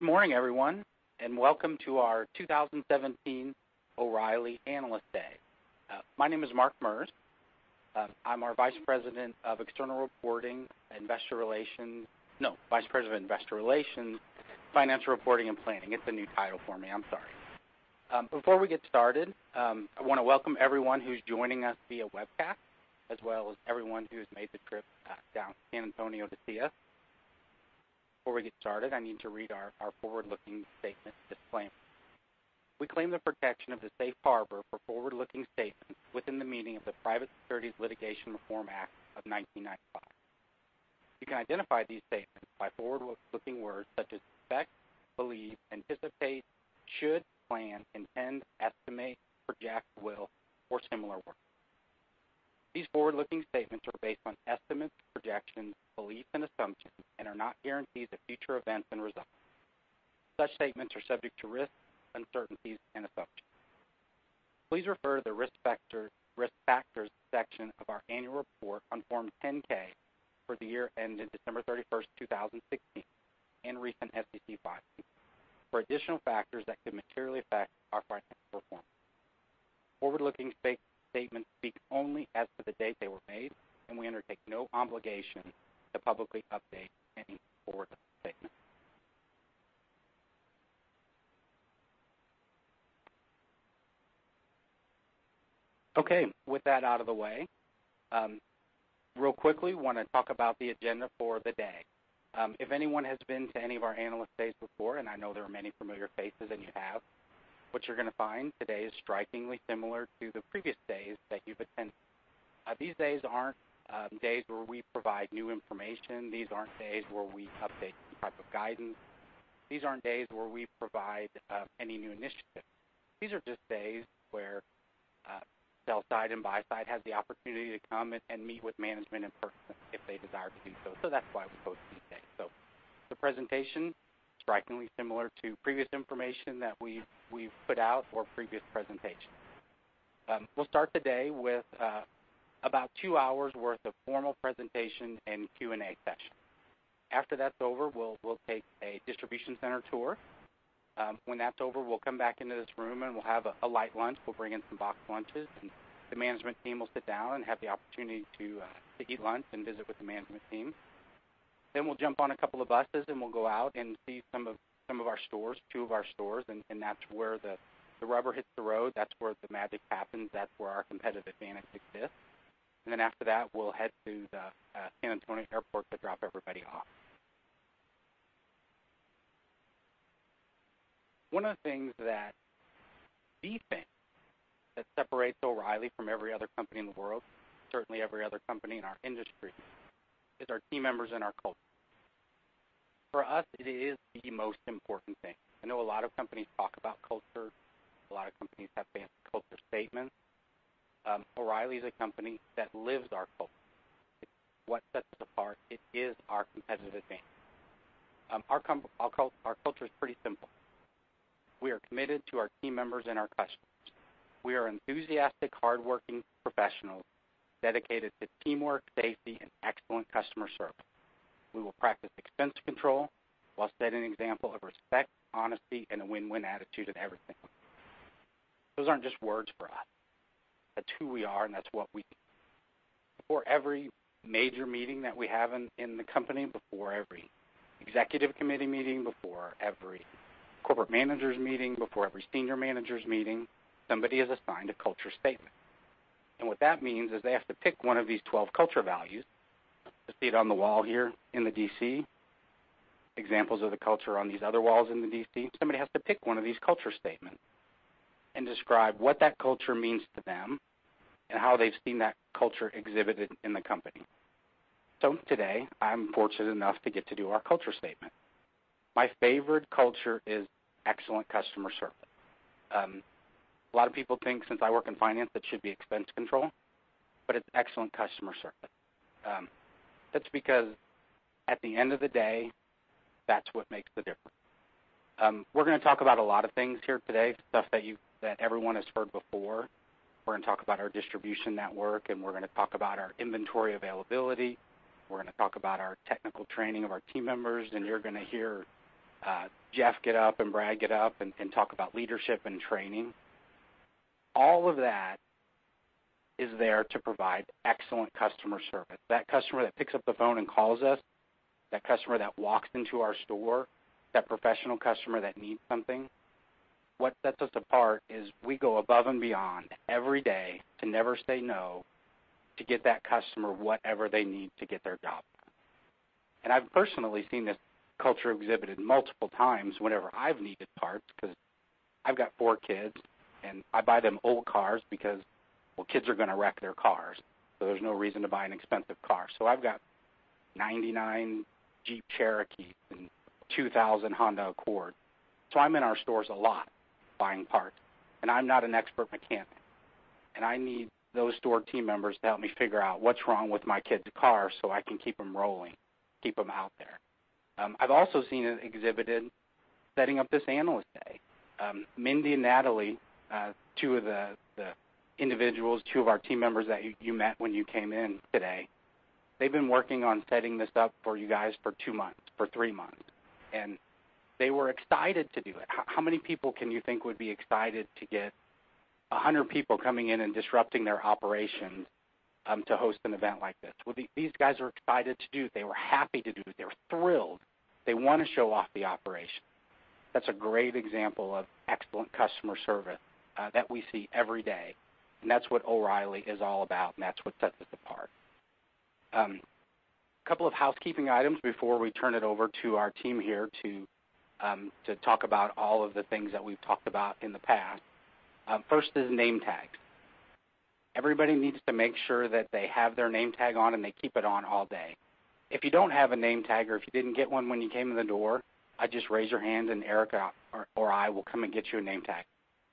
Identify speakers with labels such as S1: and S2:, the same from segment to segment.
S1: Good morning, everyone, welcome to our 2017 O’Reilly Analyst Day. My name is Mark Merz. I'm our Vice President of Investor Relations, Financial Reporting and Planning. It's a new title for me. I'm sorry. Before we get started, I want to welcome everyone who's joining us via webcast, as well as everyone who's made the trip down San Antonio to see us. Before we get started, I need to read our forward-looking statement disclaimer. We claim the protection of the safe harbor for forward-looking statements within the meaning of the Private Securities Litigation Reform Act of 1995. You can identify these statements by forward-looking words such as expect, believe, anticipate, should, plan, intend, estimate, project, will, or similar words. These forward-looking statements are based on estimates, projections, beliefs, and assumptions are not guarantees of future events and results. Such statements are subject to risks, uncertainties, and assumptions. Please refer to the Risk Factors section of our annual report on Form 10-K for the year ending December 31st, 2016, recent SEC filings for additional factors that could materially affect our financial performance. Forward-looking statements speak only as to the day they were made, we undertake no obligation to publicly update any forward-looking statement. Okay, with that out of the way, real quickly, want to talk about the agenda for the day. If anyone has been to any of our Analyst Days before, I know there are many familiar faces and you have, what you're going to find today is strikingly similar to the previous days that you've attended. These days aren't days where we provide new information. These aren't days where we update any type of guidance. These aren't days where we provide any new initiatives. These are just days where sell side and buy side has the opportunity to come and meet with management in person if they desire to do so. That's why we host these days. The presentation, strikingly similar to previous information that we've put out for previous presentations. We'll start the day with about two hours worth of formal presentation and Q&A session. After that's over, we'll take a distribution center tour. When that's over, we'll come back into this room and we'll have a light lunch. We'll bring in some boxed lunches, the management team will sit down and have the opportunity to eat lunch and visit with the management team. We'll jump on a couple of buses and we'll go out and see some of our stores, two of our stores, that's where the rubber hits the road. That's where the magic happens. That's where our competitive advantage exists. After that, we'll head to the San Antonio Airport to drop everybody off. One of the things that we think that separates O’Reilly from every other company in the world, certainly every other company in our industry, is our team members and our culture. For us, it is the most important thing. I know a lot of companies talk about culture. A lot of companies have fancy culture statements. O’Reilly is a company that lives our culture. It's what sets us apart. It is our competitive advantage. Our culture is pretty simple. We are committed to our team members and our customers. We are enthusiastic, hardworking professionals dedicated to teamwork, safety, and excellent customer service. We will practice expense control while setting an example of respect, honesty, and a win-win attitude in everything we do. Those aren't just words for us. That's who we are, that's what we do. For every major meeting that we have in the company, before every executive committee meeting, before every corporate managers meeting, before every senior managers meeting, somebody is assigned a culture statement. What that means is they have to pick one of these 12 culture values. You can see it on the wall here in the D.C. Examples of the culture on these other walls in the D.C. Somebody has to pick one of these culture statements and describe what that culture means to them and how they've seen that culture exhibited in the company. Today, I'm fortunate enough to get to do our culture statement. My favorite culture is excellent customer service. A lot of people think since I work in finance, it should be expense control, it's excellent customer service. That's because at the end of the day, that's what makes the difference. We're going to talk about a lot of things here today, stuff that everyone has heard before. We're going to talk about our distribution network, we're going to talk about our inventory availability. We're going to talk about our technical training of our team members, you're going to hear Jeff get up and Brad get up and talk about leadership and training. All of that is there to provide excellent customer service. That customer that picks up the phone and calls us, that customer that walks into our store, that professional customer that needs something, what sets us apart is we go above and beyond every day to never say no to get that customer whatever they need to get their job done. I've personally seen this culture exhibited multiple times whenever I've needed parts because I've got four kids, I buy them old cars because, well, kids are going to wreck their cars, there's no reason to buy an expensive car. I've got a 1999 Jeep Cherokee and 2000 Honda Accord. I'm in our stores a lot buying parts, I'm not an expert mechanic, I need those store team members to help me figure out what's wrong with my kids' car so I can keep them rolling, keep them out there. I've also seen it exhibited setting up this Analyst Day Mindy and Natalie, two of the individuals, two of our team members that you met when you came in today, they've been working on setting this up for you guys for two months, for three months, they were excited to do it. How many people can you think would be excited to get 100 people coming in and disrupting their operations to host an event like this? These guys are excited to do it. They were happy to do it. They were thrilled. They want to show off the operation. That's a great example of excellent customer service that we see every day, that's what O'Reilly is all about, that's what sets us apart. A couple of housekeeping items before we turn it over to our team here to talk about all of the things that we've talked about in the past. First is name tags. Everybody needs to make sure that they have their name tag on and they keep it on all day. If you don't have a name tag or if you didn't get one when you came in the door, just raise your hand and Erica or I will come and get you a name tag.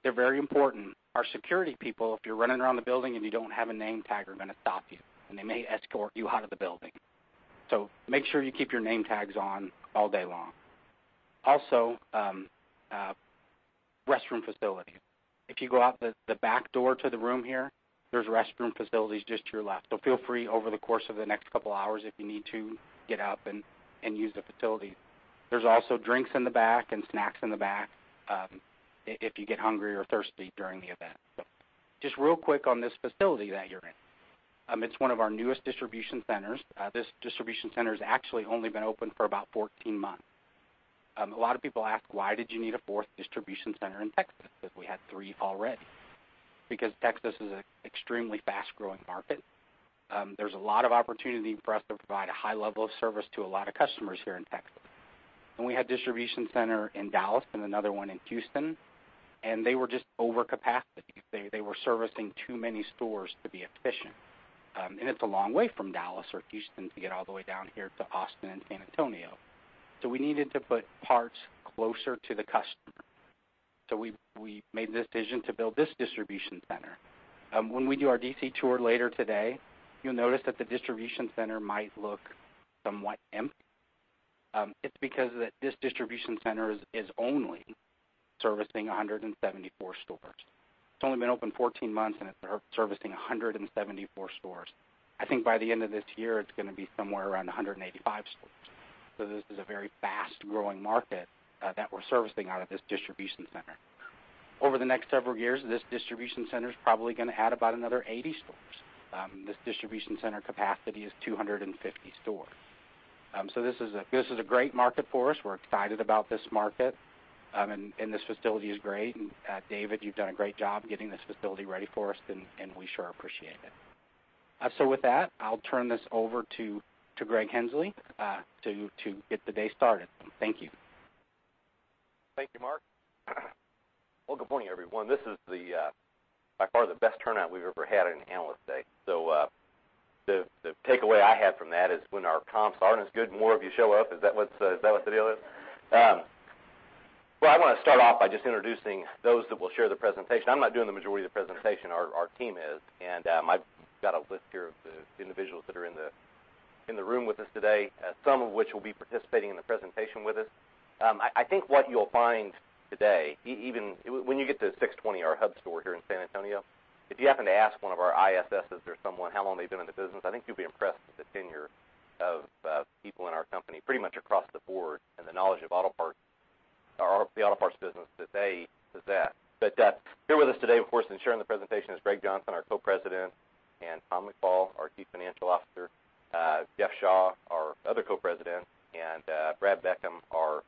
S1: They're very important. Our security people, if you're running around the building and you don't have a name tag, are going to stop you, and they may escort you out of the building. Make sure you keep your name tags on all day long. Also, restroom facilities. If you go out the back door to the room here, there's restroom facilities just to your left. Feel free, over the course of the next couple of hours if you need to, get up and use the facilities. There's also drinks in the back and snacks in the back if you get hungry or thirsty during the event. Just real quick on this facility that you're in. It's one of our newest distribution centers. This distribution center's actually only been open for about 14 months. A lot of people ask, "Why did you need a fourth distribution center in Texas if we had three already?" Because Texas is an extremely fast-growing market. There's a lot of opportunity for us to provide a high level of service to a lot of customers here in Texas. We had a distribution center in Dallas and another one in Houston, and they were just over capacity. They were servicing too many stores to be efficient. It's a long way from Dallas or Houston to get all the way down here to Austin and San Antonio. We needed to put parts closer to the customer. We made the decision to build this distribution center. When we do our DC tour later today, you'll notice that the distribution center might look somewhat empty. It's because this distribution center is only servicing 174 stores. It's only been open 14 months, and it's servicing 174 stores. I think by the end of this year, it's going to be somewhere around 185 stores. This is a very fast-growing market that we're servicing out of this distribution center. Over the next several years, this distribution center's probably going to add about another 80 stores. This distribution center capacity is 250 stores. This is a great market for us. We're excited about this market. This facility is great, and David, you've done a great job getting this facility ready for us, and we sure appreciate it. With that, I'll turn this over to Greg Henslee to get the day started. Thank you.
S2: Thank you, Mark. Well, good morning, everyone. This is by far the best turnout we've ever had in an Analyst Day. The takeaway I had from that is when our comps aren't as good, more of you show up. Is that what the deal is? Well, I want to start off by just introducing those that will share the presentation. I'm not doing the majority of the presentation, our team is, and I've got a list here of the individuals that are in the room with us today, some of which will be participating in the presentation with us. I think what you'll find today, when you get to 620, our hub store here in San Antonio, if you happen to ask one of our ISSes or someone how long they've been in the business, I think you'll be impressed with the tenure of people in our company pretty much across the board and the knowledge of the auto parts business that they possess. Here with us today, of course, and sharing the presentation, is Greg Johnson, our Co-President, and Tom McFall, our Chief Financial Officer, Jeff Shaw, our other Co-President, and Brad Beckham, our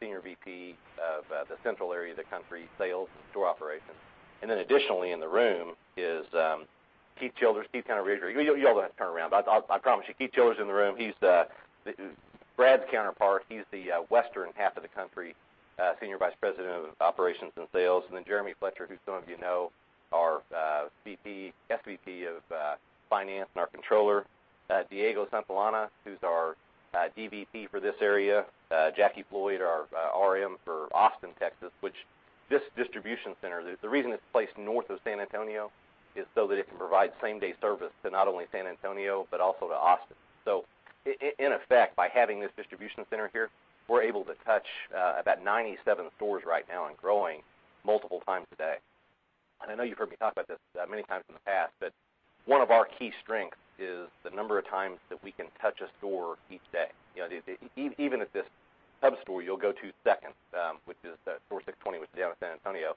S2: Senior VP of the central area of the country, sales and store operations. Additionally in the room is Keith Childers. You all don't have to turn around, but I promise you, Keith Childers' in the room. He's Brad's counterpart. He's the western half of the country Senior Vice President of Operations and Sales. Jeremy Fletcher, who some of you know, our SVP of Finance and our Controller. Diego Santillana, who's our DVP for this area. Jackie Floyd, our RM for Austin, Texas, which this distribution center, the reason it's placed north of San Antonio is so that it can provide same-day service to not only San Antonio, but also to Austin. In effect, by having this distribution center here, we're able to touch about 97 stores right now and growing multiple times a day. I know you've heard me talk about this many times in the past, but one of our key strengths is the number of times that we can touch a store each day. Even at this hub store you'll go to second, which is store 620, which is down in San Antonio.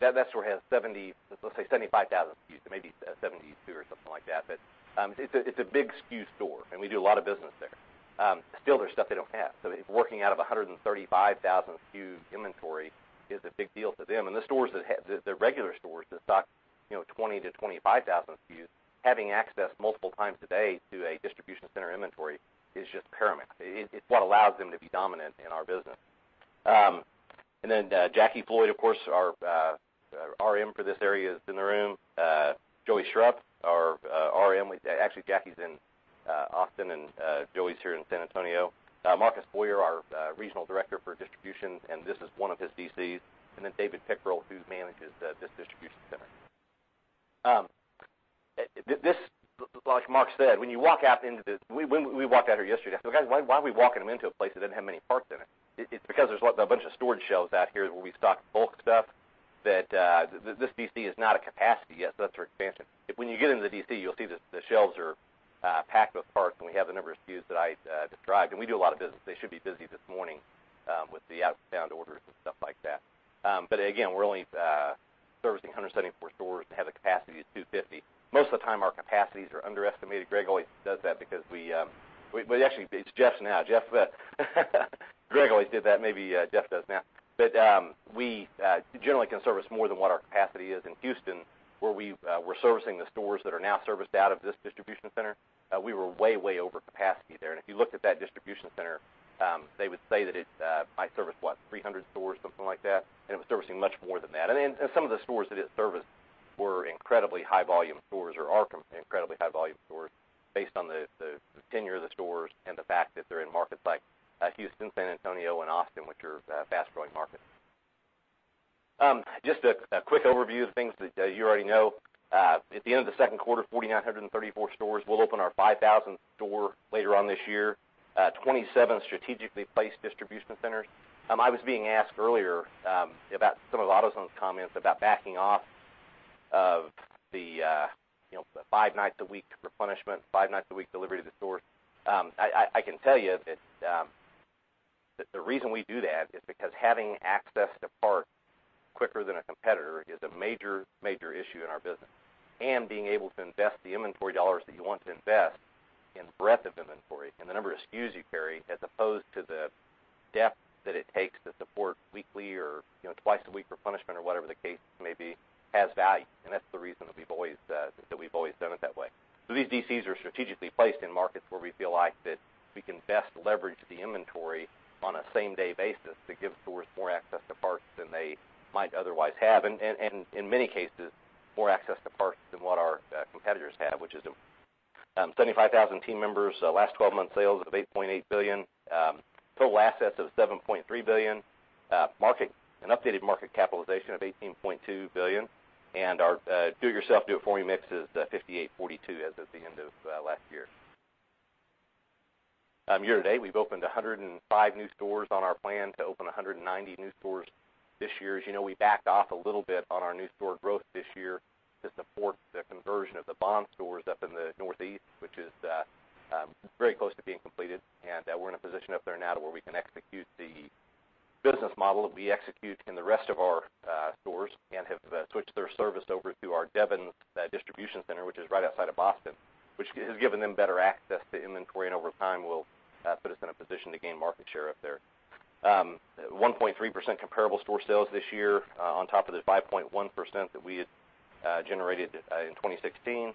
S2: That store has, let's say, 75,000 SKUs, maybe 72 or something like that. It's a big SKU store, and we do a lot of business there. Still, there's stuff they don't have. Working out of 135,000 SKU inventory is a big deal to them. The stores, the regular stores that stock 20,000 to 25,000 SKUs, having access multiple times a day to a distribution center inventory is just paramount. It's what allows them to be dominant in our business. Jackie Floyd, of course, our RM for this area, is in the room. Joey Shrupp, our RM. Actually, Jackie's in Austin, and Joey's here in San Antonio. Marcus Boyer, our Regional Director for Distribution, and this is one of his DCs. David Pickrell, who manages this distribution center. This, like Mark said, when we walked out here yesterday, I said, "Well guys, why are we walking them into a place that doesn't have many parts in it?" It's because there's a bunch of storage shelves out here where we stock bulk stuff, that this DC is not at capacity yet, that's our expansion. When you get into the DC, you'll see that the shelves are packed with parts, and we have the number of SKUs that I described, and we do a lot of business. They should be busy this morning with the outbound orders and stuff like that. Again, we're only servicing 174 stores. It has a capacity of 250. Most of the time, our capacities are underestimated. Greg always does that because we. Well, actually, it's Jeff now. Greg always did that, maybe Jeff does now. We generally can service more than what our capacity is in Houston, where we were servicing the stores that are now serviced out of this distribution center. We were way over capacity there, and if you looked at that distribution center, they would say that it might service, what, 300 stores, something like that? It was servicing much more than that. Some of the stores that it serviced were incredibly high-volume stores, or are incredibly high-volume stores based on the tenure of the stores and the fact that they're in markets like Houston, San Antonio, and Austin, which are fast-growing markets. Just a quick overview of things that you already know. At the end of the second quarter, 4,934 stores. We'll open our 5,000th store later on this year. 27 strategically placed distribution centers. I was being asked earlier about some of the AutoZone comments about backing off of the five nights a week replenishment, five nights a week delivery to the stores. I can tell you that the reason we do that is because having access to parts quicker than a competitor is a major issue in our business. Being able to invest the inventory dollars that you want to invest in breadth of inventory and the number of SKUs you carry, as opposed to the depth that it takes to support weekly or twice a week replenishment or whatever the case may be, has value. That's the reason that we've always done it that way. These DCs are strategically placed in markets where we feel like that we can best leverage the inventory on a same-day basis to give stores more access to parts than they might otherwise have. In many cases, more access to parts than what our competitors have, which is important. 75,000 team members. Last 12 months sales of $8.8 billion. Total assets of $7.3 billion. An updated market capitalization of $18.2 billion. Our do it yourself, do it for you mix is 58/42 as at the end of last year. Year-to-date, we've opened 105 new stores on our plan to open 190 new stores this year. As you know, we backed off a little bit on our new store growth this year to support the conversion of the Bond stores up in the Northeast, which is very close to being completed. We're in a position up there now to where we can execute the business model that we execute in the rest of our stores and have switched their service over to our Devens distribution center, which is right outside of Boston, which has given them better access to inventory, and over time, will put us in a position to gain market share up there. 1.3% comparable store sales this year, on top of the 5.1% that we had generated in 2016.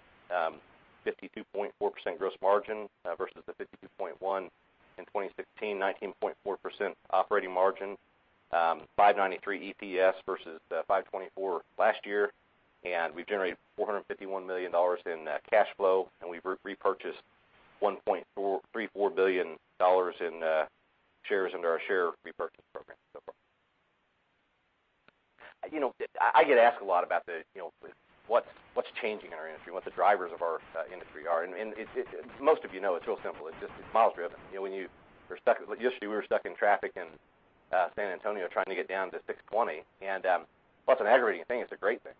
S2: 52.4% gross margin versus the 52.1% in 2016. 19.4% operating margin. $5.93 EPS versus the $5.24 last year. We've generated $451 million in cash flow, and we've repurchased $1.34 billion in shares under our share repurchase program so far. I get asked a lot about what's changing in our industry, what the drivers of our industry are. Most of you know it's real simple. It's just miles driven. Yesterday, we were stuck in traffic in San Antonio trying to get down to 620. Well, it's an aggravating thing. It's a great thing.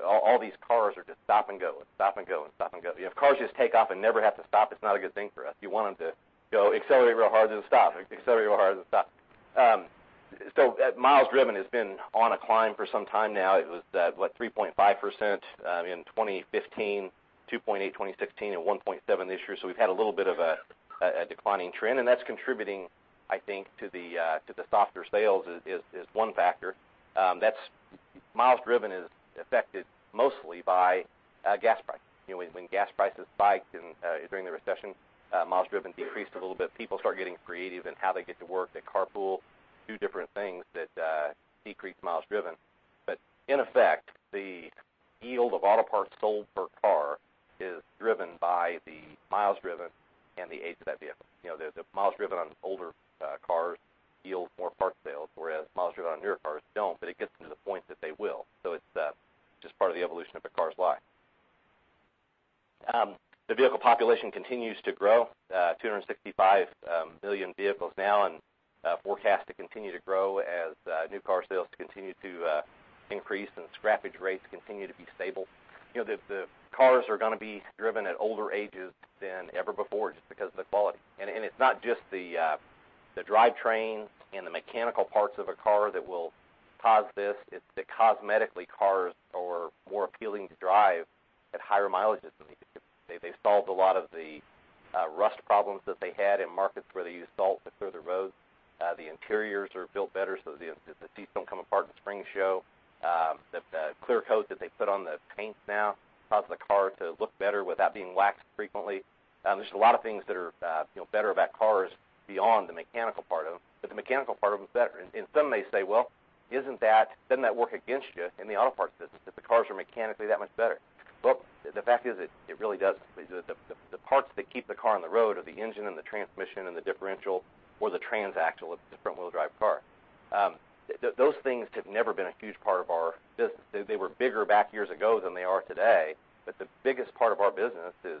S2: All these cars are just stop and go, stop and go, stop and go. If cars just take off and never have to stop, it's not a good thing for us. You want them to go accelerate real hard, then stop, accelerate real hard, then stop. Miles driven has been on a climb for some time now. It was, what, 3.5% in 2015, 2.8% in 2016, and 1.7% this year. We've had a little bit of a declining trend, and that's contributing, I think, to the softer sales is one factor. Miles driven is affected mostly by gas prices. When gas prices spike during the recession, miles driven decreased a little bit. People start getting creative in how they get to work. They carpool, do different things that decrease miles driven. In effect, the yield of auto parts sold per car is driven by the miles driven and the age of that vehicle. The miles driven on older cars yield more parts sales, whereas miles driven on newer cars don't, but it gets to the point that they will. It's just part of the evolution of a car's life. The vehicle population continues to grow. 265 million vehicles now and forecast to continue to grow as new car sales continue to increase and scrappage rates continue to be stable. The cars are going to be driven at older ages than ever before just because of the quality. It's not just the drivetrain and the mechanical parts of a car that will cause this. It's that cosmetically, cars are more appealing to drive at higher mileages than they used to. They've solved a lot of the rust problems that they had in markets where they use salt to clear the roads. The interiors are built better, the seats don't come apart and the springs show. The clear coat that they put on the paint now causes the car to look better without being waxed frequently. There's just a lot of things that are better about cars beyond the mechanical part of them, but the mechanical part of them is better. Some may say, "Well, doesn't that work against you in the auto parts business if the cars are mechanically that much better?" The fact is it really does. The parts that keep the car on the road are the engine and the transmission and the differential or the transaxle of the front-wheel drive car. Those things have never been a huge part of our business. They were bigger back years ago than they are today. The biggest part of our business is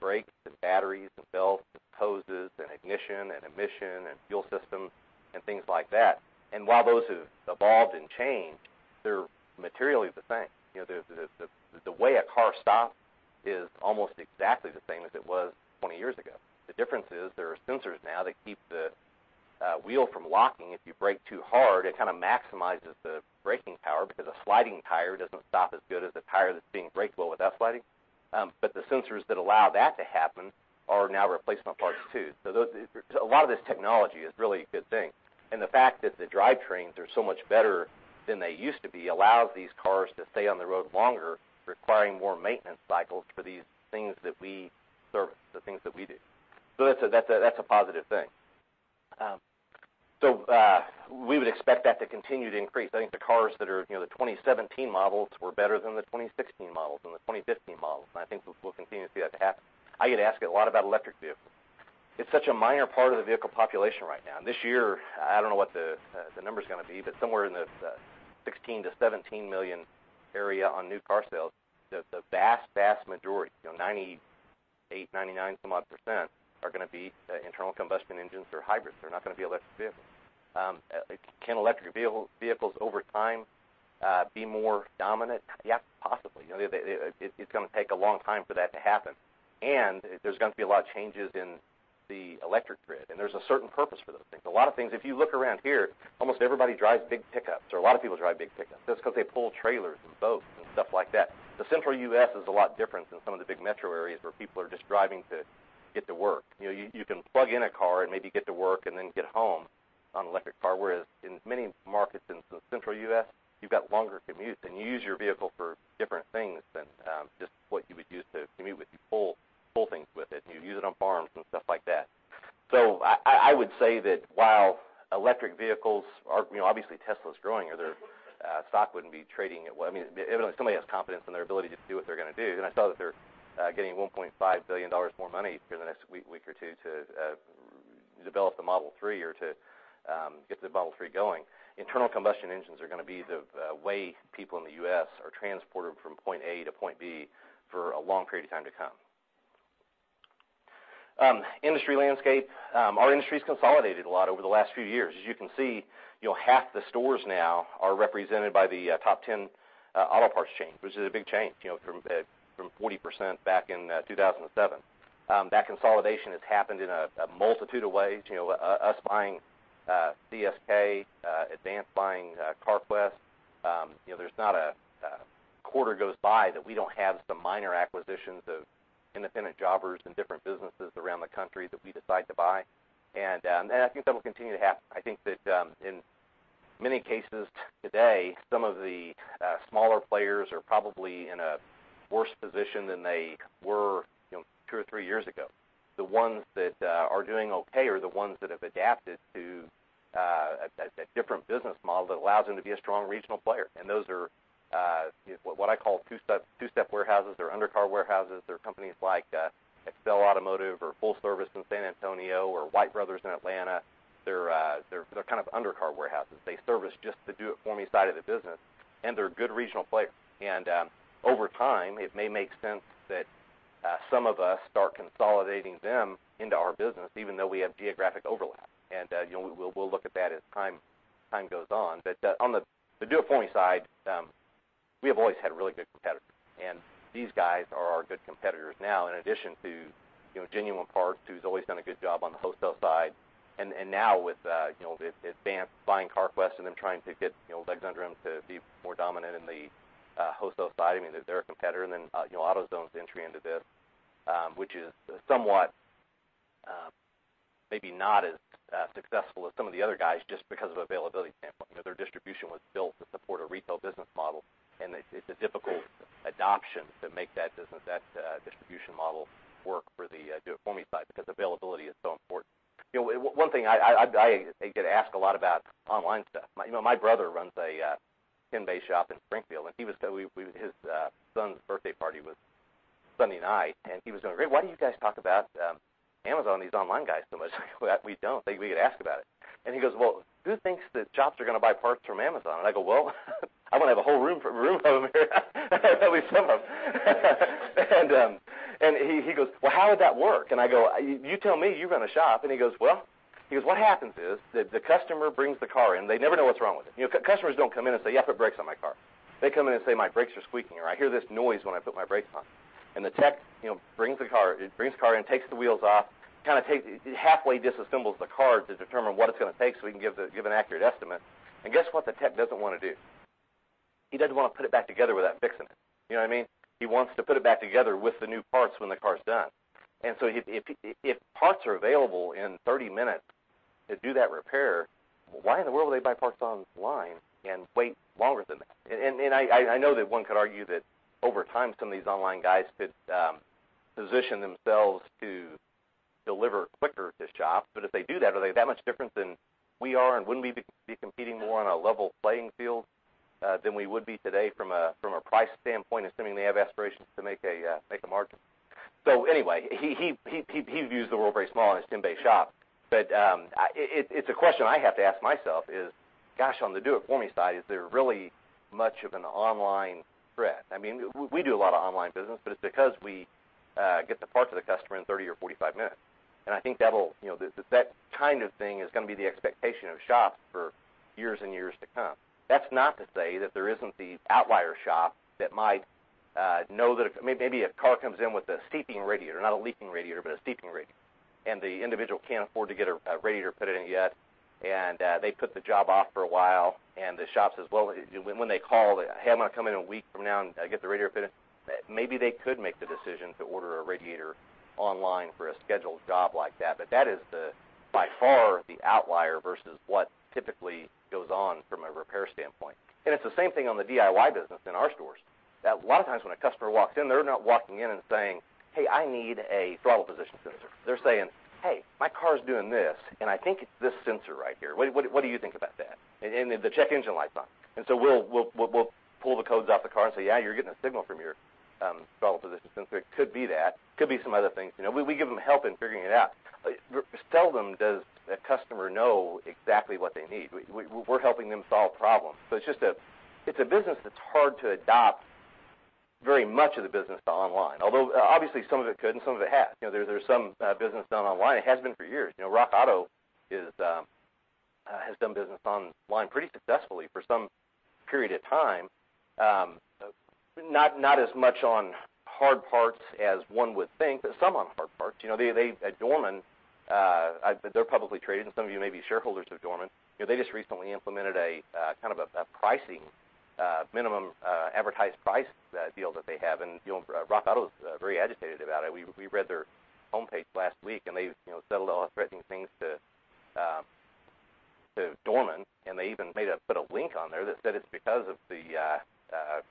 S2: brakes, batteries, belts, hoses, ignition, emission, fuel systems, and things like that. While those have evolved and changed, they're materially the same. The way a car stops is almost exactly the same as it was 20 years ago. The difference is there are sensors now that keep the wheel from locking if you brake too hard. It kind of maximizes the braking power because a sliding tire doesn't stop as good as a tire that's being braked well without sliding. The sensors that allow that to happen are now replacement parts, too. A lot of this technology is really a good thing, and the fact that the drivetrains are so much better than they used to be allows these cars to stay on the road longer, requiring more maintenance cycles for these things that we service, the things that we do. That's a positive thing. We would expect that to continue to increase. I think the cars that are the 2017 models were better than the 2016 models and the 2015 models, and I think we'll continue to see that happen. I get asked a lot about electric vehicles. It's such a minor part of the vehicle population right now. This year, I don't know what the number's going to be, but somewhere in the $16 million-$17 million area on new car sales, the vast majority, 98%-99-some-odd percent, are going to be internal combustion engines or hybrids. They're not going to be electric vehicles. Can electric vehicles over time be more dominant? Yes, possibly. It's going to take a long time for that to happen. There's going to be a lot of changes in the electric grid. There's a certain purpose for those things. A lot of things, if you look around here, almost everybody drives big pickups, or a lot of people drive big pickups just because they pull trailers and boats and stuff like that. The central U.S. is a lot different than some of the big metro areas where people are just driving to get to work. You can plug in a car and maybe get to work and then get home on an electric car, whereas in many markets in the central U.S., you've got longer commutes, and you use your vehicle for different things than just what you would use to commute with. You pull things with it, and you use it on farms and stuff like that. I would say that while electric vehicles are -- obviously Tesla's growing or their stock wouldn't be trading at what -- evidently somebody has confidence in their ability to do what they're going to do. I saw that they're getting $1.5 billion more money in the next week or two to develop the Model 3 or to get the Model 3 going. Internal combustion engines are going to be the way people in the U.S. are transported from point A to point B for a long period of time to come. Industry landscape. Our industry's consolidated a lot over the last few years. As you can see, half the stores now are represented by the top 10 auto parts chains, which is a big change from 40% back in 2007. That consolidation has happened in a multitude of ways. Us buying CSK, Advance buying Carquest. There's not a quarter goes by that we don't have some minor acquisitions of independent jobbers and different businesses around the country that we decide to buy. I think that'll continue to happen. I think that in many cases today, some of the smaller players are probably in a worse position than they were two or three years ago. Those are what I call two-step warehouses. They're undercar warehouses. They're companies like Excel Automotive or Full Service in San Antonio or White Brothers in Atlanta. They're kind of undercar warehouses. They service just the do-it-for-me side of the business, and they're a good regional player. Over time, it may make sense that some of us start consolidating them into our business, even though we have geographic overlap. We'll look at that as time goes on. On the do-it-for-me side, we have always had really good competitors, and these guys are our good competitors now, in addition to Genuine Parts, who's always done a good job on the wholesale side. Now with Advance buying Carquest and them trying to get legs under them to be more dominant in the wholesale side, they're a competitor. Then, AutoZone's entry into this, which is somewhat maybe not as successful as some of the other guys just because of availability standpoint. Their distribution was built to support a retail business model, and it's a difficult adoption to make that distribution model work for the do-it-for-me side because availability is so important. One thing, I get asked a lot about online stuff. My brother runs a 10-bay shop in Springfield, and his son's birthday party was Sunday night, and he was going, "Ray, why do you guys talk about Amazon and these online guys so much?" I go, "We don't. We get asked about it." He goes, "Well, who thinks that shops are going to buy parts from Amazon?" I go, "Well, I'm going to have a whole room of them here. At least some of them." He goes, "Well, how would that work?" I go, "You tell me. You run a shop." He goes, "Well," he goes, "what happens is that the customer brings the car in. They never know what's wrong with it." Customers don't come in and say, "Yeah, put brakes on my car." They come in and say, "My brakes are squeaking," or, "I hear this noise when I put my brakes on." The tech brings the car in, takes the wheels off, halfway disassembles the car to determine what it's going to take so we can give an accurate estimate. Guess what the tech doesn't want to do? He doesn't want to put it back together without fixing it. You know what I mean? He wants to put it back together with the new parts when the car's done. If parts are available in 30 minutes to do that repair, why in the world would they buy parts online and wait longer than that? I know that one could argue that over time, some of these online guys position themselves to deliver quicker to shops. If they do that, are they that much different than we are? Wouldn't we be competing more on a level playing field than we would be today from a price standpoint, assuming they have aspirations to make a market? Anyway, he views the world very small in his 10-bay shop. It's a question I have to ask myself is, gosh, on the do it for me side, is there really much of an online threat? We do a lot of online business, but it's because we get the parts to the customer in 30 or 45 minutes. I think that kind of thing is going to be the expectation of shops for years and years to come. That's not to say that there isn't the outlier shop that might know that maybe a car comes in with a seeping radiator, not a leaking radiator, but a seeping radiator. The individual can't afford to get a radiator put in it yet, and they put the job off for a while, and the shop says, well, when they call, "Hey, I'm going to come in a week from now and get the radiator put in." Maybe they could make the decision to order a radiator online for a scheduled job like that. That is by far the outlier versus what typically goes on from a repair standpoint. It's the same thing on the DIY business in our stores. That a lot of times when a customer walks in, they're not walking in and saying, "Hey, I need a throttle position sensor." They're saying, "Hey, my car's doing this, and I think it's this sensor right here. What do you think about that?" The check engine light's on. We'll pull the codes off the car and say, "Yeah, you're getting a signal from your throttle position sensor. It could be that. Could be some other things." We give them help in figuring it out. Seldom does a customer know exactly what they need. We're helping them solve problems. It's a business that's hard to adopt very much of the business to online. Although obviously some of it could and some of it has. There's some business done online. It has been for years. RockAuto has done business online pretty successfully for some period of time. Not as much on hard parts as one would think, but some on hard parts. At Dorman, they're publicly traded, and some of you may be shareholders of Dorman. They just recently implemented a kind of a pricing minimum advertised price deal that they have. RockAuto's very agitated about it. We read their homepage last week, and they said a lot of threatening things to Dorman, and they even put a link on there that said it's because of the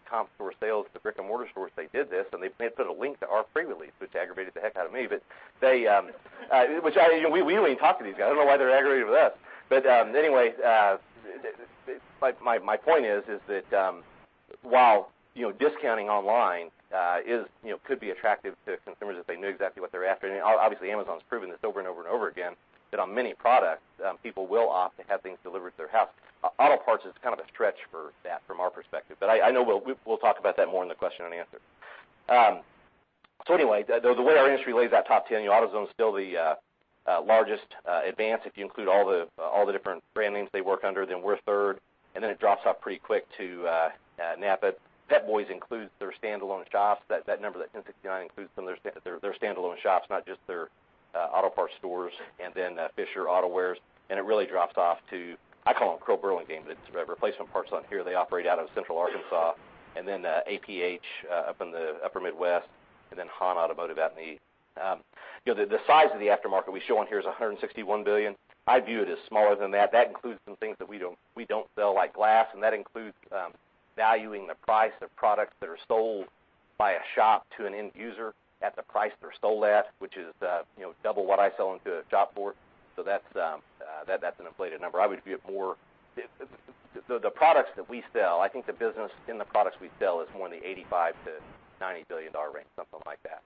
S2: comp store sales, the brick-and-mortar stores, they did this, and they put a link to our free release, which aggravated the heck out of me. We don't even talk to these guys. I don't know why they're aggravated with us. Anyway, my point is that while discounting online could be attractive to consumers if they knew exactly what they're after. Obviously, Amazon's proven this over and over again that on many products, people will opt to have things delivered to their house. Auto parts is kind of a stretch for that from our perspective. I know we'll talk about that more in the question and answer. The way our industry lays out top 10, AutoZone's still the largest. Advance Auto Parts, if you include all the different brand names they work under, then we're third, and then it drops off pretty quick to NAPA Auto Parts. Pep Boys includes their standalone shops. That number, that 1,069 includes some of their standalone shops, not just their auto parts stores. Fisher Auto Parts. It really drops off to, I call them Crow-Burlingame. It's replacement parts on here. They operate out of Central Arkansas. APH up in the upper Midwest, Hahn Automotive out in the east. The size of the aftermarket we show on here is $161 billion. I view it as smaller than that. That includes some things that we don't sell, like glass, and that includes valuing the price of products that are sold by a shop to an end user at the price they're sold at, which is double what I sell them to a shop for. That's an inflated number. The products that we sell, I think the business in the products we sell is more in the $85 billion to $90 billion range, something like that.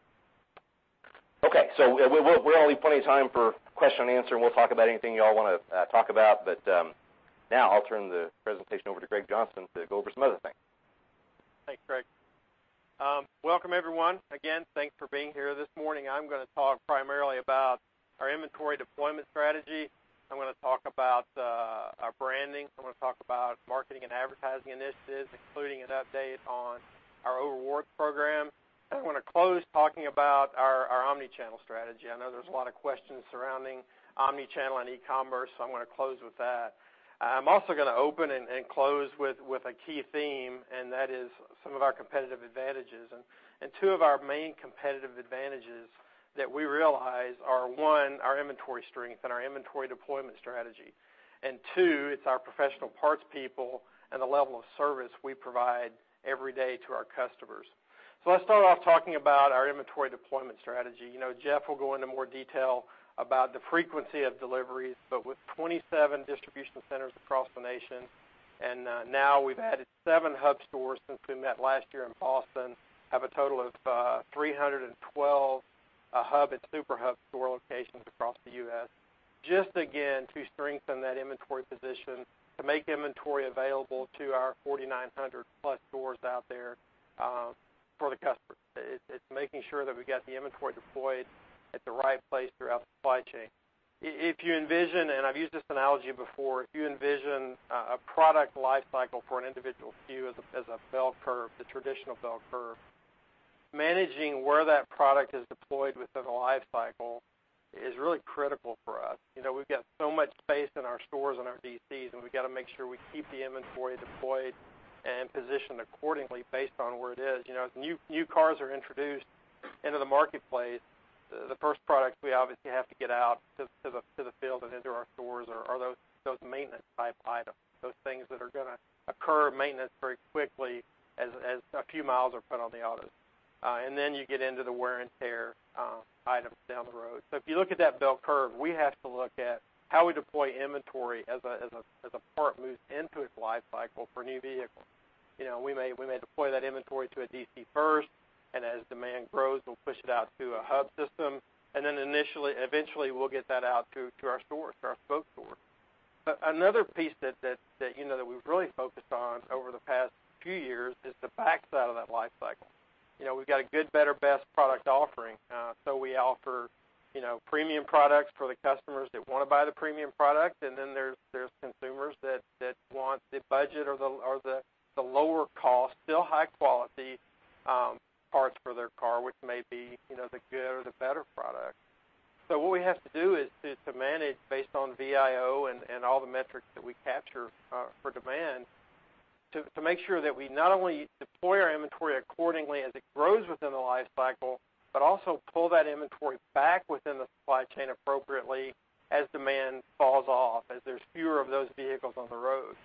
S2: We'll leave plenty of time for question and answer, and we'll talk about anything you all want to talk about. Now I'll turn the presentation over to Greg Johnson to go over some other things.
S3: Thanks, Greg. Welcome, everyone. Again, thanks for being here this morning. I'm going to talk primarily about our inventory deployment strategy. I'm going to talk about our branding. I'm going to talk about marketing and advertising initiatives, including an update on our rewards program. I'm going to close talking about our omni-channel strategy. I know there's a lot of questions surrounding omni-channel and e-commerce, I'm going to close with that. I'm also going to open and close with a key theme, that is some of our competitive advantages. Two of our main competitive advantages that we realize are, one, our inventory strength and our inventory deployment strategy. Two, it's our professional parts people and the level of service we provide every day to our customers. Let's start off talking about our inventory deployment strategy. Jeff will go into more detail about the frequency of deliveries, with 27 distribution centers across the nation, now we've added seven hub stores since we met last year in Boston, have a total of 312 hub and super hub store locations across the U.S. Just again, to strengthen that inventory position, to make inventory available to our 4,900 plus stores out there for the customer. It's making sure that we got the inventory deployed at the right place throughout the supply chain. If you envision, and I've used this analogy before, if you envision a product life cycle for an individual SKU as a bell curve, the traditional bell curve, managing where that product is deployed within the life cycle is really critical for us. We've got so much space in our stores and our DCs, we've got to make sure we keep the inventory deployed and positioned accordingly based on where it is. As new cars are introduced into the marketplace, the first products we obviously have to get out to the field and into our stores are those maintenance-type items, those things that are going to occur maintenance very quickly as a few miles are put on the autos. Then you get into the wear and tear items down the road. If you look at that bell curve, we have to look at how we deploy inventory as a part moves into its life cycle for new vehicles. We may deploy that inventory to a DC first, as demand grows, we'll push it out to a hub system. Eventually, we'll get that out to our stores, to our spoke stores. Another piece that we've really focused on over the past few years is the backside of that life cycle. We've got a good, better, best product offering. We offer premium products for the customers that want to buy the premium product, then there's consumers that want the budget or the lower cost, still high-quality parts for their car, which may be the good or the better product. What we have to do is to manage based on VIO and all the metrics that we capture for demand to make sure that we not only deploy our inventory accordingly as it grows within the life cycle, but also pull that inventory back within the supply chain appropriately as demand falls off, as there's fewer of those vehicles on the road.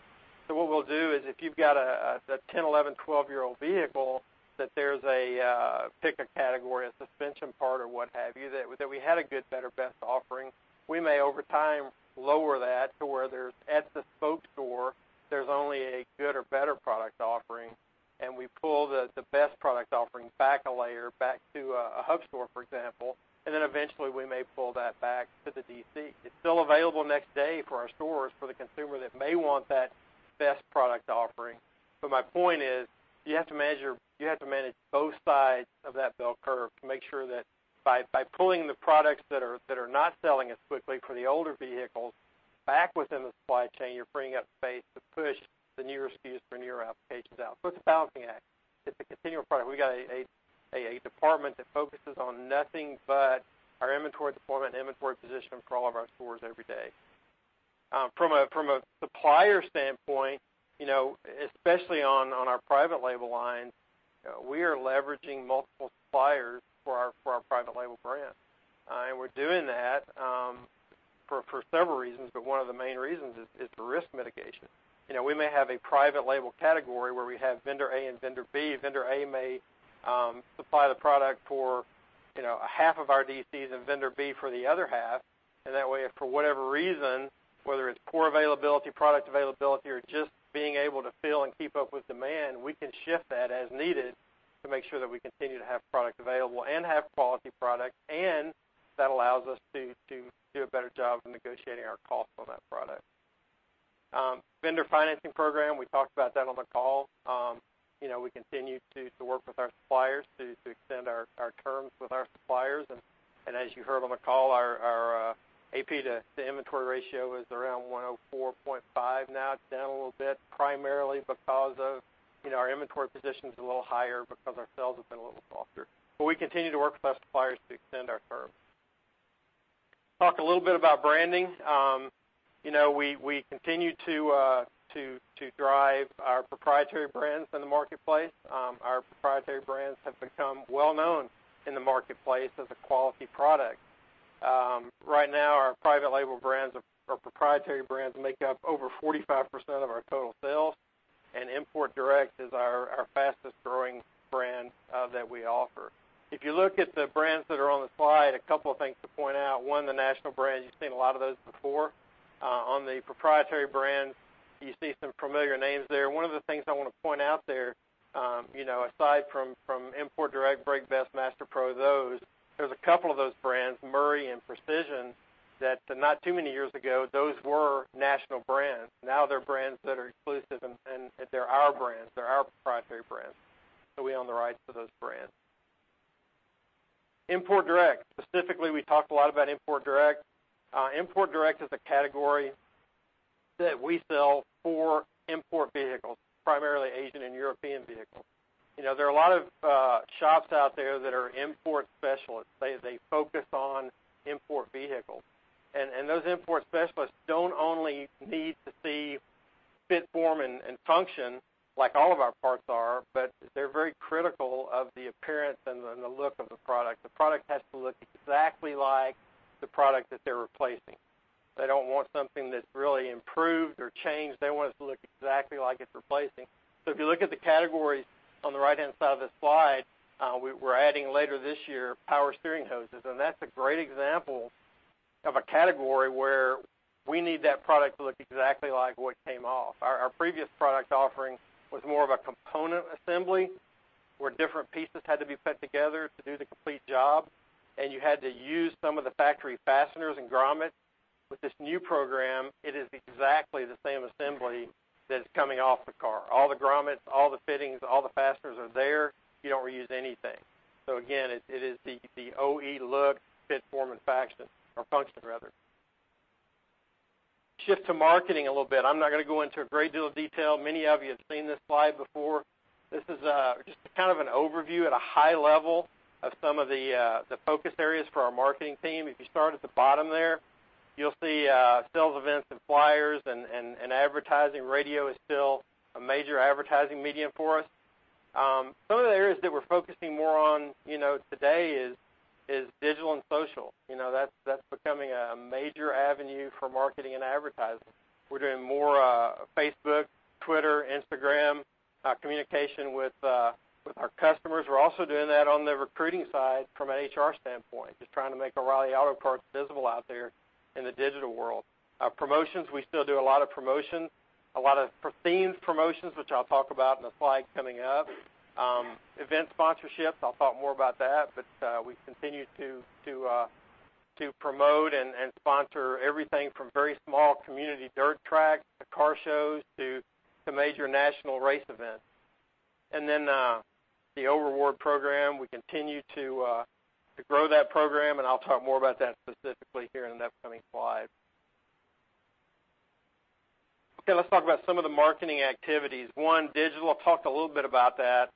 S3: What we'll do is if you've got a 10, 11, 12-year-old vehicle, that there's a, pick a category, a suspension part or what have you, that we had a good, better, best offering. We may, over time, lower that to where at the spoke store, there's only a good or better product offering, we pull the best product offering back a layer, back to a hub store, for example, eventually we may pull that back to the DC. It's still available next day for our stores, for the consumer that may want that best product offering. My point is, you have to manage both sides of that bell curve to make sure that by pulling the products that are not selling as quickly for the older vehicles back within the supply chain, you're freeing up space to push the newer SKUs for newer applications out. It's a balancing act. It's a continual product. We've got a department that focuses on nothing but our inventory deployment and inventory positions for all of our stores every day. From a supplier standpoint, especially on our private label line, we are leveraging multiple suppliers for our private label brand. We're doing that for several reasons, but one of the main reasons is for risk mitigation. We may have a private label category where we have vendor A and vendor B. Vendor A may supply the product for half of our DCs and vendor B for the other half. That way, if for whatever reason, whether it's poor availability, product availability, or just being able to fill and keep up with demand, we can shift that as needed to make sure that we continue to have product available and have quality product, and that allows us to do a better job of negotiating our cost on that product. Vendor financing program, we talked about that on the call. We continue to work with our suppliers to extend our terms with our suppliers. As you heard on the call, our AP to inventory ratio is around 104.5 now. It's down a little bit, primarily because our inventory position's a little higher because our sales have been a little softer. We continue to work with our suppliers to extend our terms. Talk a little bit about branding. We continue to drive our proprietary brands in the marketplace. Our proprietary brands have become well-known in the marketplace as a quality product. Right now, our private label brands, our proprietary brands, make up over 45% of our total sales. Import Direct is our fastest-growing brand that we offer. If you look at the brands that are on the slide, a couple of things to point out. One, the national brands, you've seen a lot of those before. On the proprietary brands, you see some familiar names there. One of the things I want to point out there, aside from Import Direct, BrakeBest, MasterPro, there's a couple of those brands, Murray and Precision, that not too many years ago, those were national brands. Now they're brands that are exclusive, and they're our brands. They're our proprietary brands. We own the rights to those brands. Import Direct. Specifically, we talked a lot about Import Direct. Import Direct is a category that we sell for import vehicles, primarily Asian and European vehicles. There are a lot of shops out there that are import specialists. They focus on import vehicles. Those import specialists don't only need to see fit, form, and function like all of our parts are, but they're very critical of the appearance and the look of the product. The product has to look exactly like the product that they're replacing. They don't want something that's really improved or changed. They want it to look exactly like it's replacing. If you look at the categories on the right-hand side of this slide, we're adding later this year power steering hoses, and that's a great example of a category where we need that product to look exactly like what came off. Our previous product offering was more of a component assembly where different pieces had to be put together to do the complete job, and you had to use some of the factory fasteners and grommets. With this new program, it is exactly the same assembly that is coming off the car. All the grommets, all the fittings, all the fasteners are there. You don't reuse anything. Again, it is the OE look, fit, form, and function. Shift to marketing a little bit. I'm not going to go into a great deal of detail. Many of you have seen this slide before. This is just kind of an overview at a high level of some of the focus areas for our marketing team. If you start at the bottom there, you'll see sales events and flyers and advertising. Radio is still a major advertising medium for us. Some of the areas that we're focusing more on today is digital and social. That's becoming a major avenue for marketing and advertising. We're doing more Facebook, Twitter, Instagram communication with our customers. We're also doing that on the recruiting side from an HR standpoint, just trying to make O'Reilly Auto Parts visible out there in the digital world. Promotions, we still do a lot of promotions, a lot of themed promotions, which I'll talk about in the slide coming up. Event sponsorships, I'll talk more about that, but we continue to promote and sponsor everything from very small community dirt tracks to car shows to major national race events. The O'Rewards program, we continue to grow that program, and I'll talk more about that specifically here in the upcoming slide. Let's talk about some of the marketing activities. Digital, I've talked a little bit about that.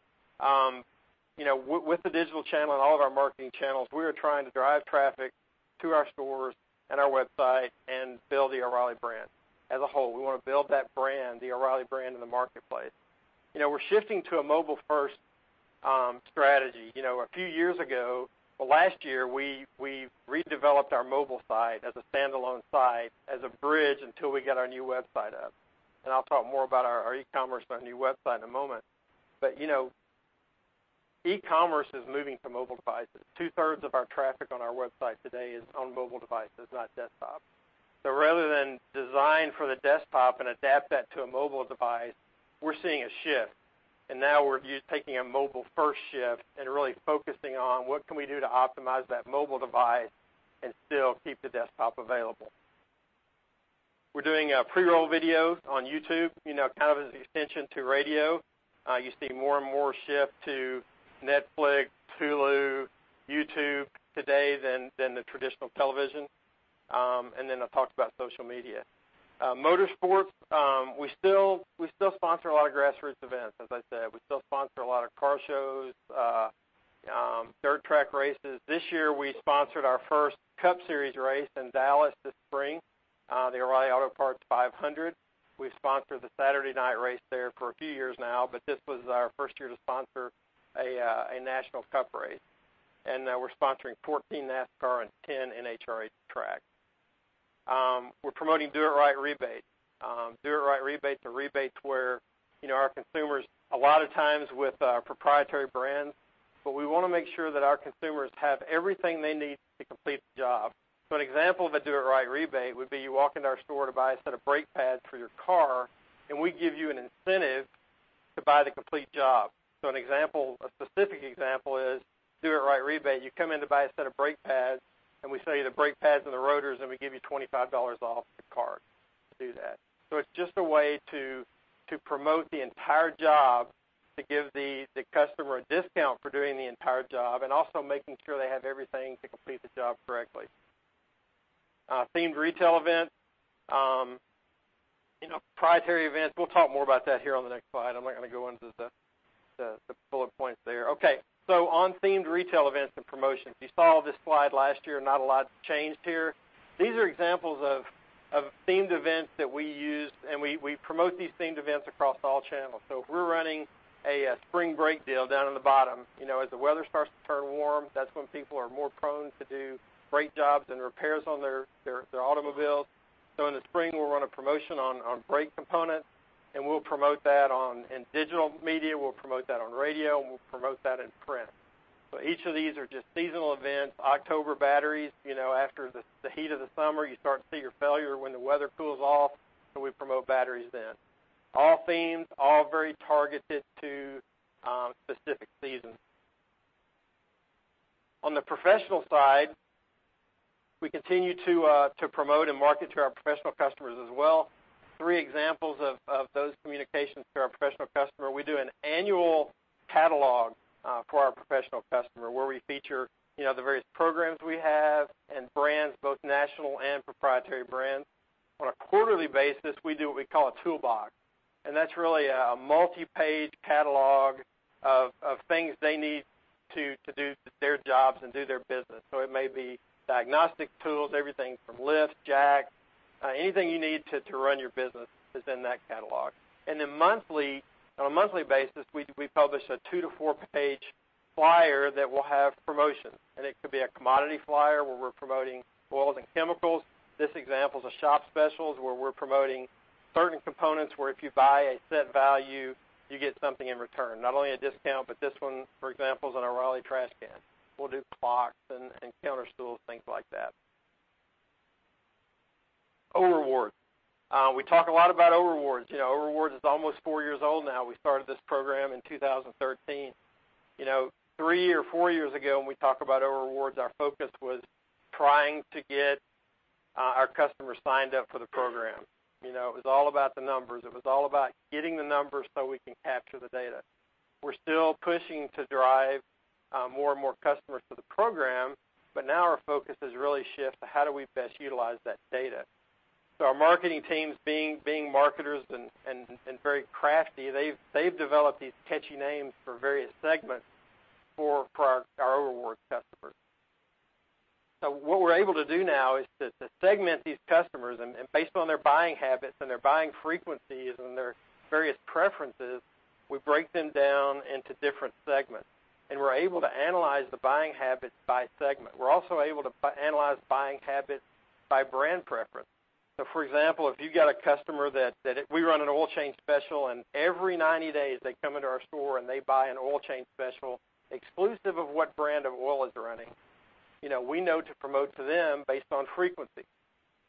S3: With the digital channel and all of our marketing channels, we are trying to drive traffic to our stores and our website and build the O'Reilly brand as a whole. We want to build that brand, the O'Reilly brand in the marketplace. We're shifting to a mobile-first strategy. A few years ago, well, last year, we redeveloped our mobile site as a standalone site as a bridge until we get our new website up, and I'll talk more about our e-commerce on our new website in a moment. E-commerce is moving to mobile devices. Two-thirds of our traffic on our website today is on mobile devices, not desktop. Rather than design for the desktop and adapt that to a mobile device, we're seeing a shift, and now we're taking a mobile-first shift and really focusing on what can we do to optimize that mobile device and still keep the desktop available. We're doing pre-roll videos on YouTube, kind of as an extension to radio. You see more and more shift to Netflix, Hulu, YouTube today than the traditional television. I talked about social media. Motorsports, we still sponsor a lot of grassroots events, as I said. We still sponsor a lot of car shows, dirt track races. This year we sponsored our first Cup Series race in Dallas this spring, the O'Reilly Auto Parts 500. We've sponsored the Saturday night race there for a few years now, but this was our first year to sponsor a national Cup race. We're sponsoring 14 NASCAR and 10 NHRA tracks. We're promoting Do It Right Rebate. Do It Right Rebate is a rebate where our consumers, a lot of times with our proprietary brands, but we want to make sure that our consumers have everything they need to complete the job. An example of a Do It Right Rebate would be you walk into our store to buy a set of brake pads for your car, and we give you an incentive to buy the complete job. A specific example is Do It Right Rebate. You come in to buy a set of brake pads, and we sell you the brake pads and the rotors, and we give you $25 off the cart to do that. It's just a way to promote the entire job, to give the customer a discount for doing the entire job and also making sure they have everything to complete the job correctly. Themed retail event. Proprietary events, we'll talk more about that here on the next slide. I'm not going to go into the bullet points there. On themed retail events and promotions. You saw this slide last year, not a lot has changed here. These are examples of themed events that we use, and we promote these themed events across all channels. If we're running a spring break deal down in the bottom, as the weather starts to turn warm, that's when people are more prone to do brake jobs and repairs on their automobiles. In the spring, we'll run a promotion on brake components, and we'll promote that in digital media, we'll promote that on radio, and we'll promote that in print. Each of these are just seasonal events. October batteries, after the heat of the summer, you start to see your failure when the weather cools off, so we promote batteries then. All themes, all very targeted to specific seasons. On the professional side, we continue to promote and market to our professional customers as well. Three examples of those communications to our professional customer. We do an annual catalog for our professional customer where we feature the various programs we have and brands, both national and proprietary brands. On a quarterly basis, we do what we call a toolbox, and that's really a multi-page catalog of things they need to do their jobs and do their business. It may be diagnostic tools, everything from lifts, jacks, anything you need to run your business is in that catalog. On a monthly basis, we publish a 2 to 4-page flyer that will have promotions. It could be a commodity flyer where we're promoting oils and chemicals. This example is a shop specials where we're promoting certain components where if you buy a set value, you get something in return. Not only a discount, but this one, for example, is an O'Reilly trash can. We'll do clocks and counter stools, things like that. O'Rewards. We talk a lot about O'Rewards. O'Rewards is almost 4 years old now. We started this program in 2013. 3 or 4 years ago, when we talked about O'Rewards, our focus was trying to get our customers signed up for the program. It was all about the numbers. It was all about getting the numbers so we can capture the data. We're still pushing to drive more and more customers to the program, but now our focus has really shifted to how do we best utilize that data. Our marketing teams, being marketers and very crafty, they've developed these catchy names for various segments for our O'Rewards customers. What we're able to do now is to segment these customers, and based on their buying habits and their buying frequencies and their various preferences, we break them down into different segments, and we're able to analyze the buying habits by segment. We're also able to analyze buying habits by brand preference. For example, if you've got a customer that we run an oil change special. Every 90 days, they come into our store, and they buy an oil change special exclusive of what brand of oil is running. We know to promote to them based on frequency.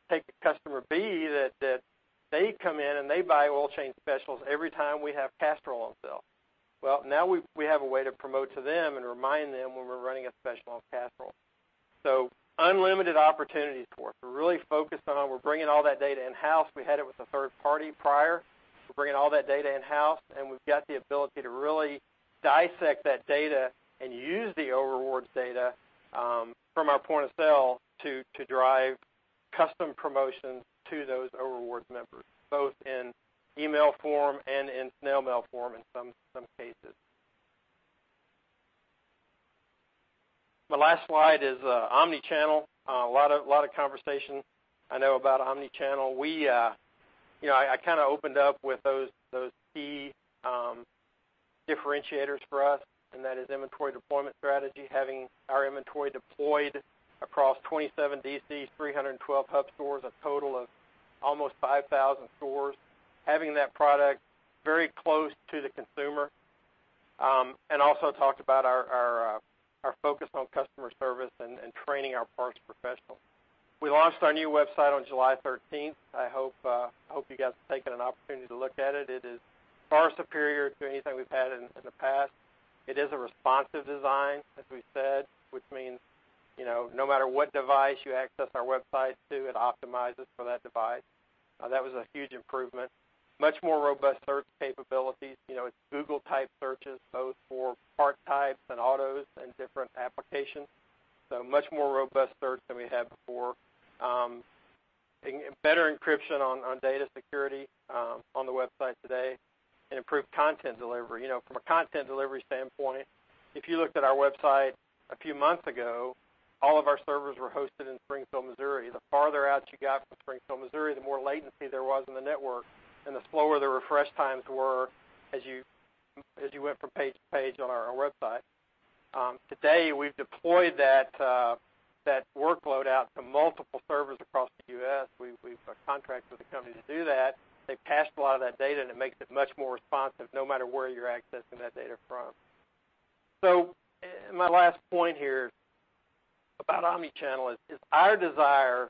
S3: Take the customer B that they come in, and they buy oil change specials every time we have Castrol on sale. Now we have a way to promote to them and remind them when we're running a special on Castrol. Unlimited opportunities for us. We're really focused on, we're bringing all that data in-house. We had it with a third party prior. We're bringing all that data in-house. We've got the ability to really dissect that data and use the O'Rewards data from our point of sale to drive custom promotions to those O'Rewards members, both in email form and in snail mail form in some cases. The last slide is omni-channel. A lot of conversation I know about omni-channel. I opened up with those key differentiators for us. That is inventory deployment strategy, having our inventory deployed across 27 DCs, 312 hub stores, a total of almost 5,000 stores, having that product very close to the consumer, and also talked about our focus on customer service and training our parts professional. We launched our new website on July 13th. I hope you guys have taken an opportunity to look at it. It is far superior to anything we've had in the past. It is a responsive design, as we said, which means, no matter what device you access our website through, it optimizes for that device. That was a huge improvement. Much more robust search capabilities. It's Google-type searches, both for part types and autos and different applications. Much more robust search than we had before. Better encryption on data security on the website today and improved content delivery. From a content delivery standpoint, if you looked at our website a few months ago, all of our servers were hosted in Springfield, Missouri. The farther out you got from Springfield, Missouri, the more latency there was in the network and the slower the refresh times were as you went from page to page on our website. Today, we've deployed that workload out to multiple servers across the U.S. We've a contract with a company to do that. They've cached a lot of that data. It makes it much more responsive, no matter where you're accessing that data from. My last point here about omni-channel is our desire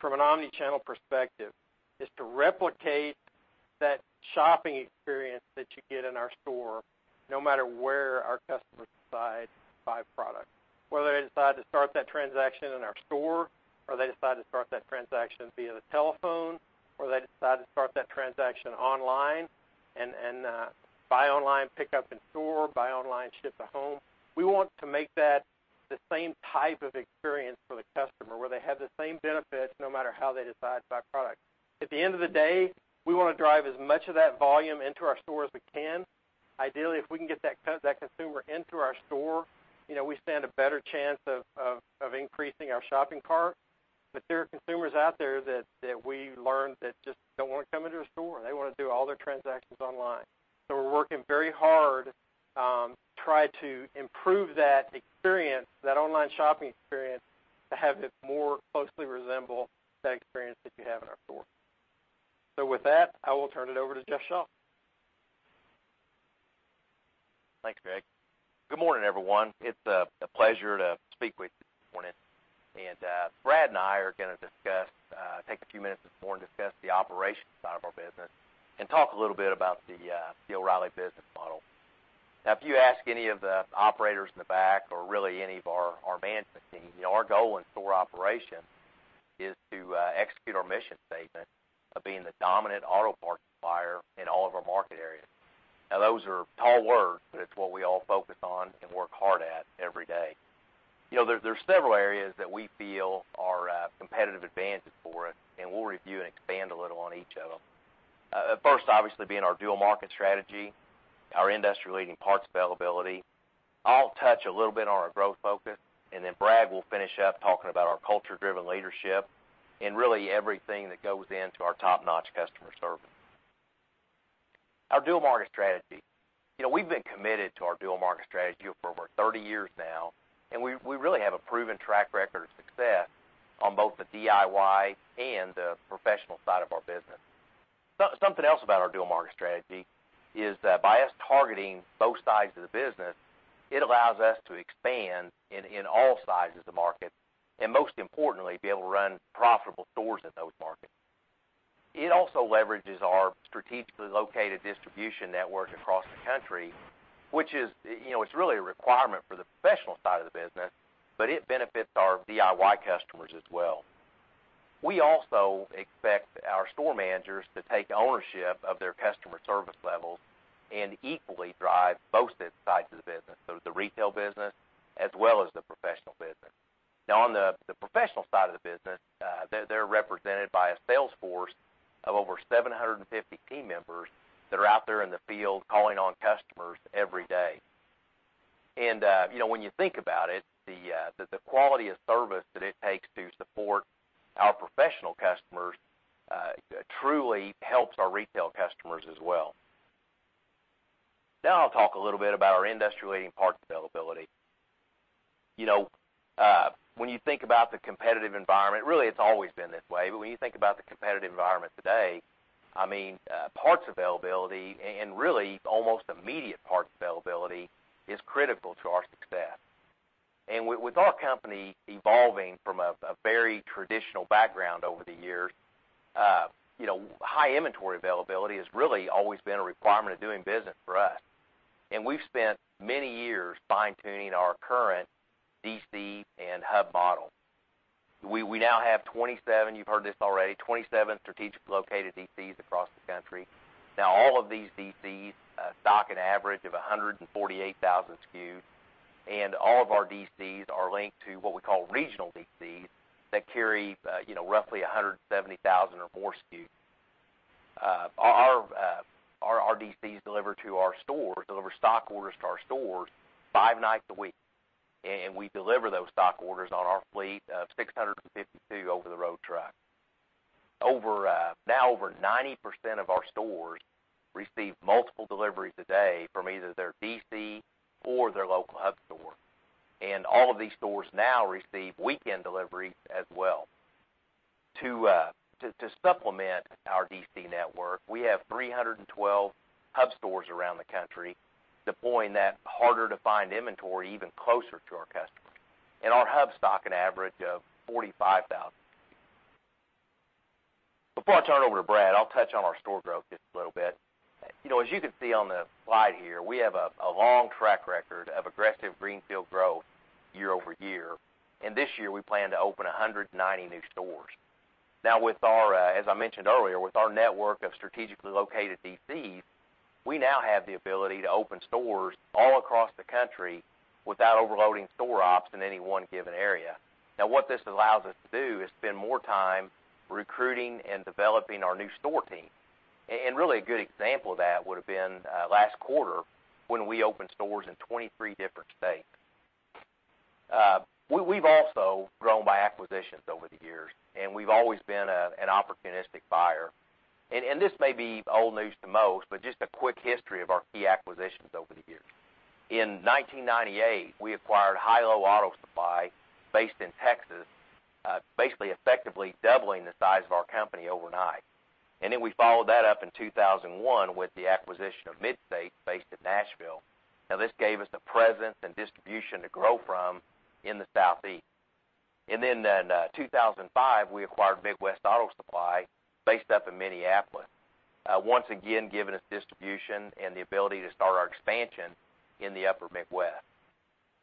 S3: from an omni-channel perspective is to replicate that shopping experience that you get in our store no matter where our customers decide to buy products. Whether they decide to start that transaction in our store or they decide to start that transaction via the telephone or they decide to start that transaction online and buy online, pick up in store, buy online, ship to home, we want to make that the same type of experience for the customer, where they have the same benefits no matter how they decide to buy product. At the end of the day, we want to drive as much of that volume into our store as we can. Ideally, if we can get that consumer into our store, we stand a better chance of increasing our shopping cart. There are consumers out there that we learned that just don't want to come into a store. They want to do all their transactions online. We're working very hard to try to improve that experience, that online shopping experience, to have it more closely resemble that experience that you have in our store. With that, I will turn it over to Jeff Shaw.
S4: Thanks, Greg. Good morning, everyone. It's a pleasure to speak with you this morning. Brad and I are going to take a few minutes this morning to discuss the operations side of our business and talk a little bit about the O'Reilly business model. If you ask any of the operators in the back or really any of our management team, our goal in store operation is to execute our mission statement of being the dominant auto parts supplier in all of our market areas. Those are tall words, but it's what we all focus on and work hard at every day. There's several areas that we feel are a competitive advantage for us, and we'll review and expand a little on each of them. First, obviously, being our dual market strategy, our industry-leading parts availability. I'll touch a little bit on our growth focus, then Brad will finish up talking about our culture-driven leadership and really everything that goes into our top-notch customer service. Our dual market strategy. We've been committed to our dual market strategy for over 30 years now, and we really have a proven track record of success on both the DIY and the professional side of our business. Something else about our dual market strategy is that by us targeting both sides of the business, it allows us to expand in all sizes of market and most importantly, be able to run profitable stores in those markets. It also leverages our strategically located distribution network across the country, which is really a requirement for the professional side of the business, but it benefits our DIY customers as well. We also expect our store managers to take ownership of their customer service levels and equally drive both sides of the business, the retail business as well as the professional business. On the professional side of the business, they're represented by a sales force of over 750 team members that are out there in the field calling on customers every day. When you think about it, the quality of service that it takes to support our professional customers truly helps our retail customers as well. I'll talk a little bit about our industry-leading parts availability. When you think about the competitive environment, really, it's always been this way, but when you think about the competitive environment today, parts availability and really almost immediate parts availability is critical to our success. With our company evolving from a very traditional background over the years, high inventory availability has really always been a requirement of doing business for us. We've spent many years fine-tuning our current DC and hub model. We now have 27, you've heard this already, 27 strategically located DCs across the country. All of these DCs stock an average of 148,000 SKUs, and all of our DCs are linked to what we call regional DCs that carry roughly 170,000 or more SKUs. Our DCs deliver to our stores, deliver stock orders to our stores five nights a week, and we deliver those stock orders on our fleet of 652 over-the-road trucks. Over 90% of our stores receive multiple deliveries a day from either their DC or their local hub store. All of these stores now receive weekend deliveries as well. To supplement our DC network, we have 312 hub stores around the country deploying that harder-to-find inventory even closer to our customers. Our hubs stock an average of 45,000 SKUs. Before I turn it over to Brad, I'll touch on our store growth just a little bit. As you can see on the slide here, we have a long track record of aggressive greenfield growth year-over-year. This year, we plan to open 190 new stores. With our, as I mentioned earlier, with our network of strategically located DCs, we now have the ability to open stores all across the country without overloading store ops in any one given area. What this allows us to do is spend more time recruiting and developing our new store team. Really a good example of that would have been last quarter when we opened stores in 23 different states. We've also grown by acquisitions over the years, and we've always been an opportunistic buyer. This may be old news to most, but just a quick history of our key acquisitions over the years. In 1998, we acquired Hi/LO Auto Supply based in Texas, basically effectively doubling the size of our company overnight. We followed that up in 2001 with the acquisition of Mid-State based in Nashville. This gave us the presence and distribution to grow from in the Southeast. In 2005, we acquired Midwest Automotive Distributors based up in Minneapolis, once again giving us distribution and the ability to start our expansion in the upper Midwest.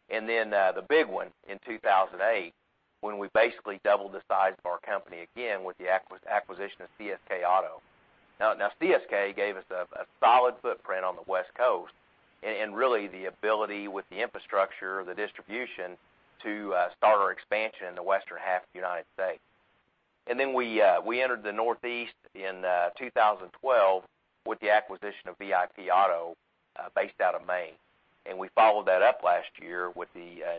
S4: The big one in 2008 when we basically doubled the size of our company again with the acquisition of CSK Auto. CSK gave us a solid footprint on the West Coast and really the ability with the infrastructure, the distribution to start our expansion in the western half of the U.S. We entered the Northeast in 2012 with the acquisition of VIP Auto based out of Maine, and we followed that up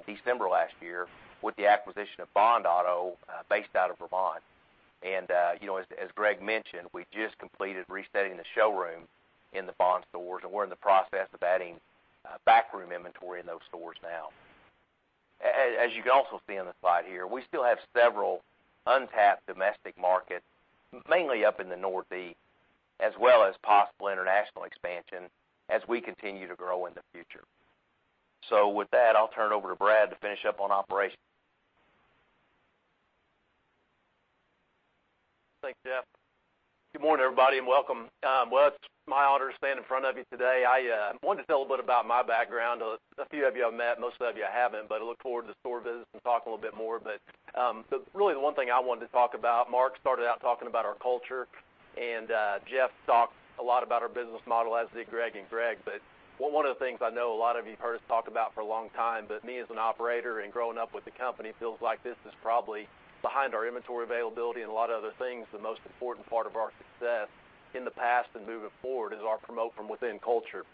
S4: December last year with the acquisition of Bond Auto based out of Vermont. As Greg mentioned, we just completed resetting the showroom in the Bond stores, and we're in the process of adding backroom inventory in those stores now. As you can also see on the slide here, we still have several untapped domestic markets, mainly up in the Northeast, as well as possible international expansion as we continue to grow in the future. With that, I'll turn it over to Brad to finish up on operations.
S5: Thanks, Jeff. Good morning, everybody, and welcome. It's my honor to stand in front of you today. I wanted to tell a little bit about my background. A few of you I've met, most of you I haven't, but I look forward to the store visits and talk a little bit more. Really the one thing I wanted to talk about, Mark started out talking about our culture and Jeff talked a lot about our business model, as did Greg and Greg. One of the things I know a lot of you've heard us talk about for a long time, but me as an operator and growing up with the company feels like this is probably behind our inventory availability and a lot of other things, the most important part of our success in the past and moving forward is our promote-from-within culture.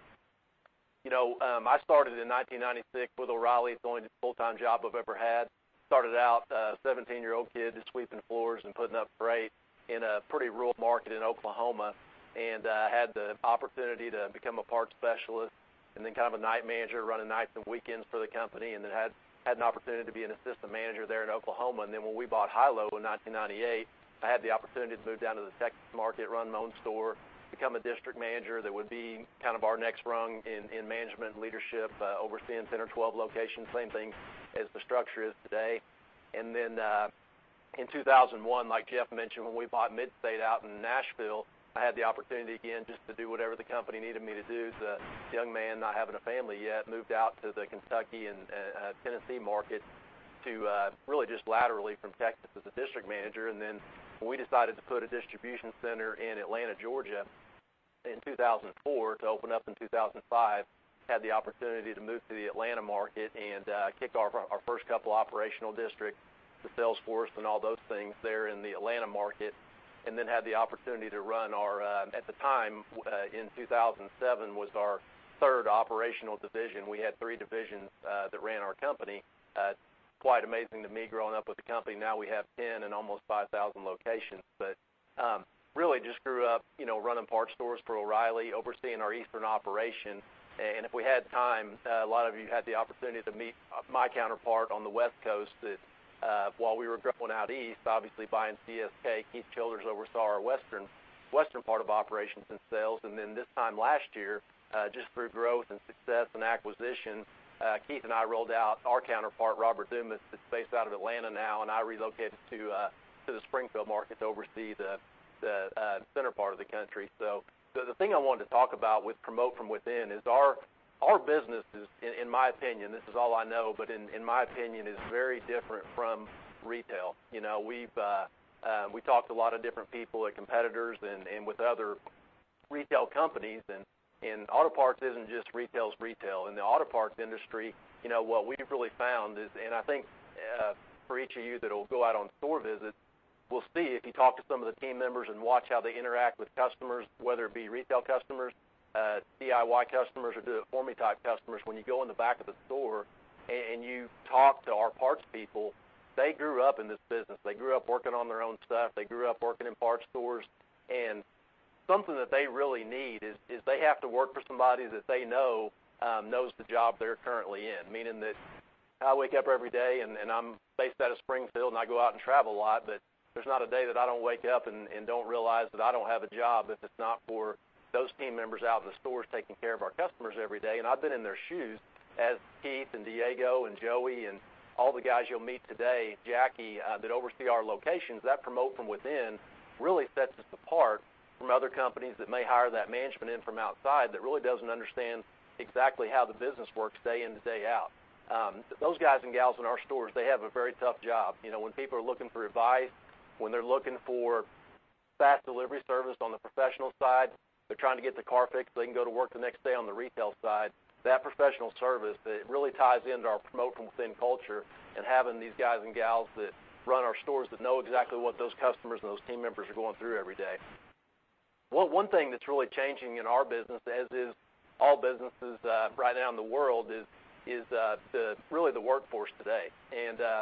S5: I started in 1996 with O’Reilly. It's the only full-time job I've ever had. Started out, a 17-year-old kid just sweeping floors and putting up freight in a pretty rural market in Oklahoma, had the opportunity to become a parts specialist and then kind of a night manager running nights and weekends for the company and then had an opportunity to be an assistant manager there in Oklahoma. When we bought Hi/LO in 1998, I had the opportunity to move down to the Texas market, run my own store, become a district manager that would be kind of our next rung in management and leadership, overseeing 10 or 12 locations, same thing as the structure is today. In 2001, like Jeff mentioned, when we bought Mid-State out in Nashville, I had the opportunity again just to do whatever the company needed me to do as a young man not having a family yet, moved out to the Kentucky and Tennessee market to really just laterally from Texas as a district manager. We decided to put a distribution center in Atlanta, Georgia in 2004 to open up in 2005, had the opportunity to move to the Atlanta market and kick off our first couple operational district, the sales force and all those things there in the Atlanta market, had the opportunity to run our, at the time, in 2007, was our third operational division. We had three divisions that ran our company. Quite amazing to me, growing up with the company, now we have 10 and almost 5,000 locations. Really just grew up running parts stores for O’Reilly, overseeing our Eastern operations. If we had time, a lot of you had the opportunity to meet my counterpart on the West Coast, that while we were growing out East, obviously buying CSK, Keith Childers oversaw our Western part of operations and sales. This time last year, just through growth and success and acquisition, Keith and I rolled out our counterpart, Robert Dumas, that's based out of Atlanta now, and I relocated to the Springfield market to oversee the center part of the country. The thing I wanted to talk about with Promote From Within is our business is, in my opinion, this is all I know, but in my opinion, is very different from retail. We talked to a lot of different people at competitors and with other retail companies, auto parts isn't just retail is retail. In the auto parts industry, what we've really found is, I think for each of you that'll go out on store visits, will see if you talk to some of the team members and watch how they interact with customers, whether it be retail customers, DIY customers, or do-it-for-me type customers. When you go in the back of the store and you talk to our parts people, they grew up in this business. They grew up working on their own stuff. They grew up working in parts stores. Something that they really need is they have to work for somebody that they know knows the job they're currently in, meaning that I wake up every day and I'm based out of Springfield and I go out and travel a lot, but there's not a day that I don't wake up and don't realize that I don't have a job if it's not for those team members out in the stores taking care of our customers every day. I've been in their shoes as Keith and Diego and Joey and all the guys you'll meet today, Jackie, that oversee our locations. Promote From Within really sets us apart from other companies that may hire that management in from outside that really doesn't understand exactly how the business works day in, day out. Those guys and gals in our stores, they have a very tough job. When people are looking for advice, when they're looking for fast delivery service on the professional side, they're trying to get the car fixed so they can go to work the next day on the retail side. Professional service that really ties into our Promote From Within culture and having these guys and gals that run our stores that know exactly what those customers and those team members are going through every day. One thing that's really changing in our business, as is all businesses right now in the world, is really the workforce today.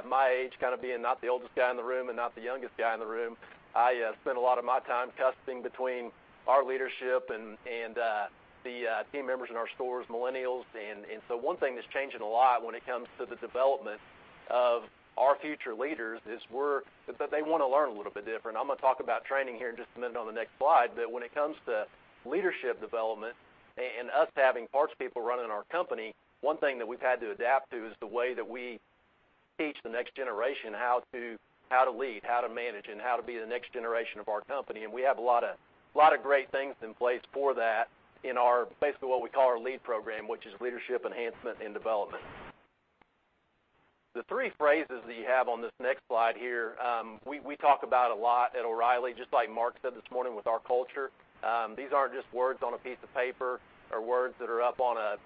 S5: My age kind of being not the oldest guy in the room and not the youngest guy in the room, I spend a lot of my time coaching between our leadership and the team members in our stores, millennials. One thing that's changing a lot when it comes to the development of our future leaders is they want to learn a little bit different. I'm going to talk about training here in just a minute on the next slide. When it comes to leadership development and us having parts people running our company, one thing that we've had to adapt to is the way that we teach the next generation how to lead, how to manage, and how to be the next generation of our company. We have a lot of great things in place for that in our, basically what we call our LEAD program, which is Leadership Enhancement and Development. The three phrases that you have on this next slide here we talk about a lot at O’Reilly, just like Mark said this morning with our culture. These aren't just words on a piece of paper or words that are up on a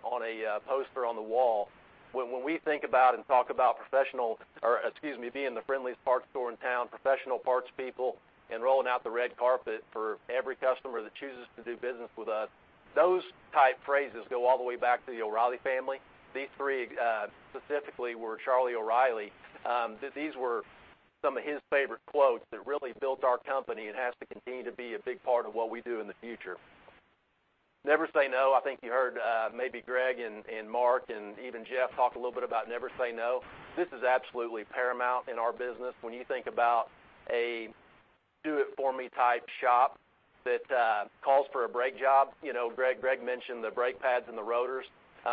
S5: poster on the wall. When we think about and talk about professional, or excuse me, being the friendliest parts store in town, professional parts people, and rolling out the red carpet for every customer that chooses to do business with us, those type phrases go all the way back to the O’Reilly family. These three specifically were Charlie O'Reilly. These were some of his favorite quotes that really built our company and has to continue to be a big part of what we do in the future. Never say no, I think you heard maybe Greg and Mark and even Jeff talk a little bit about never say no. This is absolutely paramount in our business. When you think about a do it for me type shop that calls for a brake job, Greg mentioned the brake pads and the rotors.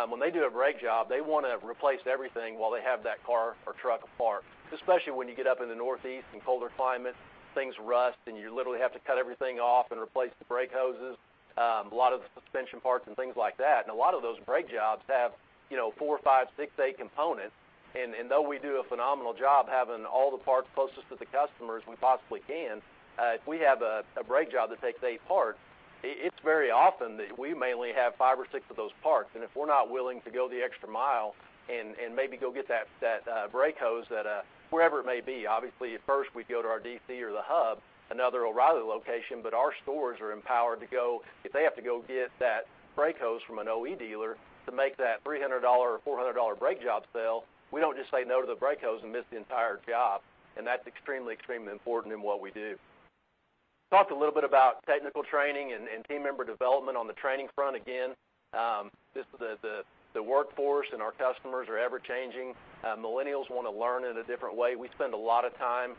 S5: When they do a brake job, they want to replace everything while they have that car or truck apart. Especially when you get up in the Northeast in colder climates, things rust, and you literally have to cut everything off and replace the brake hoses. A lot of the suspension parts and things like that. A lot of those brake jobs have four, five, six, eight components, and though we do a phenomenal job having all the parts closest to the customer as we possibly can, if we have a brake job that takes eight parts, it's very often that we may only have five or six of those parts, and if we're not willing to go the extra mile and maybe go get that brake hose wherever it may be. Obviously, at first, we'd go to our DC or the hub, another O’Reilly location, but our stores are empowered, if they have to go get that brake hose from an OE dealer to make that $300 or $400 brake job sale, we don't just say no to the brake hose and miss the entire job, and that's extremely important in what we do. Talked a little bit about technical training and team member development on the training front. Again, the workforce and our customers are ever-changing. Millennials want to learn in a different way. We spend a lot of time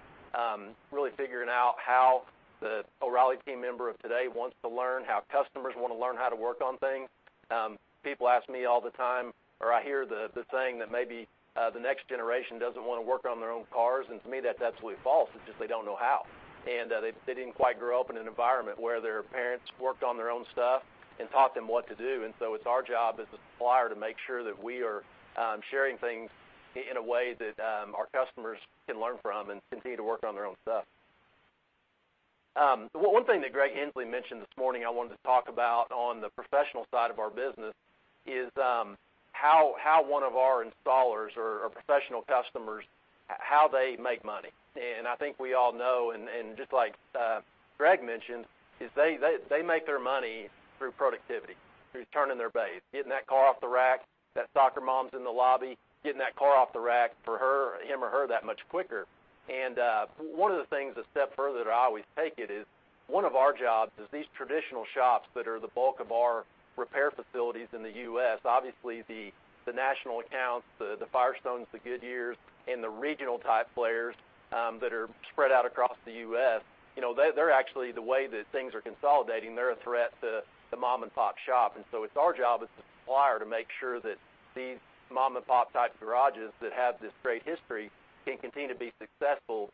S5: really figuring out how the O’Reilly team member of today wants to learn, how customers want to learn how to work on things. People ask me all the time, or I hear the saying that maybe the next generation doesn't want to work on their own cars, and to me that's absolutely false. It's just they don't know how. They didn't quite grow up in an environment where their parents worked on their own stuff. Taught them what to do. It's our job as the supplier to make sure that we are sharing things in a way that our customers can learn from and continue to work on their own stuff. One thing that Greg Henslee mentioned this morning I wanted to talk about on the professional side of our business is how one of our installers or professional customers, how they make money. I think we all know, and just like Greg mentioned, is they make their money through productivity, through turning their bays, getting that car off the rack, that soccer mom's in the lobby, getting that car off the rack for him or her that much quicker. One of the things a step further that I always take it is one of our jobs is these traditional shops that are the bulk of our repair facilities in the U.S., obviously the national accounts, the Firestones, the Goodyears, and the regional type players that are spread out across the U.S. They're actually, the way that things are consolidating, they're a threat to the mom-and-pop shop. It's our job as the supplier to make sure that these mom-and-pop type garages that have this great history can continue to be successful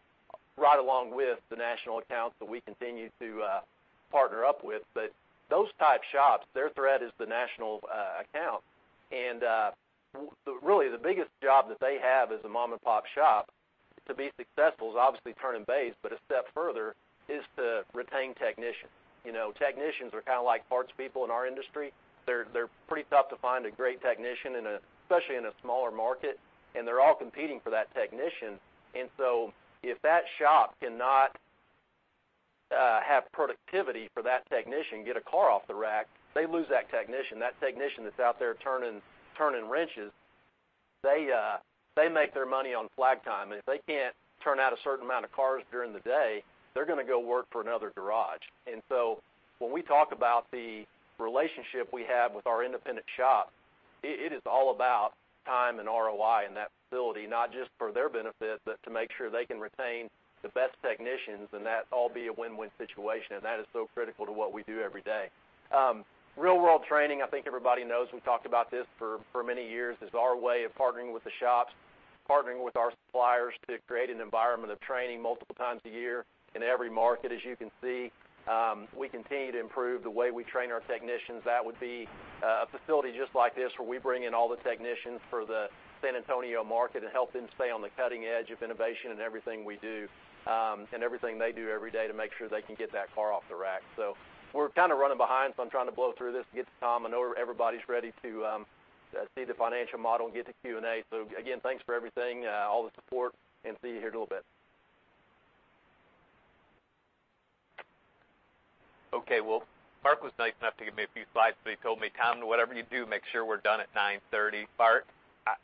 S5: right along with the national accounts that we continue to partner up with. Those type shops, their threat is the national accounts. Really the biggest job that they have as a mom-and-pop shop to be successful is obviously turning bays, but a step further is to retain technicians. Technicians are kind of like parts people in our industry. They're pretty tough to find a great technician, especially in a smaller market, and they're all competing for that technician. If that shop cannot have productivity for that technician, get a car off the rack, they lose that technician, that technician that's out there turning wrenches, they make their money on flag time. If they can't turn out a certain amount of cars during the day, they're going to go work for another garage. When we talk about the relationship we have with our independent shop, it is all about time and ROI in that facility, not just for their benefit, but to make sure they can retain the best technicians and that all be a win-win situation. That is so critical to what we do every day. Real world training, I think everybody knows, we've talked about this for many years, is our way of partnering with the shops, partnering with our suppliers to create an environment of training multiple times a year in every market, as you can see. We continue to improve the way we train our technicians. That would be a facility just like this, where we bring in all the technicians for the San Antonio market and help them stay on the cutting edge of innovation in everything we do, and everything they do every day to make sure they can get that car off the rack. We're kind of running behind, I'm trying to blow through this to get to Tom. I know everybody's ready to see the financial model and get to Q&A. Again, thanks for everything, all the support, and see you here in a little bit.
S6: Okay, well, Mark was nice enough to give me a few slides, but he told me, "Tom, whatever you do, make sure we're done at 9:30 A.M." Mark, I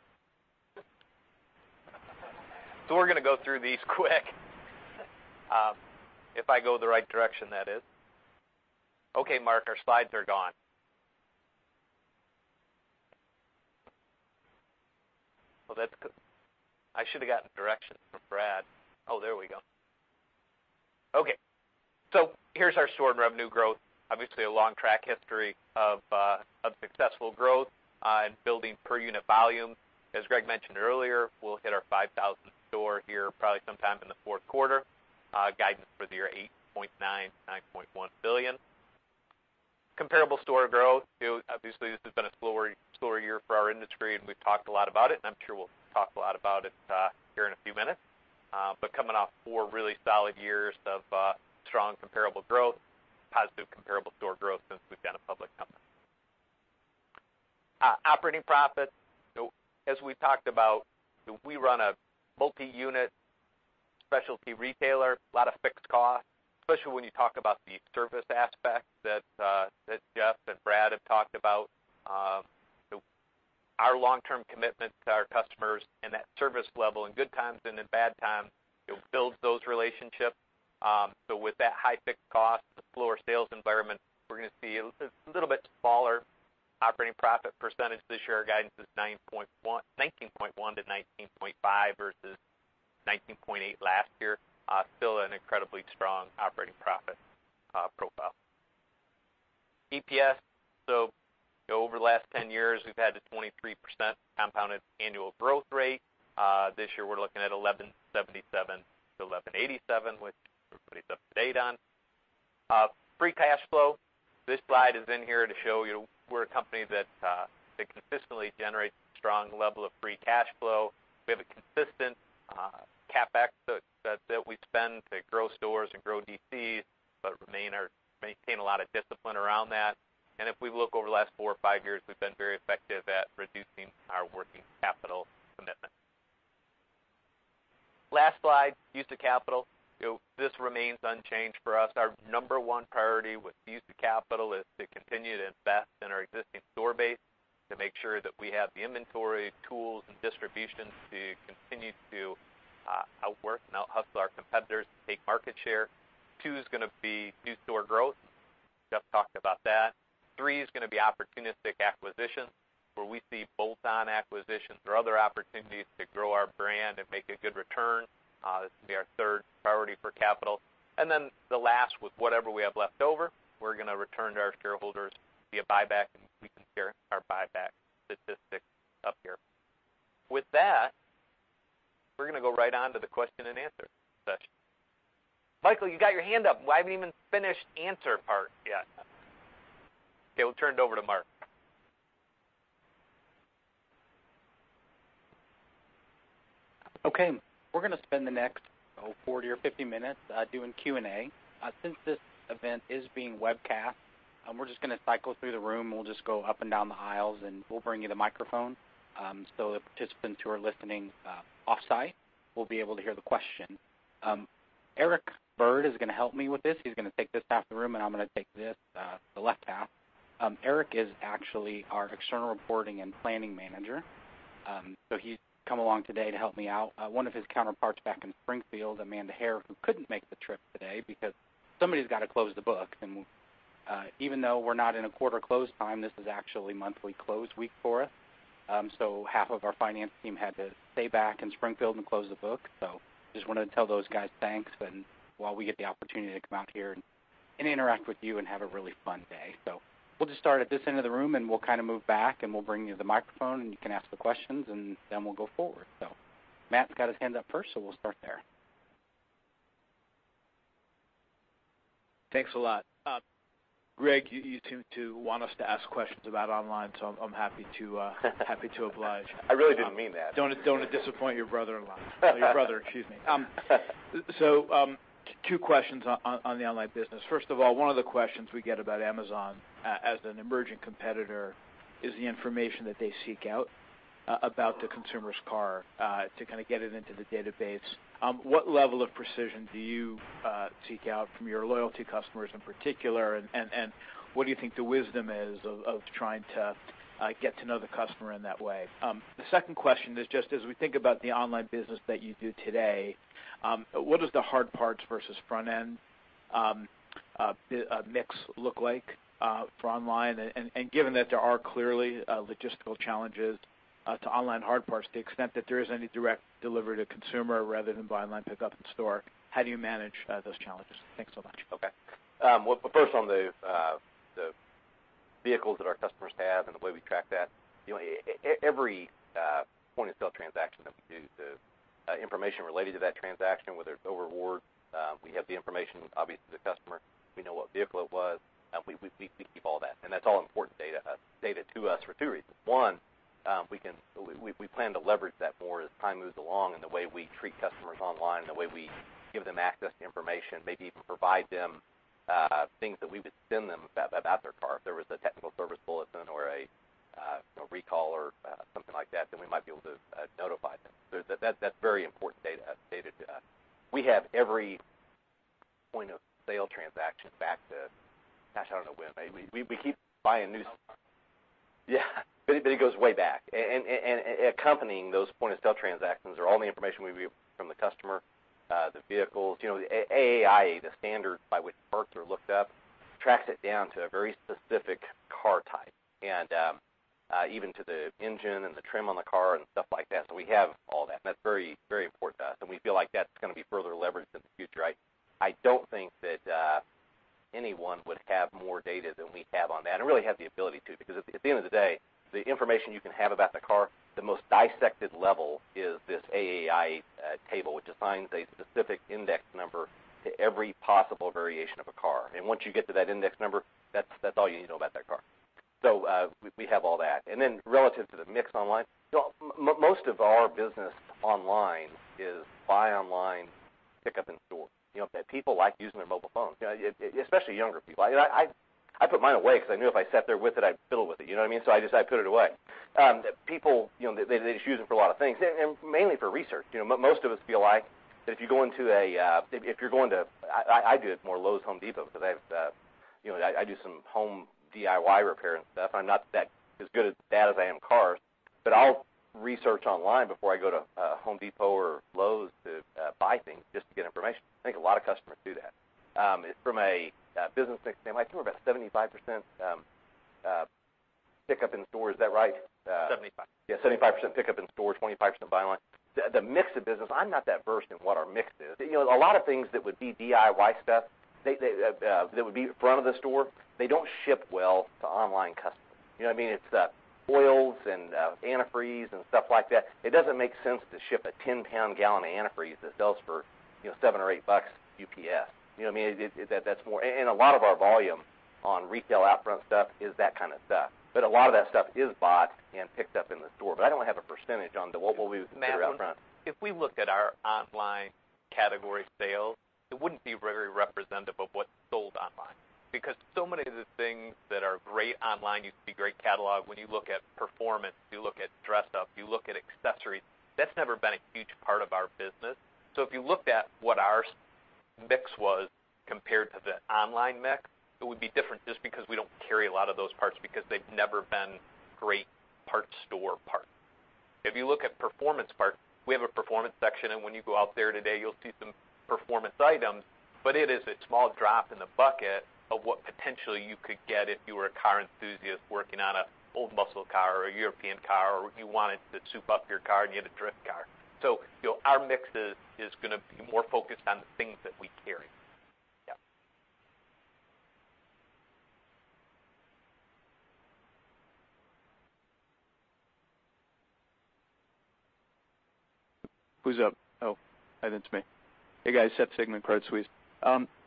S6: We're going to go through these quick. If I go the right direction, that is. Okay, Mark, our slides are gone. Well, that's good. I should've gotten directions from Brad. Oh, there we go. Okay, here's our store revenue growth. Obviously, a long track history of successful growth and building per unit volume. As Greg mentioned earlier, we'll hit our 5,000th store here probably sometime in the fourth quarter. Guidance for the year, $8.9 billion-$9.1 billion. Comparable store growth. Obviously, this has been a slower year for our industry, and we've talked a lot about it, and I'm sure we'll talk a lot about it here in a few minutes. Coming off four really solid years of strong comparable growth, positive comparable store growth since we've been a public company. Operating profit. As we've talked about, we run a multi-unit specialty retailer, lot of fixed costs, especially when you talk about the service aspect that Jeff and Brad have talked about. Our long-term commitment to our customers and that service level in good times and in bad times, it builds those relationships. With that high fixed cost, the slower sales environment, we're going to see a little bit smaller operating profit percentage this year. Our guidance is 19.1%-19.5% versus 19.8% last year. Still an incredibly strong operating profit profile. EPS. Over the last 10 years, we've had a 23% compounded annual growth rate. This year we're looking at $11.77-$11.87, which everybody's up to date on. Free cash flow. This slide is in here to show you we're a company that consistently generates a strong level of free cash flow. We have a consistent CapEx that we spend to grow stores and grow DCs, but maintain a lot of discipline around that. If we look over the last four or five years, we've been very effective at reducing our working capital commitment. Last slide, use of capital. This remains unchanged for us. Our number one priority with use of capital is to continue to invest in our existing store base to make sure that we have the inventory, tools, and distribution to continue to outwork and out-hustle our competitors to take market share. Two is going to be new store growth. Jeff talked about that. Three is going to be opportunistic acquisitions, where we see bolt-on acquisitions or other opportunities to grow our brand and make a good return. This will be our third priority for capital. The last, with whatever we have left over, we're going to return to our shareholders via buyback and increased share
S2: With that, we're going to go right on to the question and answer session. Michael, you got your hand up. Well, I haven't even finished answer part yet. We'll turn it over to Mark.
S1: We're going to spend the next, 40 or 50 minutes doing Q&A. Since this event is being webcast, we're just going to cycle through the room. We'll just go up and down the aisles, and we'll bring you the microphone, so the participants who are listening off-site will be able to hear the question. Eric Bird is going to help me with this. He's going to take this half of the room, and I'm going to take this, the left half. Eric is actually our external reporting and planning manager. He's come along today to help me out. One of his counterparts back in Springfield, Amanda Hare, who couldn't make the trip today because somebody's got to close the book. Even though we're not in a quarter close time, this is actually monthly close week for us. Half of our finance team had to stay back in Springfield and close the book. Just wanted to tell those guys thanks and while we get the opportunity to come out here and interact with you and have a really fun day. We'll just start at this end of the room, and we'll move back, and we'll bring you the microphone, and you can ask the questions, and then we'll go forward. Matt's got his hand up first, so we'll start there.
S7: Thanks a lot. Greg, you seem to want us to ask questions about online. I'm happy to oblige.
S2: I really didn't mean that.
S7: Don't disappoint your brother-in-law. Your brother, excuse me. Two questions on the online business. First of all, one of the questions we get about Amazon as an emerging competitor is the information that they seek out about the consumer's car to get it into the database. What level of precision do you seek out from your loyalty customers in particular, and what do you think the wisdom is of trying to get to know the customer in that way? The second question is just as we think about the online business that you do today, what does the hard parts versus front-end mix look like for online? Given that there are clearly logistical challenges to online hard parts, to the extent that there is any direct delivery to consumer rather than buy online, pick up in store, how do you manage those challenges? Thanks so much.
S2: Okay. Well, first on the vehicles that our customers have and the way we track that, every point-of-sale transaction that we do, the information related to that transaction, whether it's O'Rewards, we have the information, obviously, the customer. We know what vehicle it was. We keep all that. That's all important data to us for 2 reasons. One, we plan to leverage that more as time moves along in the way we treat customers online, the way we give them access to information, maybe even provide them things that we would send them about their car. If there was a technical service bulletin or a recall or something like that, then we might be able to notify them. That's very important data to us. We have every point-of-sale transaction back to, gosh, I don't know when. We keep buying new stuff. Yeah. It goes way back. Accompanying those point-of-sale transactions are all the information we've used from the customer, the vehicles. The AAI, the standard by which parts are looked up, tracks it down to a very specific car type, and even to the engine and the trim on the car and stuff like that. We have all that. That's very important to us, and we feel like that's going to be further leveraged in the future. I don't think that anyone would have more data than we have on that and really have the ability to, because at the end of the day, the information you can have about the car, the most dissected level is this AAI table, which assigns a specific index number to every possible variation of a car. Once you get to that index number, that's all you need to know about that car. We have all that. Relative to the mix online, most of our business online is buy online, pick up in store. People like using their mobile phones, especially younger people. I put mine away because I knew if I sat there with it, I'd fiddle with it. You know what I mean? I just put it away. People, they just use them for a lot of things, and mainly for research. Most of us feel like that if you're going to I do it more Lowe's, Home Depot, because I do some home DIY repair and stuff. I'm not as good, as bad as I am cars. I'll research online before I go to Home Depot or Lowe's to buy things just to get information. I think a lot of customers do that. From a business standpoint, I think we're about 75% pick up in store. Is that right?
S1: 75.
S2: Yeah, 75% pick up in store, 25% buy online. The mix of business, I'm not that versed in what our mix is. A lot of things that would be DIY stuff, that would be front of the store, they don't ship well to online customers. You know what I mean? It's oils and antifreeze and stuff like that. It doesn't make sense to ship a 10-pound gallon of antifreeze that sells for $7 or $8 UPS. You know what I mean? A lot of our volume on retail out front stuff is that kind of stuff. A lot of that stuff is bought and picked up in the store. I don't have a percentage on what we would figure out front.
S1: Matt, if we looked at our online category sales, it wouldn't be very representative of what's sold online because so many of the things that are great online, you see great catalog. When you look at performance, you look at dress up, you look at accessories, that's never been a huge part of our business. If you looked at what our mix was compared to the online mix, it would be different just because we don't carry a lot of those parts because they've never been great parts store parts. If you look at performance parts, we have a performance section, and when you go out there today, you'll see some performance items, but it is a small drop in the bucket of what potentially you could get if you were a car enthusiast working on an old muscle car or a European car, or you wanted to soup up your car and you had a drift car. Our mix is going to be more focused on the things that we carry.
S8: Who's up? Oh, I think it's me. Hey, guys. Seth Sigman, Credit Suisse.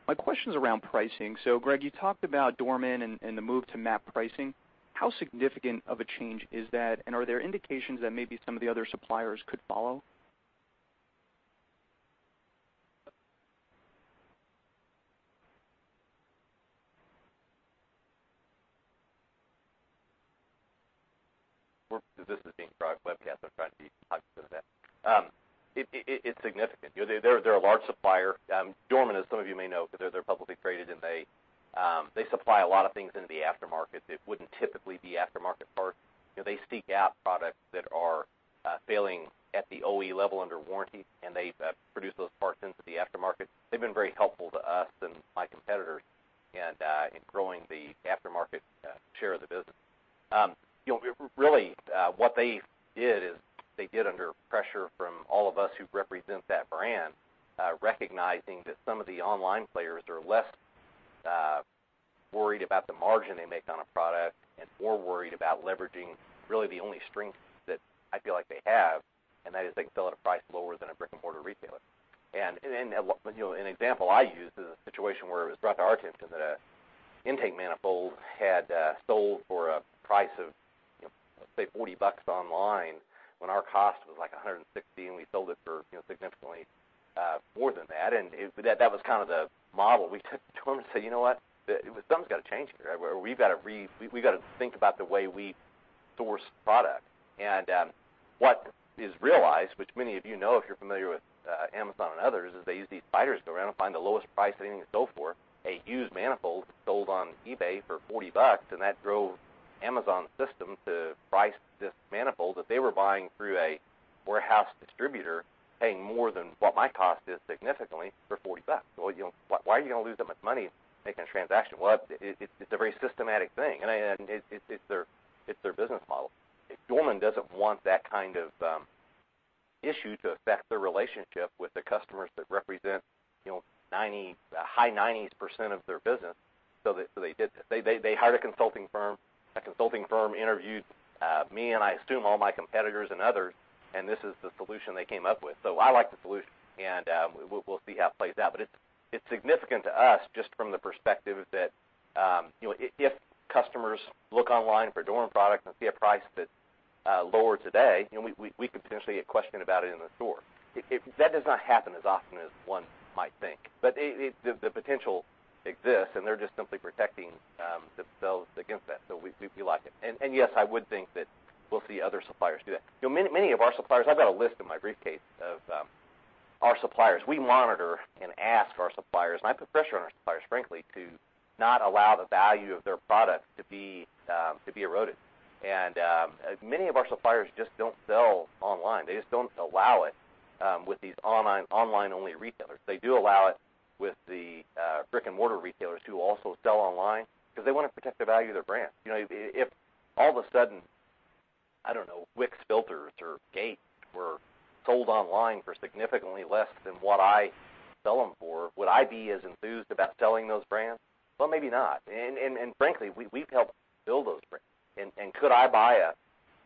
S8: My question's around pricing. Greg, you talked about Dorman and the move to MAP pricing. How significant of a change is that, and are there indications that maybe some of the other suppliers could follow?
S2: Well, because this is being broadcast, webcast, I'm trying to be cognizant of that. It's significant. They're a large supplier. Dorman, as some of you may know, because they're publicly traded, and they supply a lot of things into the aftermarket that wouldn't typically be aftermarket parts. They seek out products that are failing at the OE level under warranty, and they produce those parts into the aftermarket. They've been very helpful to us and my competitors in growing the aftermarket share of the business. Really, what they did is they did under pressure from all of us who represent that brand, recognizing that some of the online players are less worried about the margin they make on a product and more worried about leveraging really the only strength that I feel like they have, and that is they can sell at a price lower than a brick-and-mortar retailer. An example I use is a situation where it was brought to our attention that an intake manifold had sold for a price of, let's say, $40 online when our cost was like $160, and we sold it for significantly more than that. That was kind of the model. We took it to them and said, "You know what? Something's got to change here. We've got to think about the way we source product." What is realized, which many of you know if you're familiar with Amazon and others, is they use these spiders to go around and find the lowest price anything is sold for. A used manifold sold on eBay for $40, and that drove Amazon's system to price this manifold that they were buying through a warehouse distributor, paying more than what my cost is, significantly, for $40. Why are you going to lose that much money making a transaction? It's a very systematic thing, and it's their business model. If Dorman doesn't want that kind of issue to affect their relationship with the customers that represent high 90s% of their business, they did this. They hired a consulting firm. That consulting firm interviewed me, and I assume all my competitors and others, and this is the solution they came up with. I like the solution, and we'll see how it plays out. It's significant to us just from the perspective that, if customers look online for Dorman products and see a price that's lower today, we could potentially get questioned about it in the store. That does not happen as often as one might think. The potential exists, and they're just simply protecting themselves against that, we like it. Yes, I would think that we'll see other suppliers do that. Many of our suppliers, I've got a list in my briefcase of our suppliers. We monitor and ask our suppliers, and I put pressure on our suppliers, frankly, to not allow the value of their product to be eroded. Many of our suppliers just don't sell online. They just don't allow it with these online-only retailers. They do allow it with the brick-and-mortar retailers who also sell online because they want to protect the value of their brand. If all of a sudden, I don't know, WIX Filters or Gates were sold online for significantly less than what I sell them for, would I be as enthused about selling those brands? Maybe not. Frankly, we've helped build those brands. Could I buy a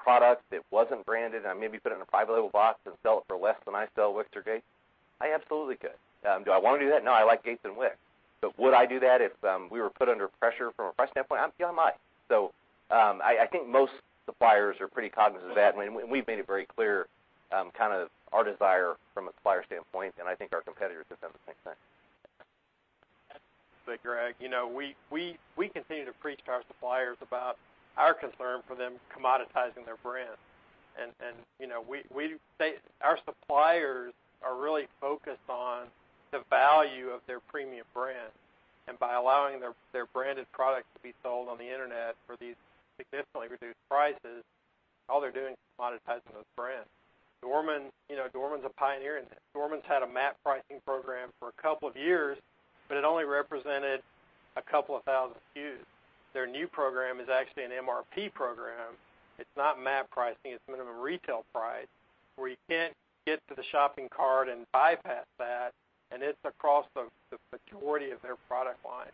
S2: product that wasn't branded and maybe put it in a private label box and sell it for less than I sell WIX or Gates? I absolutely could. Do I want to do that? No, I like Gates and WIX. Would I do that if we were put under pressure from a price standpoint? Yeah, I might. I think most suppliers are pretty cognizant of that, and we've made it very clear, our desire from a supplier standpoint, and I think our competitors have done the same thing.
S3: Thanks, Greg. We continue to preach to our suppliers about our concern for them commoditizing their brand. Our suppliers are really focused on the value of their premium brand. By allowing their branded products to be sold on the internet for these significantly reduced prices, all they're doing is commoditizing those brands. Dorman's a pioneer in that. Dorman's had a MAP pricing program for a couple of years, but it only represented a couple of thousand SKUs. Their new program is actually an MRP program. It's not MAP pricing, it's minimum retail price, where you can't get to the shopping cart and bypass that, and it's across the majority of their product line.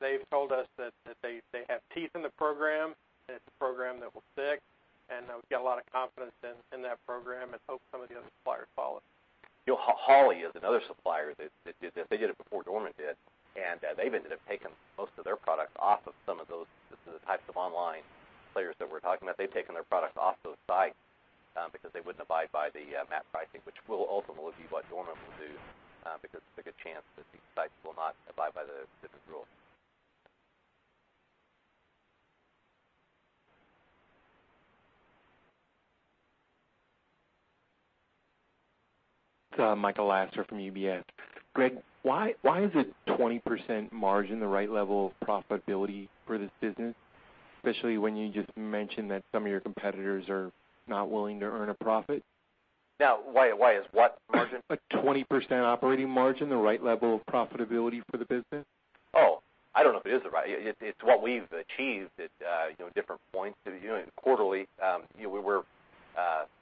S3: They've told us that they have teeth in the program, and it's a program that will stick. We've got a lot of confidence in that program and hope some of the other suppliers follow.
S2: Holley is another supplier that did this. They did it before Dorman did, and they've ended up taking most of their products off of some of those, the types of online players that we're talking about. They've taken their products off those sites because they wouldn't abide by the MAP pricing, which will ultimately be what Dorman will do, because there's a good chance that these sites will not abide by the business rules.
S9: It's Michael Lasser from UBS. Greg, why is a 20% margin the right level of profitability for this business, especially when you just mentioned that some of your competitors are not willing to earn a profit?
S2: why is what margin?
S9: A 20% operating margin the right level of profitability for the business?
S2: I don't know if it is the right. It's what we've achieved at different points. Quarterly, we're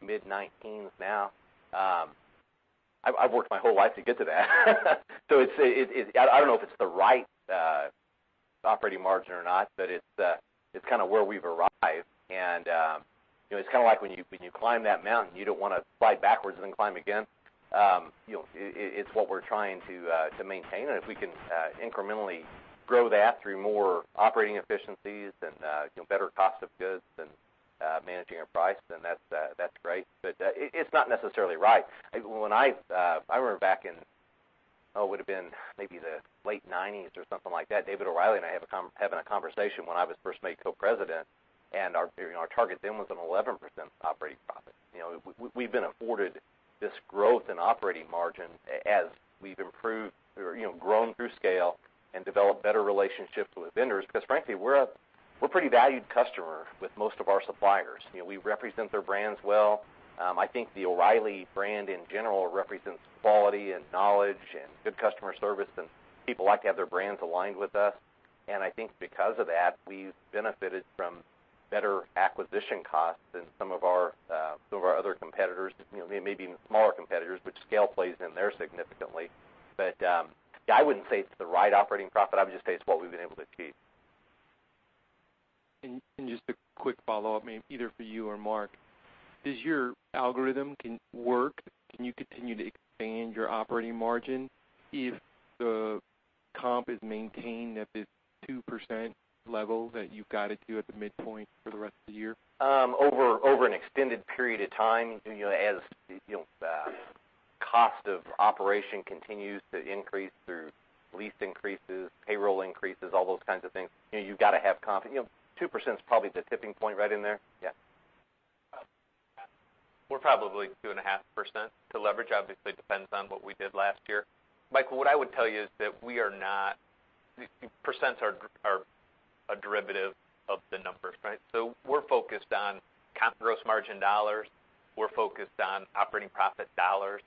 S2: mid-19s now. I've worked my whole life to get to that. I don't know if it's the right operating margin or not, but it's where we've arrived. It's like when you climb that mountain, you don't want to slide backwards and then climb again. It's what we're trying to maintain, and if we can incrementally grow that through more operating efficiencies and better cost of goods than managing our price, then that's great. It's not necessarily right. I remember back in, it would've been maybe the late 1990s or something like that, David O'Reilly and I having a conversation when I was first made Co-President, and our target then was an 11% operating profit. We've been afforded this growth in operating margin as we've improved or grown through scale and developed better relationships with vendors because frankly, we're a pretty valued customer with most of our suppliers. We represent their brands well. I think the O'Reilly brand in general represents quality and knowledge and good customer service, and people like to have their brands aligned with us. I think because of that, we've benefited from better acquisition costs than some of our other competitors, maybe even smaller competitors, but scale plays in there significantly. I wouldn't say it's the right operating profit. I would just say it's what we've been able to achieve.
S9: Just a quick follow-up, maybe either for you or Mark. Does your algorithm work? Can you continue to expand your operating margin if the comp is maintained at this 2% level that you've guided to at the midpoint for the rest of the year?
S2: Over an extended period of time, as cost of operation continues to increase through lease increases, payroll increases, all those kinds of things, you've got to have comp. 2% is probably the tipping point right in there. Yeah.
S6: We're probably 2.5% to leverage, obviously depends on what we did last year. Michael, what I would tell you is that percents are a derivative of the numbers, right? We're focused on gross margin dollars. We're focused on operating profit dollars.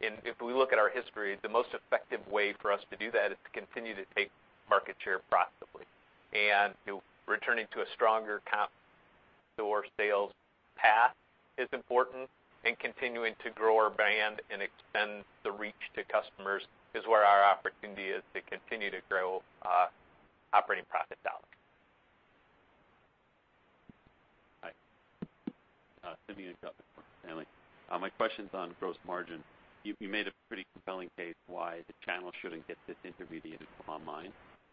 S6: If we look at our history, the most effective way for us to do that is to continue to take market share profitably and returning to a stronger comp store sales path is important and continuing to grow our brand and extend the reach to customers is where our opportunity is to continue to grow operating profit dollars.
S10: Hi. Simeon Gutman from Stanley. My question's on gross margin. You made a pretty compelling case why the channel shouldn't get disintermediated online.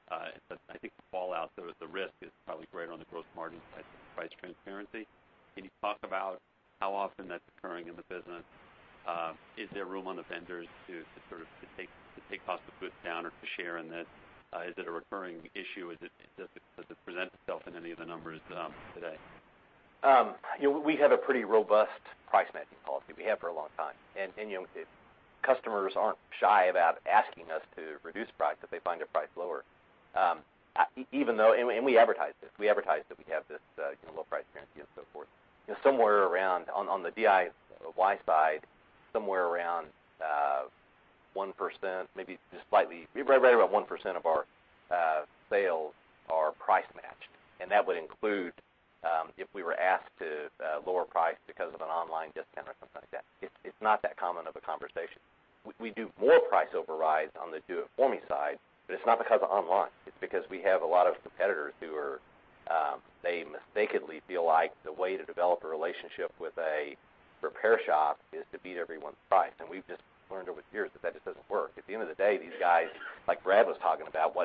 S10: I think the fallout, though, is the risk is probably greater on the gross margin side than price transparency. Can you talk about how often that's occurring in the business? Is there room on the vendors to take cost of goods down or to share in this? Is it a recurring issue? Does it present itself in any of the numbers today?
S2: We have a pretty robust price matching policy. We have for a long time. Customers aren't shy about asking us to reduce price if they find a price lower. We advertise this. We advertise that we have this low price guarantee and so forth. On the DIY side, somewhere around 1%, maybe just slightly. Right about 1% of our sales are price matched, and that would include, if we were asked to lower price because of an online discount or something like that. It's not that common of a conversation. We do more price overrides on the Do It For Me side, but it's not because of online. It's because we have a lot of competitors who mistakenly feel like the way to develop a relationship with a repair shop is to beat everyone's price. We've just learned over the years that just doesn't work. At the end of the day, these guys, like Brad was talking about,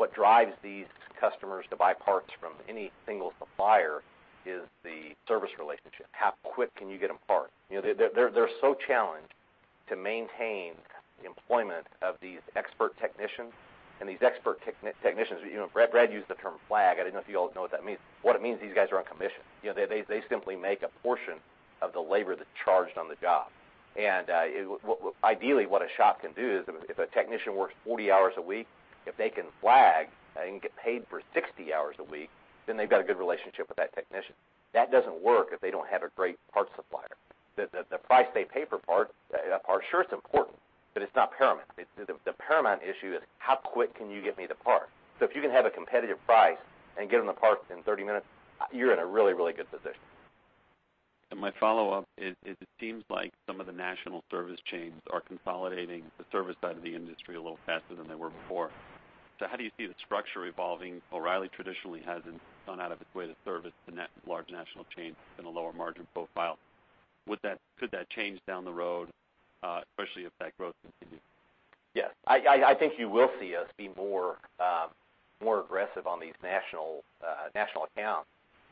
S2: what drives these customers to buy parts from any single supplier is the service relationship. How quick can you get a part? They're so challenged to maintain employment of these expert technicians and these expert technicians, Brad used the term flag. I don't know if you all know what that means. What it means, these guys are on commission. They simply make a portion of the labor that's charged on the job. Ideally what a shop can do is if a technician works 40 hours a week, if they can flag and get paid for 60 hours a week, then they've got a good relationship with that technician. That doesn't work if they don't have a great parts supplier. The price they pay per part, sure it's important, but it's not paramount. The paramount issue is how quick can you get me the part? If you can have a competitive price and get them the part in 30 minutes, you're in a really good position.
S10: My follow-up is it seems like some of the national service chains are consolidating the service side of the industry a little faster than they were before. How do you see the structure evolving? O'Reilly traditionally hasn't gone out of its way to service the large national chains in a lower margin profile. Could that change down the road, especially if that growth continues?
S2: Yes. I think you will see us be more aggressive on these national accounts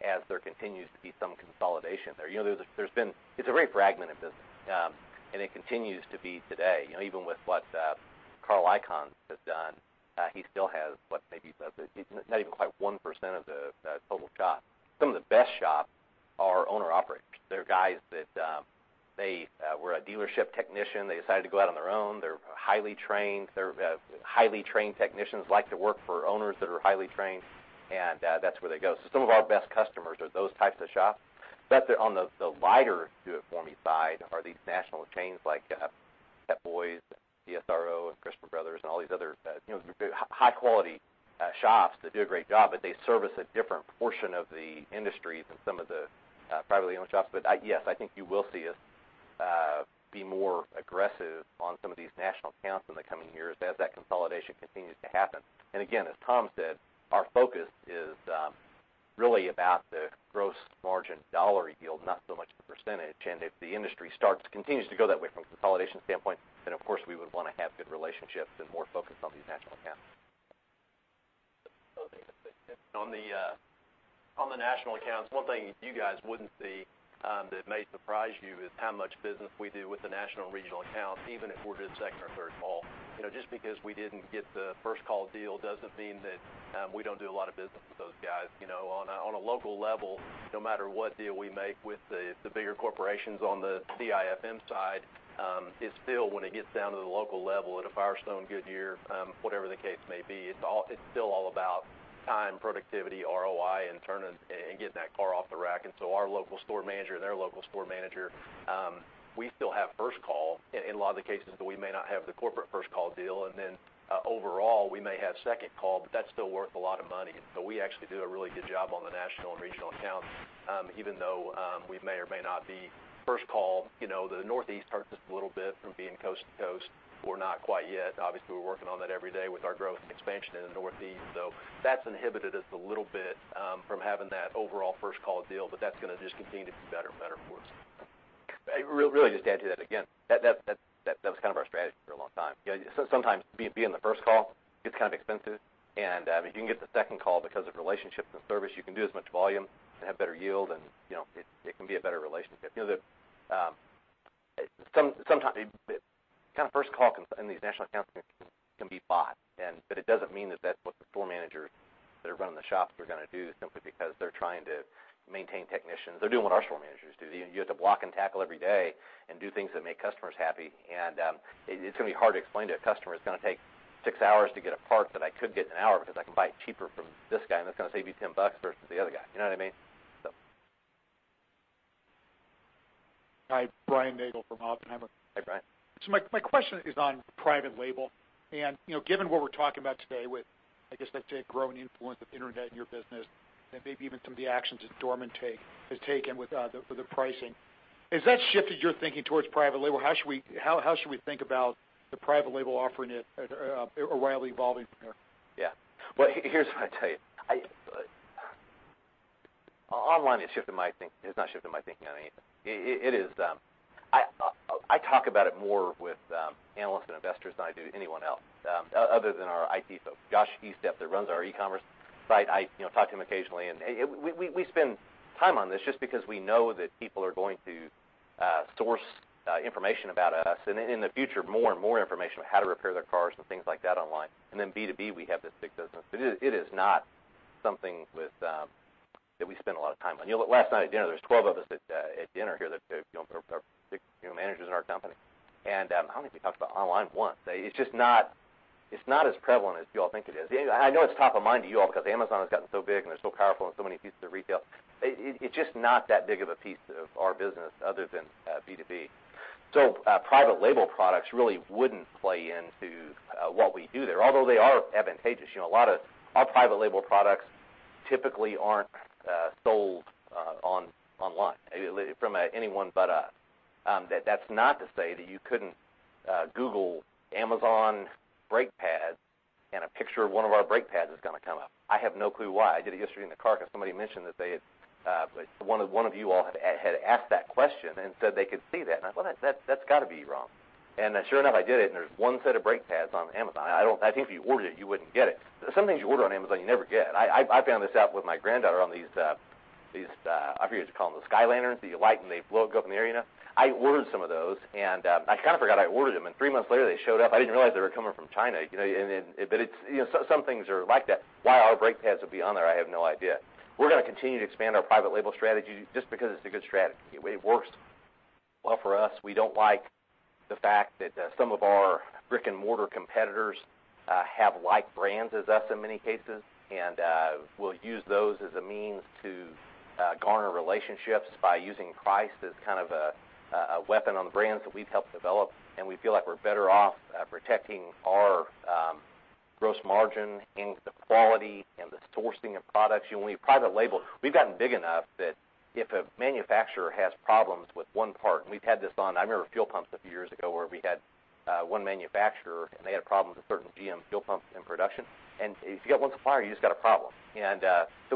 S2: as there continues to be some consolidation there. It's a very fragmented business, and it continues to be today. Even with what Carl Icahn has done, he still has what, maybe not even quite 1% of the total shops. Some of the best shops are owner-operated. They're guys that were a dealership technician. They decided to go out on their own. They're highly trained. Highly trained technicians like to work for owners that are highly trained, and that's where they go. Some of our best customers are those types of shops. On the lighter Do It For Me side are these national chains like Pep Boys, Sincro, and Christian Brothers and all these others, high quality shops that do a great job, but they service a different portion of the industry than some of the privately-owned shops. Yes, I think you will see us be more aggressive on some of these national accounts in the coming years as that consolidation continues to happen. Again, as Tom said, our focus is really about the gross margin dollar yield, not so much the %. If the industry continues to go that way from a consolidation standpoint, of course we would want to have good relationships and more focus on these national accounts.
S5: On the national accounts, one thing you guys wouldn't see that may surprise you is how much business we do with the national and regional accounts, even if we're good second or third call. Just because we didn't get the first-call deal doesn't mean that we don't do a lot of business with those guys. On a local level, no matter what deal we make with the bigger corporations on the DIFM side, it's still when it gets down to the local level at a Firestone, Goodyear, whatever the case may be, it's still all about time, productivity, ROI, and getting that car off the rack. Our local store manager and their local store manager, we still have first call in a lot of the cases, but we may not have the corporate first-call deal. Overall, we may have second call, but that's still worth a lot of money. We actually do a really good job on the national and regional accounts, even though we may or may not be first call. The Northeast hurts us a little bit from being coast to coast. We're not quite yet. Obviously, we're working on that every day with our growth and expansion in the Northeast. That's inhibited us a little bit from having that overall first-call deal, but that's going to just continue to be better and better for us.
S2: Just to add to that, again, that was kind of our strategy for a long time. Sometimes being the first call gets kind of expensive, if you can get the second call because of relationships and service, you can do as much volume and have better yield, it can be a better relationship. First call in these national accounts can be bought, it doesn't mean that that's what the store managers that are running the shops are going to do simply because they're trying to maintain technicians. They're doing what our store managers do. You have to block and tackle every day and do things that make customers happy. It's going to be hard to explain to a customer it's going to take 6 hours to get a part that I could get in one hour because I can buy it cheaper from this guy, that's going to save you $10 versus the other guy. You know what I mean?
S11: Hi, Brian Nagel from Oppenheimer.
S2: Hi, Brian.
S11: My question is on private label, and given what we're talking about today with, I guess let's say, growing influence of internet in your business and maybe even some of the actions that Dorman has taken with the pricing, has that shifted your thinking towards private label? How should we think about the private label offering at O'Reilly evolving from there?
S2: Yeah. Well, here's what I'd tell you. Online, it has not shifted my thinking on anything. I talk about it more with analysts and investors than I do anyone else other than our IT folks. Josh Estepp that runs our e-commerce site, I talk to him occasionally, and we spend time on this just because we know that people are going to source information about us, and in the future, more and more information on how to repair their cars and things like that online. Then B2B, we have this big business. It is not something that we spend a lot of time on. Last night at dinner, there was 12 of us at dinner here that are big managers in our company, and I don't think we talked about online once. It's not as prevalent as you all think it is. I know it's top of mind to you all because Amazon has gotten so big and they're so powerful and so many pieces of retail. It's just not that big of a piece of our business other than B2B. Private label products really wouldn't play into what we do there, although they are advantageous. A lot of our private label products typically aren't sold online from anyone but us. That's not to say that you couldn't Google Amazon brake pads and a picture of one of our brake pads is going to come up. I have no clue why. I did it yesterday in the car because somebody mentioned that one of you all had asked that question and said they could see that, and I thought, "That's got to be wrong." Sure enough, I did it, and there's one set of brake pads on Amazon. I think if you ordered it, you wouldn't get it. Some things you order on Amazon, you never get. I found this out with my granddaughter on these, I forget what you call them, the sky lanterns that you light, and they float up in the air. I ordered some of those, and I kind of forgot I ordered them, and 3 months later, they showed up. I didn't realize they were coming from China. Some things are like that. Why our brake pads would be on there, I have no idea. We're going to continue to expand our private label strategy just because it's a good strategy. It works well for us. We don't like the fact that some of our brick-and-mortar competitors have like brands as us in many cases. We'll use those as a means to garner relationships by using price as kind of a weapon on the brands that we've helped develop. We feel like we're better off protecting our gross margin and the quality and the sourcing of products. When you private label, we've gotten big enough that if a manufacturer has problems with one part, and we've had this on, I remember fuel pumps a few years ago where we had one manufacturer, and they had problems with certain GM fuel pumps in production. If you've got one supplier, you just got a problem. We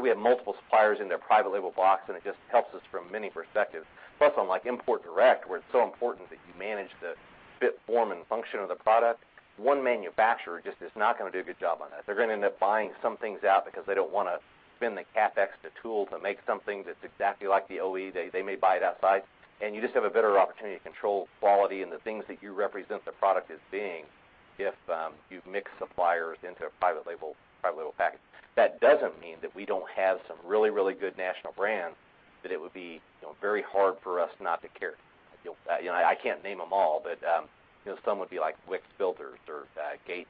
S2: have multiple suppliers in their private label box, and it just helps us from many perspectives. On Import Direct, where it's so important that you manage the fit, form, and function of the product, one manufacturer just is not going to do a good job on that. They're going to end up buying some things out because they don't want to spend the CapEx, the tool to make something that's exactly like the OE. They may buy it outside, and you just have a better opportunity to control quality and the things that you represent the product as being if you've mixed suppliers into a private label package. That doesn't mean that we don't have some really, really good national brands that it would be very hard for us not to carry. I can't name them all, but some would be like WIX Filters or Gates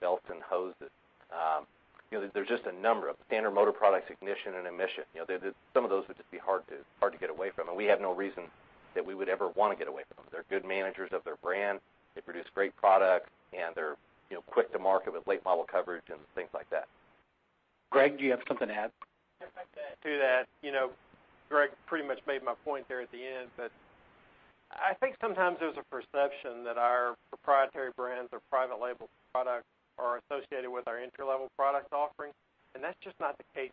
S2: Belts and Hoses. There's just a number of Standard Motor Products, ignition, and emission. Some of those would just be hard to get away from. We have no reason that we would ever want to get away from them. They're good managers of their brand, they produce great product, they're quick to market with late model coverage and things like that.
S5: Greg, do you have something to add?
S3: Greg pretty much made my point there at the end, I think sometimes there's a perception that our proprietary brands or private label products are associated with our entry-level product offerings, and that's just not the case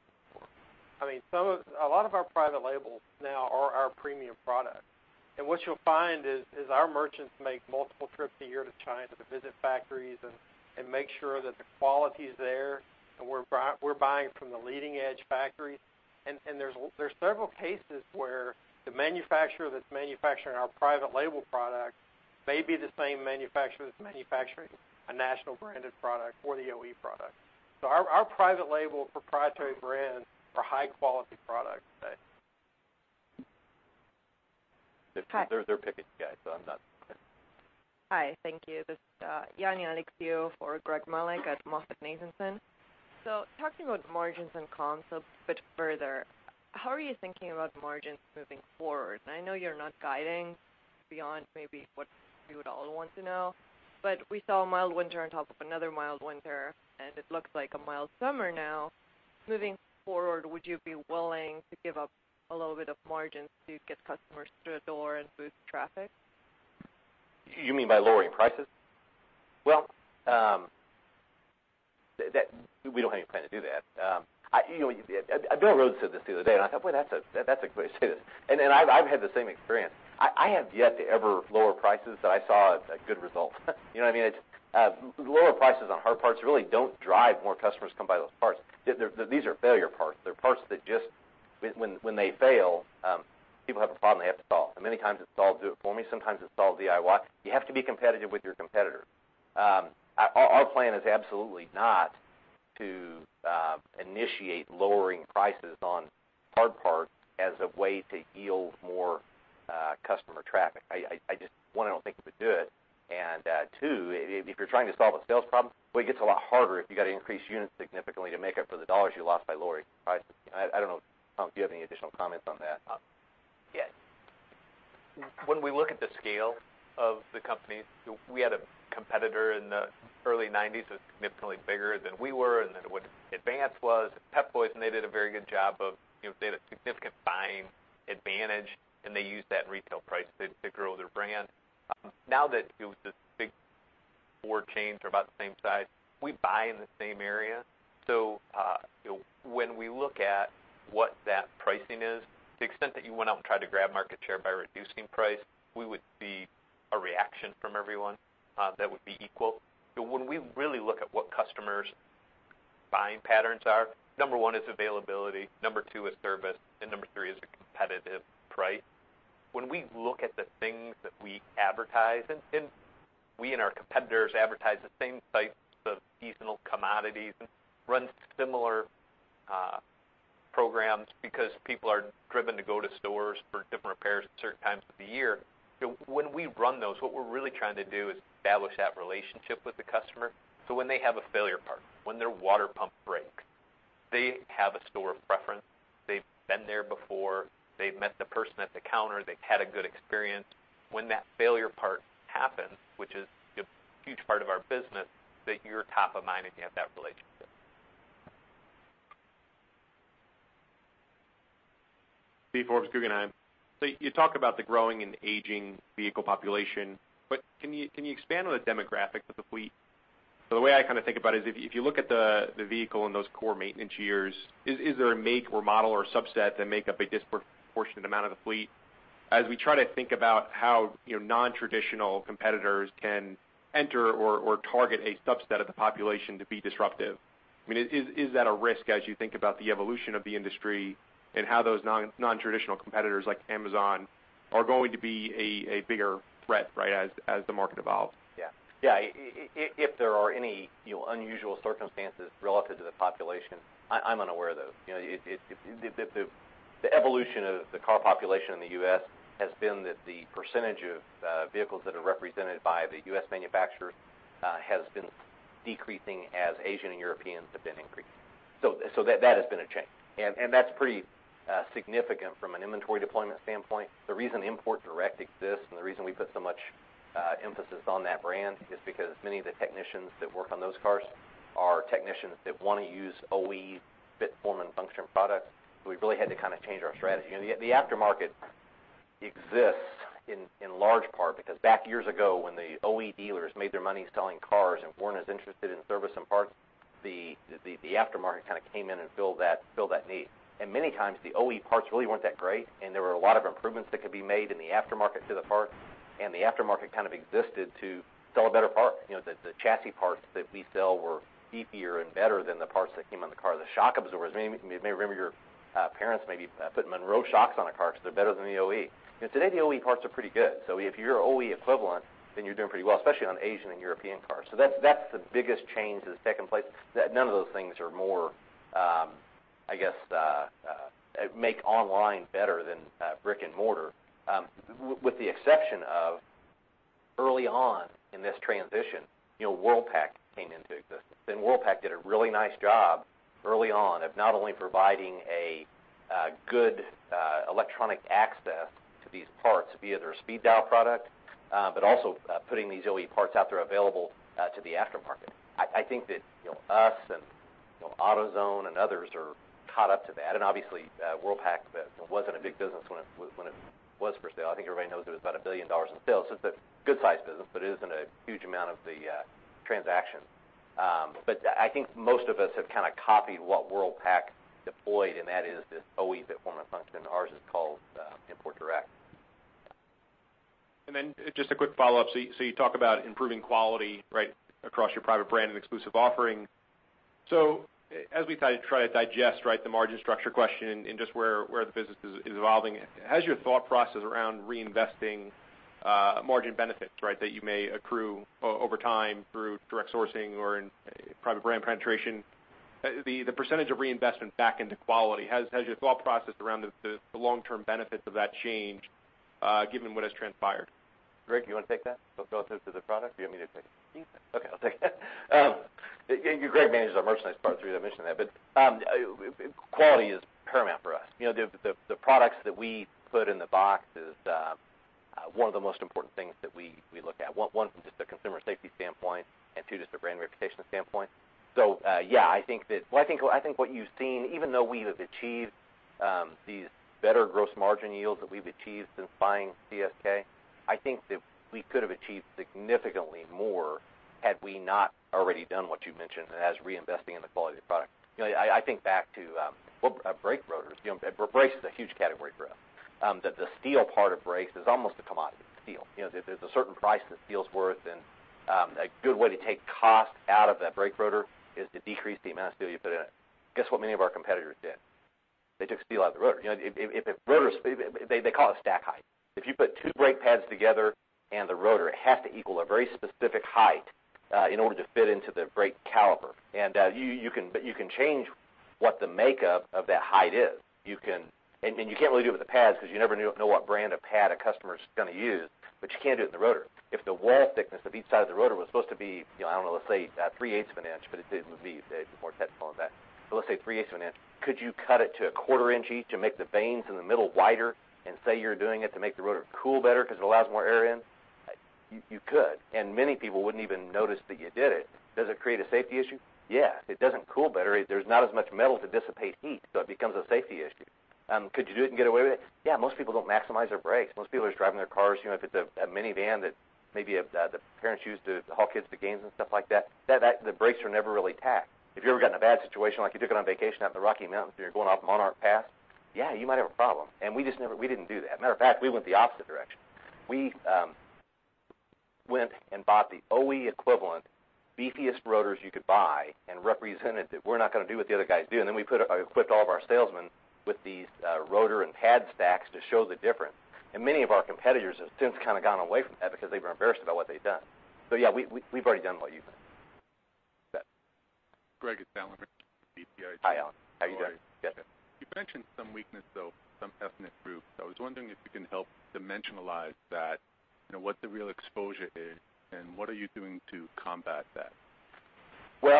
S3: anymore. A lot of our private labels now are our premium products. What you'll find is our merchants make multiple trips a year to China to visit factories and make sure that the quality is there and we're buying from the leading-edge factories. There's several cases where the manufacturer that's manufacturing our private label product may be the same manufacturer that's manufacturing a national branded product or the OE product. Our private label proprietary brands are high-quality products today.
S12: Hi.
S3: They're picking guys.
S13: Hi, thank you. This is Yani Alexiu for Greg Melich at MoffettNathanson. Talking about margins and concepts a bit further, how are you thinking about margins moving forward? I know you're not guiding beyond maybe what we would all want to know, we saw a mild winter on top of another mild winter, it looks like a mild summer now. Moving forward, would you be willing to give up a little bit of margins to get customers through the door and boost traffic?
S2: You mean by lowering prices? Well, we don't have any plan to do that. Bill Rhodes said this the other day, I thought, "Boy, that's a great way to say this." I've had the same experience. I have yet to ever lower prices that I saw a good result. You know what I mean? Lower prices on hard parts really don't drive more customers to come buy those parts. These are failure parts. They're parts that just, when they fail, people have a problem they have to solve. Many times it's solve do it for me, sometimes it's solve DIY. You have to be competitive with your competitor. Our plan is absolutely not to initiate lowering prices on hard parts as a way to yield more customer traffic. One, I don't think it would do it. Two, if you're trying to solve a sales problem, well, it gets a lot harder if you got to increase units significantly to make up for the $ you lost by lowering prices. I don't know, Tom, if you have any additional comments on that.
S3: When we look at the scale of the company, we had a competitor in the early 1990s who was significantly bigger than we were and than what Advance was, Pep Boys, and they did a very good job of, they had a significant buying advantage and they used that in retail price to grow their brand. Now that it was this big, four chains are about the same size, we buy in the same area. When we look at what that pricing is, to the extent that you went out and tried to grab market share by reducing price, we would see a reaction from everyone that would be equal. When we really look at what customers' buying patterns are, number 1 is availability, number 2 is service, and number 3 is a competitive price. When we look at the things that we advertise, and we and our competitors advertise the same types of seasonal commodities and run similar programs because people are driven to go to stores for different repairs at certain times of the year. When we run those, what we're really trying to do is establish that relationship with the customer, so when they have a failure part, when their water pump breaks, they have a store of preference. They've been there before. They've met the person at the counter. They've had a good experience. When that failure part happens, which is a huge part of our business, that you're top of mind and you have that relationship.
S12: Steve Forbes, Guggenheim. You talk about the growing and aging vehicle population, can you expand on the demographic of the fleet? The way I kind of think about it is if you look at the vehicle and those core maintenance years, is there a make or model or subset that make up a disproportionate amount of the fleet? As we try to think about how nontraditional competitors can enter or target a subset of the population to be disruptive, is that a risk as you think about the evolution of the industry and how those nontraditional competitors, like Amazon, are going to be a bigger threat, right, as the market evolves?
S2: Yeah. If there are any unusual circumstances relative to the population, I'm unaware of those. The evolution of the car population in the U.S. has been that the percentage of vehicles that are represented by the U.S. manufacturers has been decreasing as Asian and Europeans have been increasing. That has been a change. That's pretty significant from an inventory deployment standpoint. The reason Import Direct exists and the reason we put so much emphasis on that brand is because many of the technicians that work on those cars are technicians that want to use OE fit, form, and function products. We've really had to change our strategy. The aftermarket exists in large part because back years ago, when the OE dealers made their money selling cars and weren't as interested in service and parts, the aftermarket came in and filled that need. Many times, the OE parts really weren't that great, and there were a lot of improvements that could be made in the aftermarket to the parts, and the aftermarket kind of existed to sell a better part. The chassis parts that we sell were beefier and better than the parts that came on the car. The shock absorbers, you may remember your parents maybe putting Monroe shocks on a car because they're better than the OE. Today, the OE parts are pretty good. If you're OE equivalent, then you're doing pretty well, especially on Asian and European cars. That's the biggest change that has taken place. None of those things are more, I guess, make online better than brick and mortar. With the exception of early on in this transition, Worldpac came into existence, Worldpac did a really nice job early on of not only providing a good electronic access parts via their speedDIAL product, but also putting these OE parts out there available to the aftermarket. I think that us and AutoZone and others are caught up to that. Obviously, Worldpac wasn't a big business when it was for sale. I think everybody knows it was about $1 billion in sales. It's a good-sized business, but it isn't a huge amount of the transaction. I think most of us have copied what Worldpac deployed, and that is this OE fit, form, and function. Ours is called Import Direct.
S12: Just a quick follow-up. You talk about improving quality, right, across your private brand and exclusive offering. As we try to digest, right, the margin structure question and just where the business is evolving, has your thought process around reinvesting margin benefits, right, that you may accrue over time through direct sourcing or in private brand penetration, the % of reinvestment back into quality, has your thought process around the long-term benefits of that changed, given what has transpired?
S2: Rick, you want to take that, the relative to the product, or you want me to take it?
S14: You can take it.
S2: Okay, I'll take it. Greg manages our merchandise part through that I mentioned that, but quality is paramount for us. The products that we put in the box is one of the most important things that we look at. One, from just a consumer safety standpoint, and two, just a brand reputation standpoint. Yeah, I think what you've seen, even though we have achieved these better gross margin yields that we've achieved since buying CSK, I think that we could have achieved significantly more had we not already done what you mentioned as reinvesting in the quality of the product. I think back to brake rotors. brakes is a huge category for us. That the steel part of brakes is almost a commodity, steel. There's a certain price that steel's worth, and a good way to take cost out of that brake rotor is to decrease the amount of steel you put in it. Guess what many of our competitors did? They took steel out of the rotor. They call it stack height. If you put two brake pads together and the rotor, it has to equal a very specific height in order to fit into the brake caliper. You can change what the makeup of that height is. You can't really do it with the pads because you never know what brand of pad a customer's going to use, but you can do it in the rotor. If the wall thickness of each side of the rotor was supposed to be, I don't know, let's say three-eighths of an inch, but it would be more technical than that. Let's say three-eighths of an inch. Could you cut it to a quarter inch each to make the vanes in the middle wider and say you're doing it to make the rotor cool better because it allows more air in? You could, and many people wouldn't even notice that you did it. Does it create a safety issue? Yes. It doesn't cool better. There's not as much metal to dissipate heat, so it becomes a safety issue. Could you do it and get away with it? Yeah, most people don't maximize their brakes. Most people are just driving their cars, if it's a minivan that maybe the parents use to haul kids to games and stuff like that, the brakes are never really taxed. If you've ever gotten in a bad situation, like you took it on vacation out in the Rocky Mountains and you're going off Monarch Pass, yeah, you might have a problem. We didn't do that. Matter of fact, we went the opposite direction. We went and bought the OE equivalent beefiest rotors you could buy and represented that we're not going to do what the other guys do. Then we equipped all of our salesmen with these rotor and pad stacks to show the difference. Many of our competitors have since kind of gone away from that because they were embarrassed about what they'd done. Yeah, we've already done what you've done.
S14: Greg, it's Allan from BTIG.
S2: Hi, Allan. How are you doing?
S14: Good. You mentioned some weakness, though, some ethnic groups. I was wondering if you can help dimensionalize that, what the real exposure is, and what are you doing to combat that?
S2: We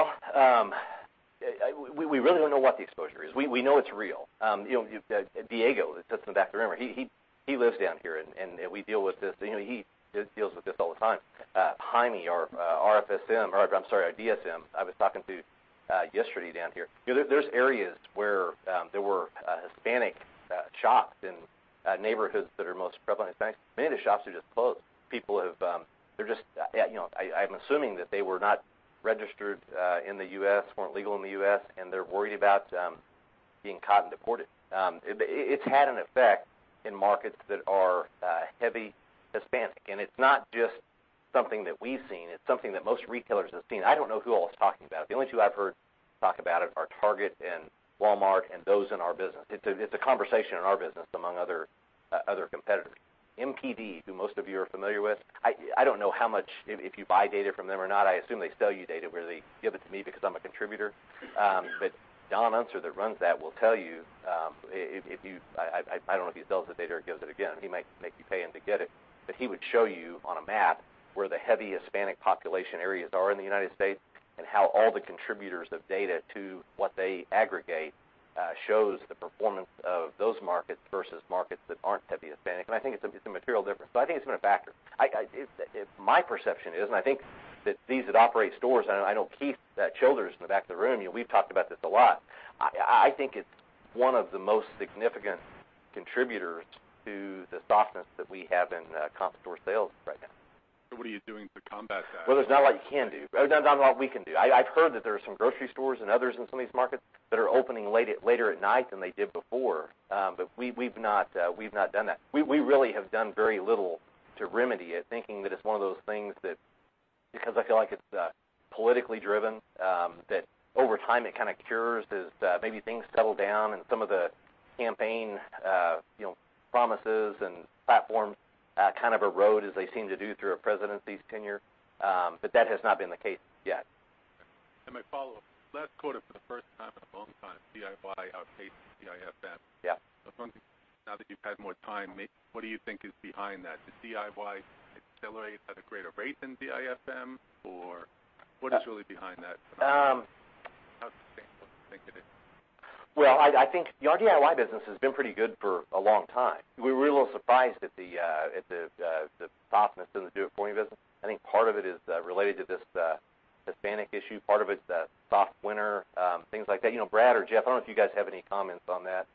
S2: really don't know what the exposure is. We know it's real. Diego, who sits in the back of the room, he lives down here, and we deal with this. He deals with this all the time. Jaime, our RFSM, or I'm sorry, our DSM, I was talking to yesterday down here. There's areas where there were Hispanic shops in neighborhoods that are most prevalent Hispanic. Many of the shops are just closed. I'm assuming that they were not registered in the U.S., weren't legal in the U.S., and they're worried about being caught and deported. It's had an effect in markets that are heavy Hispanic. It's not just something that we've seen. It's something that most retailers have seen. I don't know who all is talking about it. The only two I've heard talk about it are Target and Walmart and those in our business. It's a conversation in our business among other competitors. NPD, who most of you are familiar with, I don't know how much, if you buy data from them or not, I assume they sell you data where they give it to me because I'm a contributor. Don Unser that runs that will tell you, I don't know if he sells the data or gives it again. He might make you pay him to get it, but he would show you on a map where the heavy Hispanic population areas are in the United States and how all the contributors of data to what they aggregate shows the performance of those markets versus markets that aren't heavy Hispanic. I think it's a material difference, but I think it's been a factor. My perception is, I think that these that operate stores, and I know Keith Childers in the back of the room, we've talked about this a lot. I think it's one of the most significant contributors to the softness that we have in comp store sales right now.
S14: What are you doing to combat that?
S2: There's not a lot you can do. There's not a lot we can do. I've heard that there are some grocery stores and others in some of these markets that are opening later at night than they did before, we've not done that. We really have done very little to remedy it, thinking that it's one of those things that because I feel like it's politically driven, that over time it kind of cures as maybe things settle down and some of the campaign promises and platforms kind of erode as they seem to do through a presidency's tenure. That has not been the case yet.
S14: My follow-up, last quarter, for the first time in a long time, DIY outpaced DIFM.
S2: Yeah.
S14: Now that you've had more time, what do you think is behind that? Does DIY accelerate at a greater rate than DIFM, or what is really behind that dynamic?
S4: Well, I think our DIY business has been pretty good for a long time. We were a little surprised at the softness in the Do It For Me business. I think part of it is related to this Hispanic issue. Part of it's the soft winter, things like that. Brad or Jeff, I don't know if you guys have any comments on that.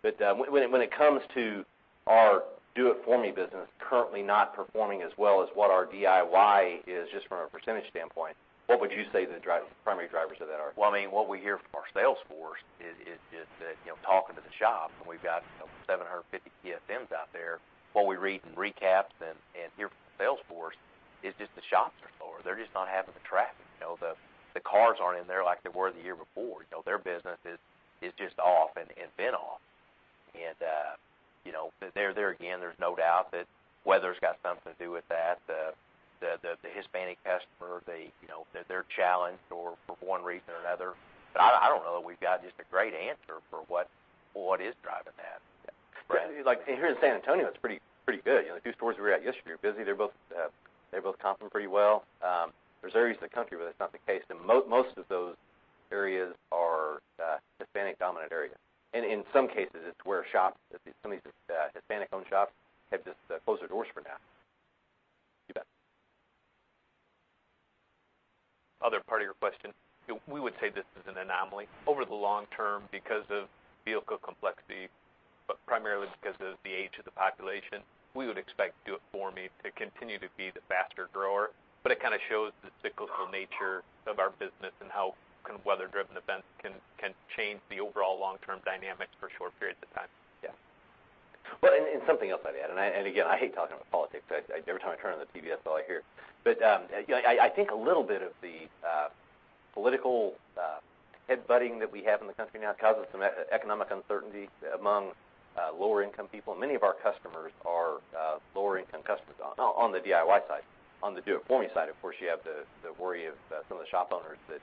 S4: When it comes to our Do It For Me business currently not performing as well as what our DIY is, just from a % standpoint, what would you say the primary drivers of that are? Well, what we hear from our sales force is that, talking to the shops, and we've got 750 PSMs out there, what we read in recaps and hear from the sales force is just the shops are slower. They're just not having the traffic. The cars aren't in there like they were the year before. Their business is just off and been off. There again, there's no doubt that weather's got something to do with that. The Hispanic customer, they're challenged for one reason or another. I don't know that we've got just a great answer for what is driving that.
S2: Yeah.
S4: Brad?
S2: Like here in San Antonio, it's pretty good. The two stores we were at yesterday are busy. They're both comping pretty well. There's areas of the country where that's not the case, and most of those areas are Hispanic-dominant areas. In some cases, it's where shops, some of these Hispanic-owned shops, have just closed their doors for now.
S4: You bet.
S2: Other part of your question, we would say this is an anomaly. Over the long term, because of vehicle complexity, but primarily because of the age of the population, we would expect Do It For Me to continue to be the faster grower. It kind of shows the cyclical nature of our business and how weather-driven events can change the overall long-term dynamics for short periods of time.
S4: Well, something else I'd add, again, I hate talking about politics. Every time I turn on the TV, that's all I hear. I think a little bit of the political headbutting that we have in the country now causes some economic uncertainty among lower-income people, and many of our customers are lower-income customers on the DIY side. On the Do It For Me side, of course, you have the worry of some of the shop owners that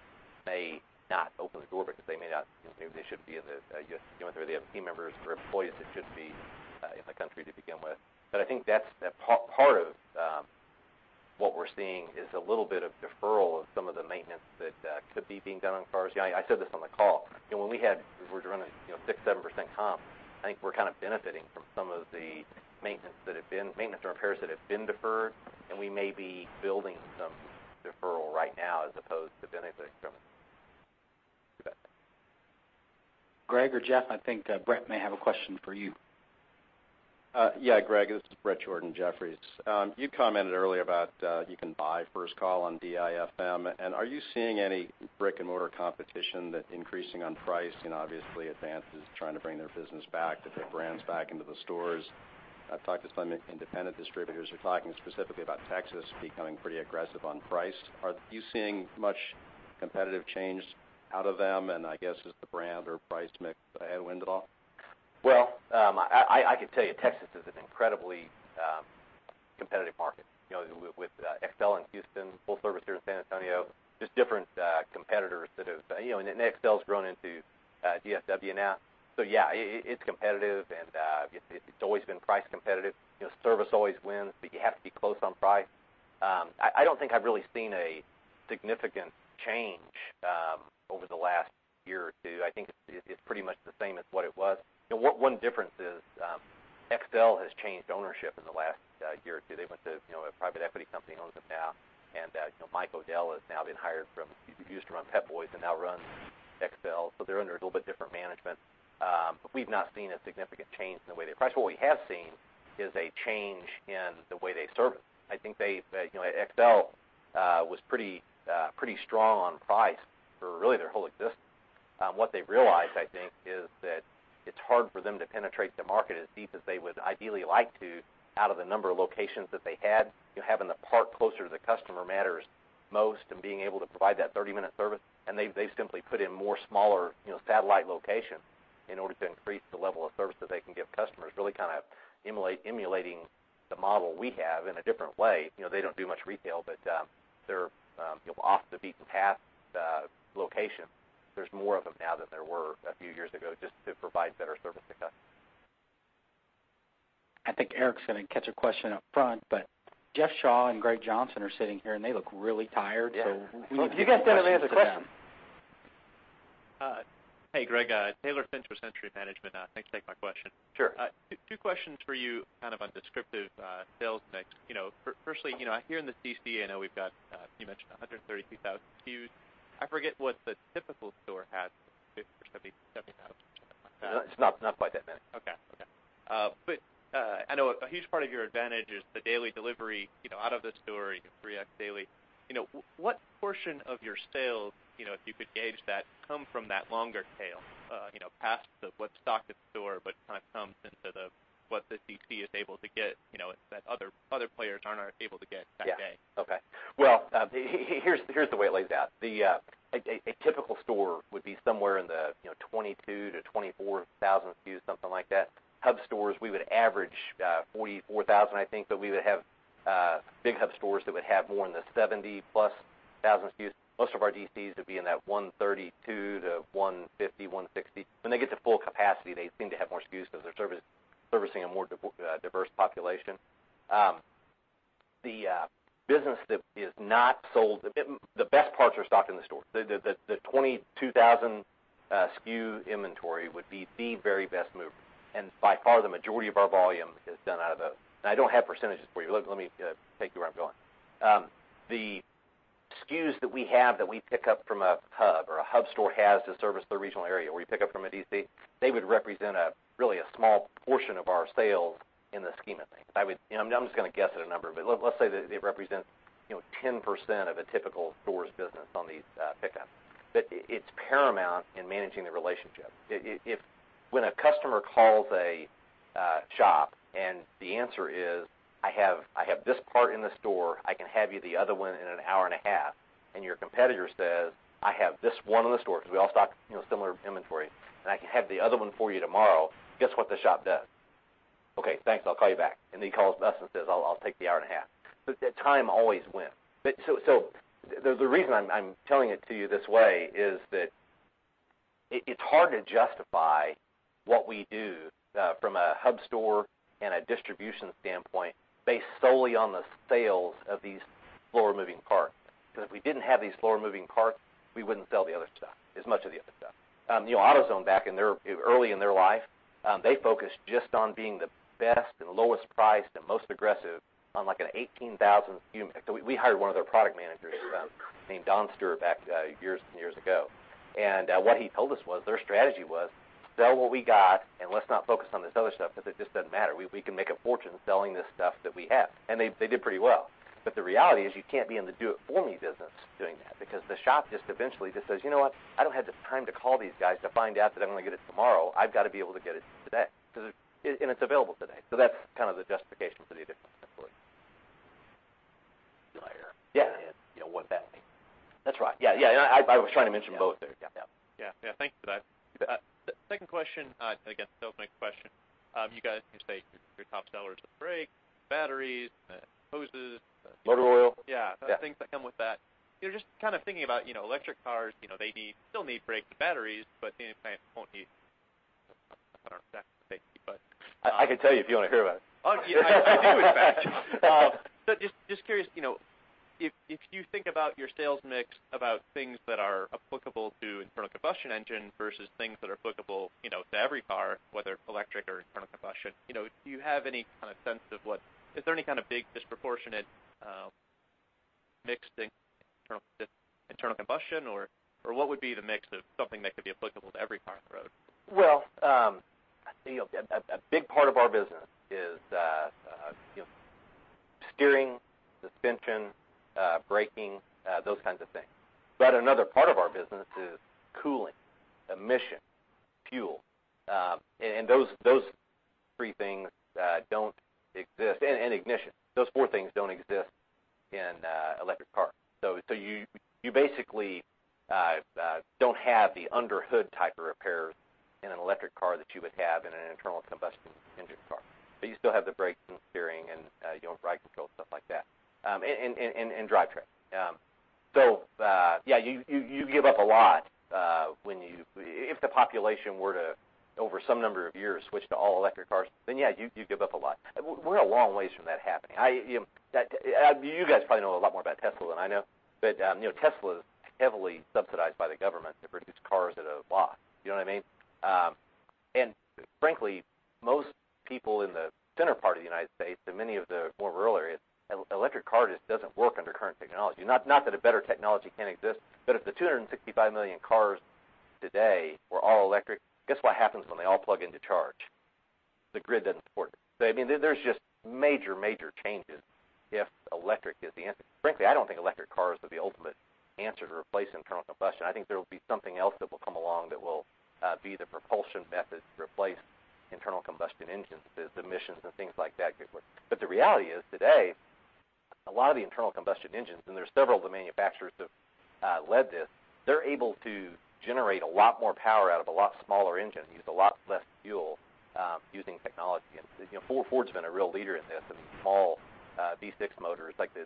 S4: may not open the door because they may not, maybe they shouldn't be in the U.S., or they have team members or employees that shouldn't be in the country to begin with. I think that's part of what we're seeing is a little bit of deferral of some of the maintenance that could be being done on cars. I said this on the call. When we were running 6%-7% comp, I think we're kind of benefiting from some of the maintenance or repairs that have been deferred, we may be building some deferral right now as opposed to benefiting from it. You bet.
S1: Greg or Jeff, I think Bret may have a question for you.
S15: Yeah, Greg, this is Bret Jordan, Jefferies. You commented earlier about you can buy first call on DIFM. Are you seeing any brick-and-mortar competition that increasing on price? Obviously Advance is trying to bring their business back, to get brands back into the stores. I've talked to some independent distributors who are talking specifically about Texas becoming pretty aggressive on price. Are you seeing much competitive change out of them? I guess is the brand or price mix a headwind at all?
S4: Well, I can tell you Texas is an incredibly competitive market. With Excel in Houston, Full Service here in San Antonio, just different competitors that have-- Excel's grown into DSW now. Yeah, it's competitive, and it's always been price competitive. Service always wins, but you have to be close on price. I don't think I've really seen a significant change over the last year or two. I think it's pretty much the same as what it was. One difference is Excel has changed ownership in the last year or two. A private equity company owns them now. Mike O'Dell has now been hired from, he used to run Pep Boys and now runs Excel. They're under a little bit different management. We've not seen a significant change in the way they price. What we have seen is a change in the way they service. I think Excel was pretty strong on price for really their whole existence. What they've realized, I think, is that it's hard for them to penetrate the market as deep as they would ideally like to out of the number of locations that they had. Having the part closer to the customer matters most and being able to provide that 30-minute service. They've simply put in more smaller satellite locations in order to increase the level of service that they can give customers, really kind of emulating the model we have in a different way. They don't do much retail, but they're off the beaten path location. There's more of them now than there were a few years ago just to provide better service to customers.
S1: I think Eric's going to catch a question up front, but Jeff Shaw and Greg Johnson are sitting here, and they look really tired.
S4: Yeah.
S1: We need to get some questions to them.
S4: If you guys don't have any other questions.
S16: Hey, Greg, Taylor Finch with Century Management. Thanks for taking my question.
S4: Sure.
S16: Two questions for you, kind of on descriptive sales mix. Firstly, here in the DC, I know we've got, you mentioned 132,000 SKUs. I forget what the typical store has, 50 or 70,000, something like that.
S4: It's not quite that many.
S16: Okay. I know a huge part of your advantage is the daily delivery out of the store. You can re-up daily. What portion of your sales, if you could gauge that, come from that longer tail, past what's stocked at the store but kind of comes into what the DC is able to get that other players aren't able to get that day?
S4: Yeah. Okay. Here's the way it lays out. A typical store would be somewhere in the 22,000-24,000 SKUs, something like that. Hub stores, we would average 44,000, I think. We would have big hub stores that would have more in the 70,000-plus SKUs. Most of our DCs would be in that 132 to 150, 160. When they get to full capacity, they seem to have more SKUs because they're servicing a more diverse population.
S2: The business that is not sold, the best parts are stocked in the store. The 22,000 SKU inventory would be the very best mover. By far, the majority of our volume is done out of those. I don't have percentages for you. Let me take you where I'm going. The SKUs that we have that we pick up from a hub or a hub store has to service the regional area, where you pick up from a DC, they would represent really a small portion of our sales in the scheme of things. I'm just going to guess at a number, but let's say that it represents 10% of a typical store's business on these pickups. It's paramount in managing the relationship. When a customer calls a shop and the answer is, "I have this part in the store. I can have you the other one in an hour and a half," and your competitor says, "I have this one in the store," because we all stock similar inventory, "and I can have the other one for you tomorrow," guess what the shop does? "Okay, thanks. I'll call you back." He calls us and says, "I'll take the hour and a half." Time always wins. The reason I'm telling it to you this way is that it's hard to justify what we do from a hub store and a distribution standpoint based solely on the sales of these slower-moving parts. Because if we didn't have these slower-moving parts, we wouldn't sell the other stuff, as much of the other stuff. AutoZone, early in their life, they focused just on being the best and lowest priced and most aggressive on an 18,000 SKU mix. We hired one of their product managers named Don Stir back years and years ago. What he told us was, their strategy was, "Sell what we got and let's not focus on this other stuff because it just doesn't matter. We can make a fortune selling this stuff that we have." They did pretty well. The reality is you can't be in the do it for me business doing that because the shop just eventually just says, "You know what? I don't have the time to call these guys to find out that I'm going to get it tomorrow. I've got to be able to get it today." It's available today. That's kind of the justification for the difference, simply. Yeah.
S16: What that means.
S2: That's right. Yeah. I was trying to mention both there. Yeah.
S16: Yeah. Thanks for that. Second question, again, still my question. You guys, you state your top sellers are brakes, batteries, hoses.
S2: Motor oil.
S16: Yeah.
S2: Yeah.
S16: Things that come with that. Just thinking about electric cars, they still need brakes and batteries, but they won't need safety.
S2: I can tell you if you want to hear about it.
S16: Oh, yeah, I do, in fact. Just curious, if you think about your sales mix about things that are applicable to internal combustion engine versus things that are applicable to every car, whether electric or internal combustion, do you have any kind of sense of? Is there any kind of big disproportionate mix in internal combustion, or what would be the mix of something that could be applicable to every car on the road?
S2: A big part of our business is steering, suspension, braking, those kinds of things. Another part of our business is cooling, emission, fuel, and those three things don't exist. Ignition. Those four things don't exist in an electric car. You basically don't have the under hood type of repairs in an electric car that you would have in an internal combustion engine car. You still have the brakes and steering and ride control, stuff like that, and drive train. Yeah, you give up a lot if the population were to, over some number of years, switch to all-electric cars, then yeah, you give up a lot. We're a long ways from that happening. You guys probably know a lot more about Tesla than I know, but Tesla is heavily subsidized by the government to produce cars at a loss. You know what I mean? Frankly, most people in the center part of the U.S. and many of the more rural areas, electric car just doesn't work under current technology. Not that a better technology can't exist, but if the 265 million cars today were all electric, guess what happens when they all plug in to charge? The grid doesn't support it. There's just major changes if electric is the answer. Frankly, I don't think electric cars are the ultimate answer to replace internal combustion. I think there will be something else that will come along that will be the propulsion method to replace internal combustion engines, the emissions and things like that. The reality is today, a lot of the internal combustion engines, and there's several of the manufacturers that led this, they're able to generate a lot more power out of a lot smaller engine and use a lot less fuel using technology. Ford's been a real leader in this in these small V6 motors. Like the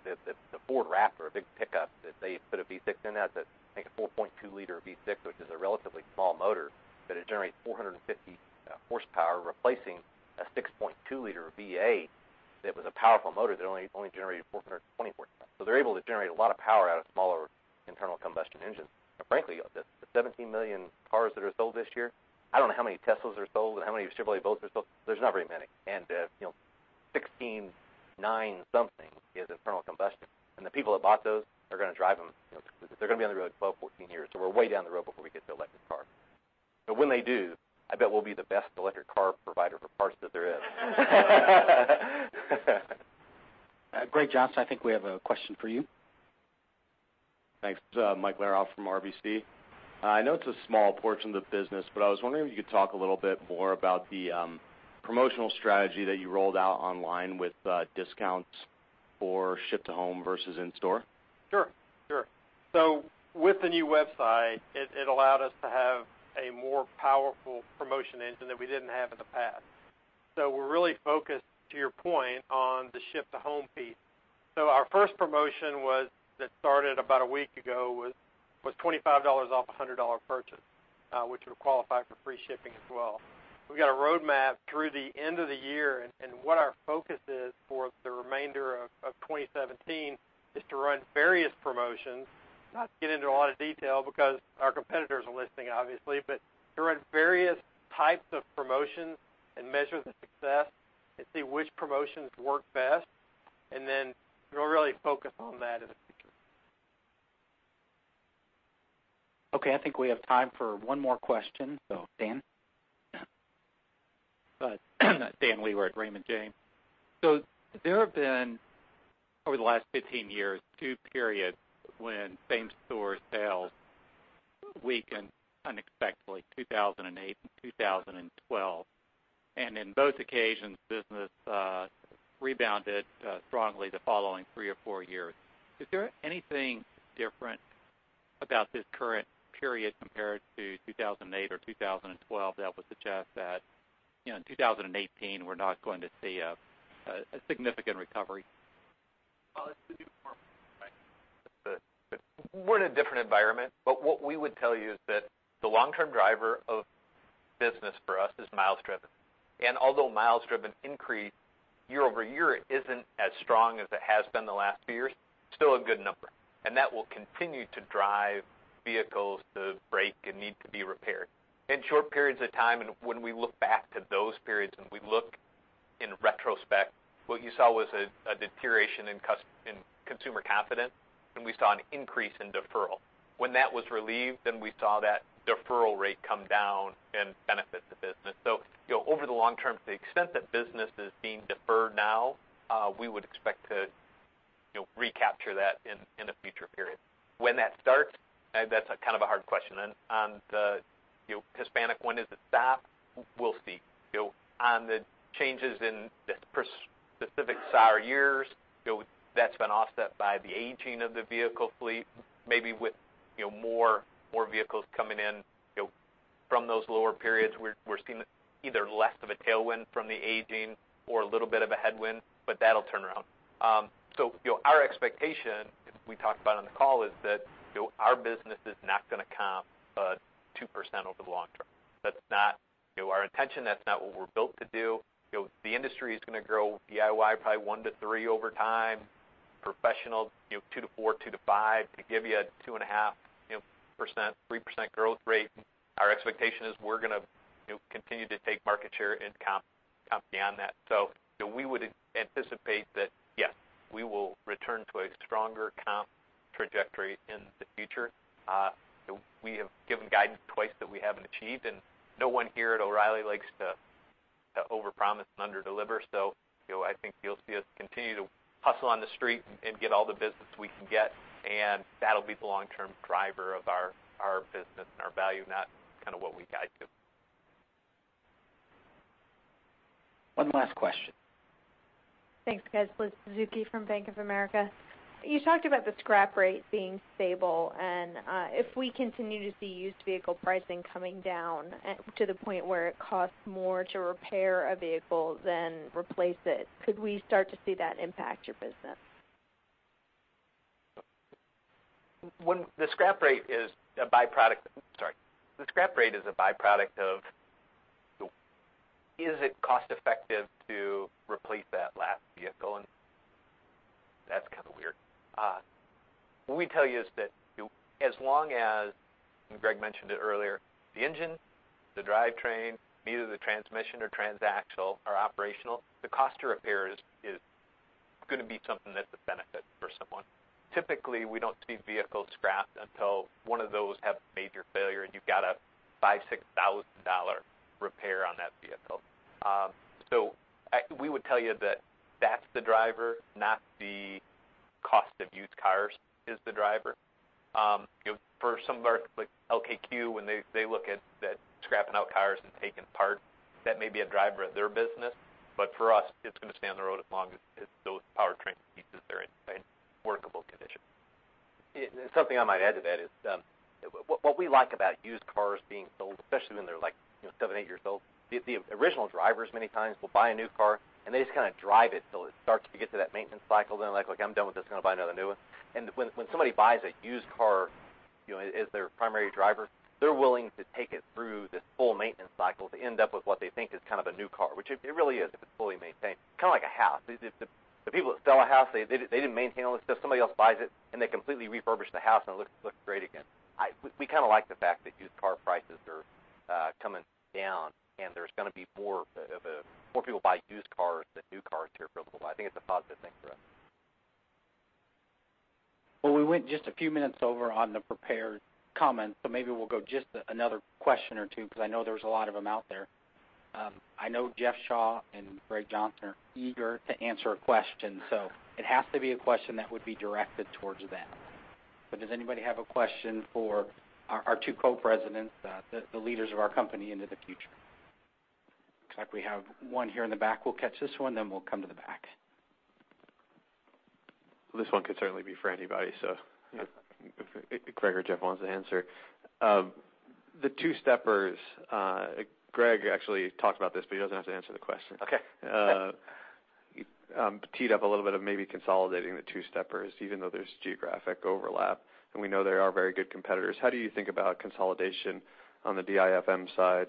S2: Ford Raptor, a big pickup that they put a V6 in that, I think a 4.2 liter V6, which is a relatively small motor, but it generates 450 horsepower, replacing a 6.2 liter V8 that was a powerful motor that only generated 420 horsepower. They're able to generate a lot of power out of smaller internal combustion engines. Frankly, the 17 million cars that are sold this year, I don't know how many Teslas are sold and how many Chevrolet Volts are sold. There's not very many. 16 nine-something is internal combustion. The people that bought those, they're going to drive them. They're going to be on the road 12, 14 years. We're way down the road before we get to electric cars. When they do, I bet we'll be the best electric car provider for parts that there is.
S1: Greg Johnson, I think we have a question for you.
S17: Thanks. Mike Wierauch from RBC. I know it's a small portion of the business, but I was wondering if you could talk a little bit more about the promotional strategy that you rolled out online with discounts for ship to home versus in store.
S3: Sure. With the new website, it allowed us to have a more powerful promotion engine that we didn't have in the past. We're really focused, to your point, on the ship to home piece. Our first promotion that started about a week ago was $25 off a $100 purchase. Which would qualify for free shipping as well. We've got a roadmap through the end of the year, and what our focus is for the remainder of 2017 is to run various promotions. Not to get into a lot of detail because our competitors are listening, obviously, but to run various types of promotions and measure the success and see which promotions work best, and then we'll really focus on that in the future.
S1: Okay, I think we have time for one more question. Dan?
S18: Dan Wewer at Raymond James. There have been, over the last 15 years, two periods when same-store sales weakened unexpectedly, 2008 and 2012. In both occasions, business rebounded strongly the following three or four years. Is there anything different about this current period compared to 2008 or 2012 that would suggest that in 2018, we're not going to see a significant recovery?
S6: Well, it's a different environment. We're in a different environment, but what we would tell you is that the long-term driver of business for us is miles driven. Although miles driven increase year-over-year isn't as strong as it has been the last few years, still a good number. That will continue to drive vehicles to break and need to be repaired. In short periods of time, and when we look back to those periods and we look in retrospect, what you saw was a deterioration in consumer confidence, and we saw an increase in deferral. When that was relieved, then we saw that deferral rate come down and benefit the business. Over the long term, to the extent that business is being deferred now, we would expect to recapture that in a future period. When that starts, that's kind of a hard question. On the Hispanic one, is it staff? We'll see. On the changes in the specific SAAR years, that's been offset by the aging of the vehicle fleet, maybe with more vehicles coming in from those lower periods. We're seeing either less of a tailwind from the aging or a little bit of a headwind, but that'll turn around. Our expectation, as we talked about on the call, is that our business is not going to comp 2% over the long term. That's not our intention. That's not what we're built to do. The industry is going to grow DIY probably one to three over time, professional, two to four, two to five, to give you a 2.5%, 3% growth rate. Our expectation is we're going to continue to take market share and comp beyond that. We would anticipate that, yes, we will return to a stronger comp trajectory in the future. We have given guidance twice that we haven't achieved, and no one here at O'Reilly likes to overpromise and underdeliver. I think you'll see us continue to hustle on the street and get all the business we can get, and that'll be the long-term driver of our business and our value, not kind of what we guide to.
S1: One last question.
S19: Thanks, guys. Elizabeth Suzuki from Bank of America. You talked about the scrap rate being stable, and if we continue to see used vehicle pricing coming down to the point where it costs more to repair a vehicle than replace it, could we start to see that impact your business?
S6: The scrap rate is a byproduct of, is it cost effective to replace that last vehicle? That's kind of weird. What we tell you is that as long as, and Greg mentioned it earlier, the engine, the drivetrain, either the transmission or transaxle are operational, the cost to repair is going to be something that's a benefit for someone. Typically, we don't see vehicles scrapped until one of those have a major failure and you've got a $5,000, $6,000 repair on that vehicle. We would tell you that that's the driver, not the cost of used cars is the driver. For some of our, like LKQ, when they look at scrapping out cars and taking parts, that may be a driver of their business. For us, it's going to stay on the road as long as those powertrain pieces are in workable condition.
S2: Something I might add to that is, what we like about used cars being sold, especially when they're seven, eight years old, the original drivers many times will buy a new car and they just kind of drive it till it starts to get to that maintenance cycle. They're like, "Look, I'm done with this. Going to buy another new one." When somebody buys a used car as their primary driver, they're willing to take it through this full maintenance cycle to end up with what they think is kind of a new car. Which it really is, if it's fully maintained. Kind of like a house. The people that sell a house, they didn't maintain all this stuff. Somebody else buys it, and they completely refurbish the house, and it looks great again. We kind of like the fact that used car prices are coming down and there's going to be more people buying used cars than new cars here for a little while. I think it's a positive thing for us.
S1: We went just a few minutes over on the prepared comments, maybe we'll go just another question or two, because I know there's a lot of them out there. I know Jeff Shaw and Greg Johnson are eager to answer a question, it has to be a question that would be directed towards them. Does anybody have a question for our two co-presidents, the leaders of our company into the future? Looks like we have one here in the back. We'll catch this one, we'll come to the back.
S7: This one could certainly be for anybody, so if Greg or Jeff wants to answer. The two-steppers, Greg actually talked about this, but he doesn't have to answer the question.
S2: Okay.
S7: You teed up a little bit of maybe consolidating the two-steppers, even though there's geographic overlap, and we know they are very good competitors. How do you think about consolidation on the DIFM side,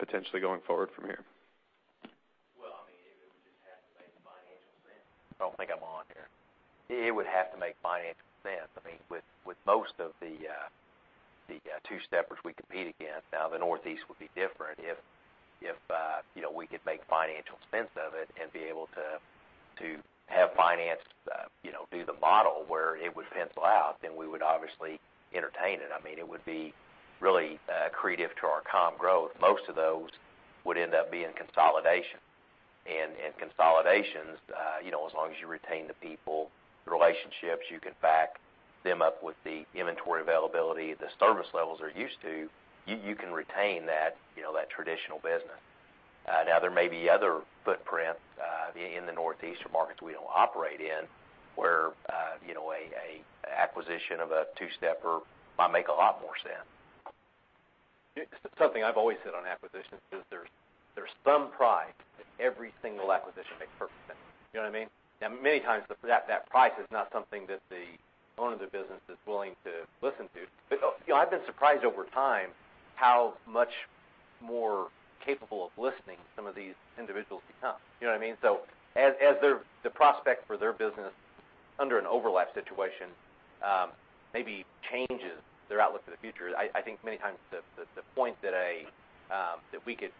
S7: potentially going forward from here?
S4: Well, it would just have to make financial sense. I don't think I'm on here. It would have to make financial sense. With most of the two-steppers we compete against, now the Northeast would be different. If we could make financial sense of it and be able to have finance do the model where it would pencil out, then we would obviously entertain it. It would be really accretive to our comp growth. Most of those would end up being consolidation. Consolidations, as long as you retain the people, the relationships, you can back them up with the inventory availability, the service levels they're used to, you can retain that traditional business. There may be other footprint in the Northeastern markets we don't operate in, where an acquisition of a two-stepper might make a lot more sense.
S2: Something I've always said on acquisitions is there's some price that every single acquisition makes perfect sense. You know what I mean? Many times, that price is not something that the owner of the business is willing to listen to. I've been surprised over time how much more capable of listening some of these individuals become. You know what I mean? As the prospect for their business under an overlap situation maybe changes their outlook for the future, I think many times the point that we could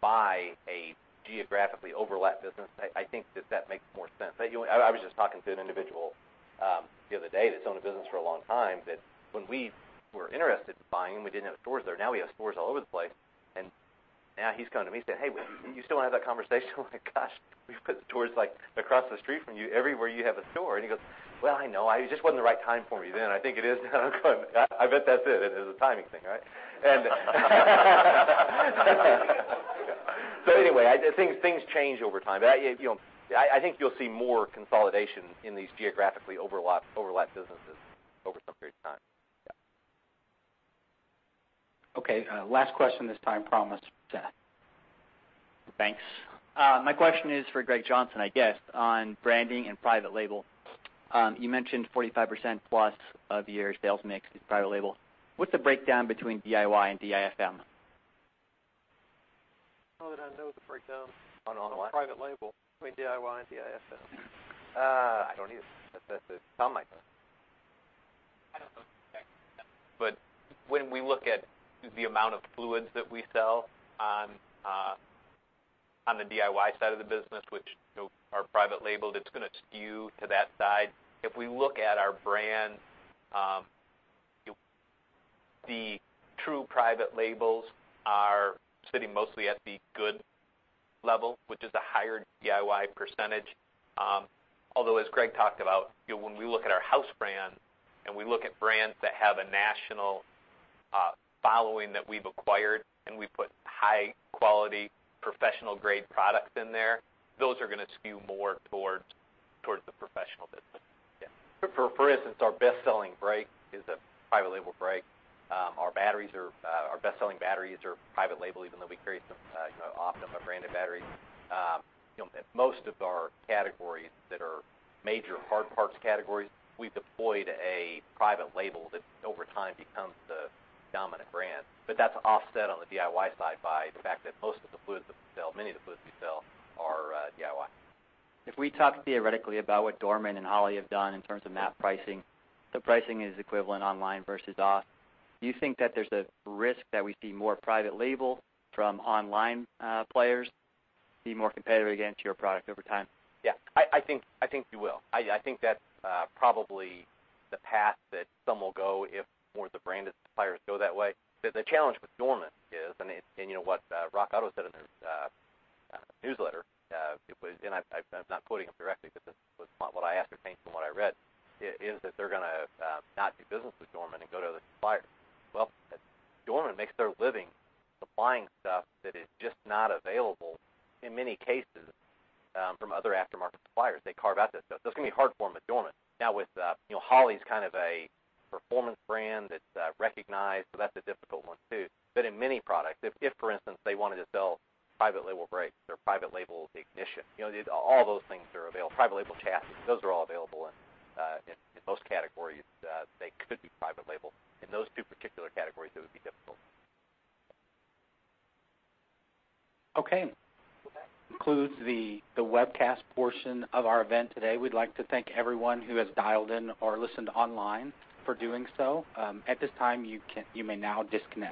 S2: buy a geographically overlap business, I think that that makes more sense. I was just talking to an individual the other day that's owned a business for a long time, that when we were interested in buying him, we didn't have stores there. We have stores all over the place, he's coming to me saying, "Hey, you still want to have that conversation?" I'm like, "Gosh, we've put stores across the street from you, everywhere you have a store." He goes, "Well, I know. It just wasn't the right time for me then. I think it is now." I go, "I bet that's it. It is a timing thing, right?" Anyway, I think things change over time. I think you'll see more consolidation in these geographically overlap businesses over some period of time. Yeah.
S1: Okay, last question this time, promise.
S7: Thanks. My question is for Greg Johnson, I guess, on branding and private label. You mentioned 45% plus of your sales mix is private label. What's the breakdown between DIY and DIFM?
S3: I don't know that I know the breakdown-
S2: On what?
S4: on private label between DIY and DIFM.
S2: I don't either. It sounds like a
S3: I don't know the breakdown.
S2: When we look at the amount of fluids that we sell on the DIY side of the business, which are private labeled, it's going to skew to that side. If we look at our brand, the true private labels are sitting mostly at the good level, which is the higher DIY percentage. Although, as Greg talked about, when we look at our house brand and we look at brands that have a national following that we've acquired and we've put high-quality, professional-grade products in there, those are going to skew more towards the professional business. Yeah.
S3: For instance, our best-selling brake is a private label brake. Our best-selling batteries are private label, even though we carry some off of a branded battery. Most of our categories that are major hard parts categories, we've deployed a private label that over time becomes the dominant brand. That's offset on the DIY side by the fact that most of the fluids that we sell, many of the fluids we sell are DIY.
S7: If we talk theoretically about what Dorman and Holley have done in terms of MAP pricing, the pricing is equivalent online versus off. Do you think that there's a risk that we see more private label from online players be more competitive against your product over time?
S2: Yeah. I think you will. I think that's probably the path that some will go if more of the branded suppliers go that way. The challenge with Dorman is, and what RockAuto said in their newsletter, and I'm not quoting them directly, but this was what I ascertained from what I read, is that they're going to not do business with Dorman and go to other suppliers. Dorman makes their living supplying stuff that is just not available in many cases from other aftermarket suppliers. They carve out that stuff. It's going to be hard for them with Dorman. Now with Holley's kind of a performance brand that's recognized, that's a difficult one, too. In many products, if for instance, they wanted to sell private label brakes or private label ignition, all those things are available. Private label chassis, those are all available in most categories. They could be private label. In those two particular categories, it would be difficult.
S1: Okay. Well, that concludes the webcast portion of our event today. We'd like to thank everyone who has dialed in or listened online for doing so. At this time, you may now disconnect.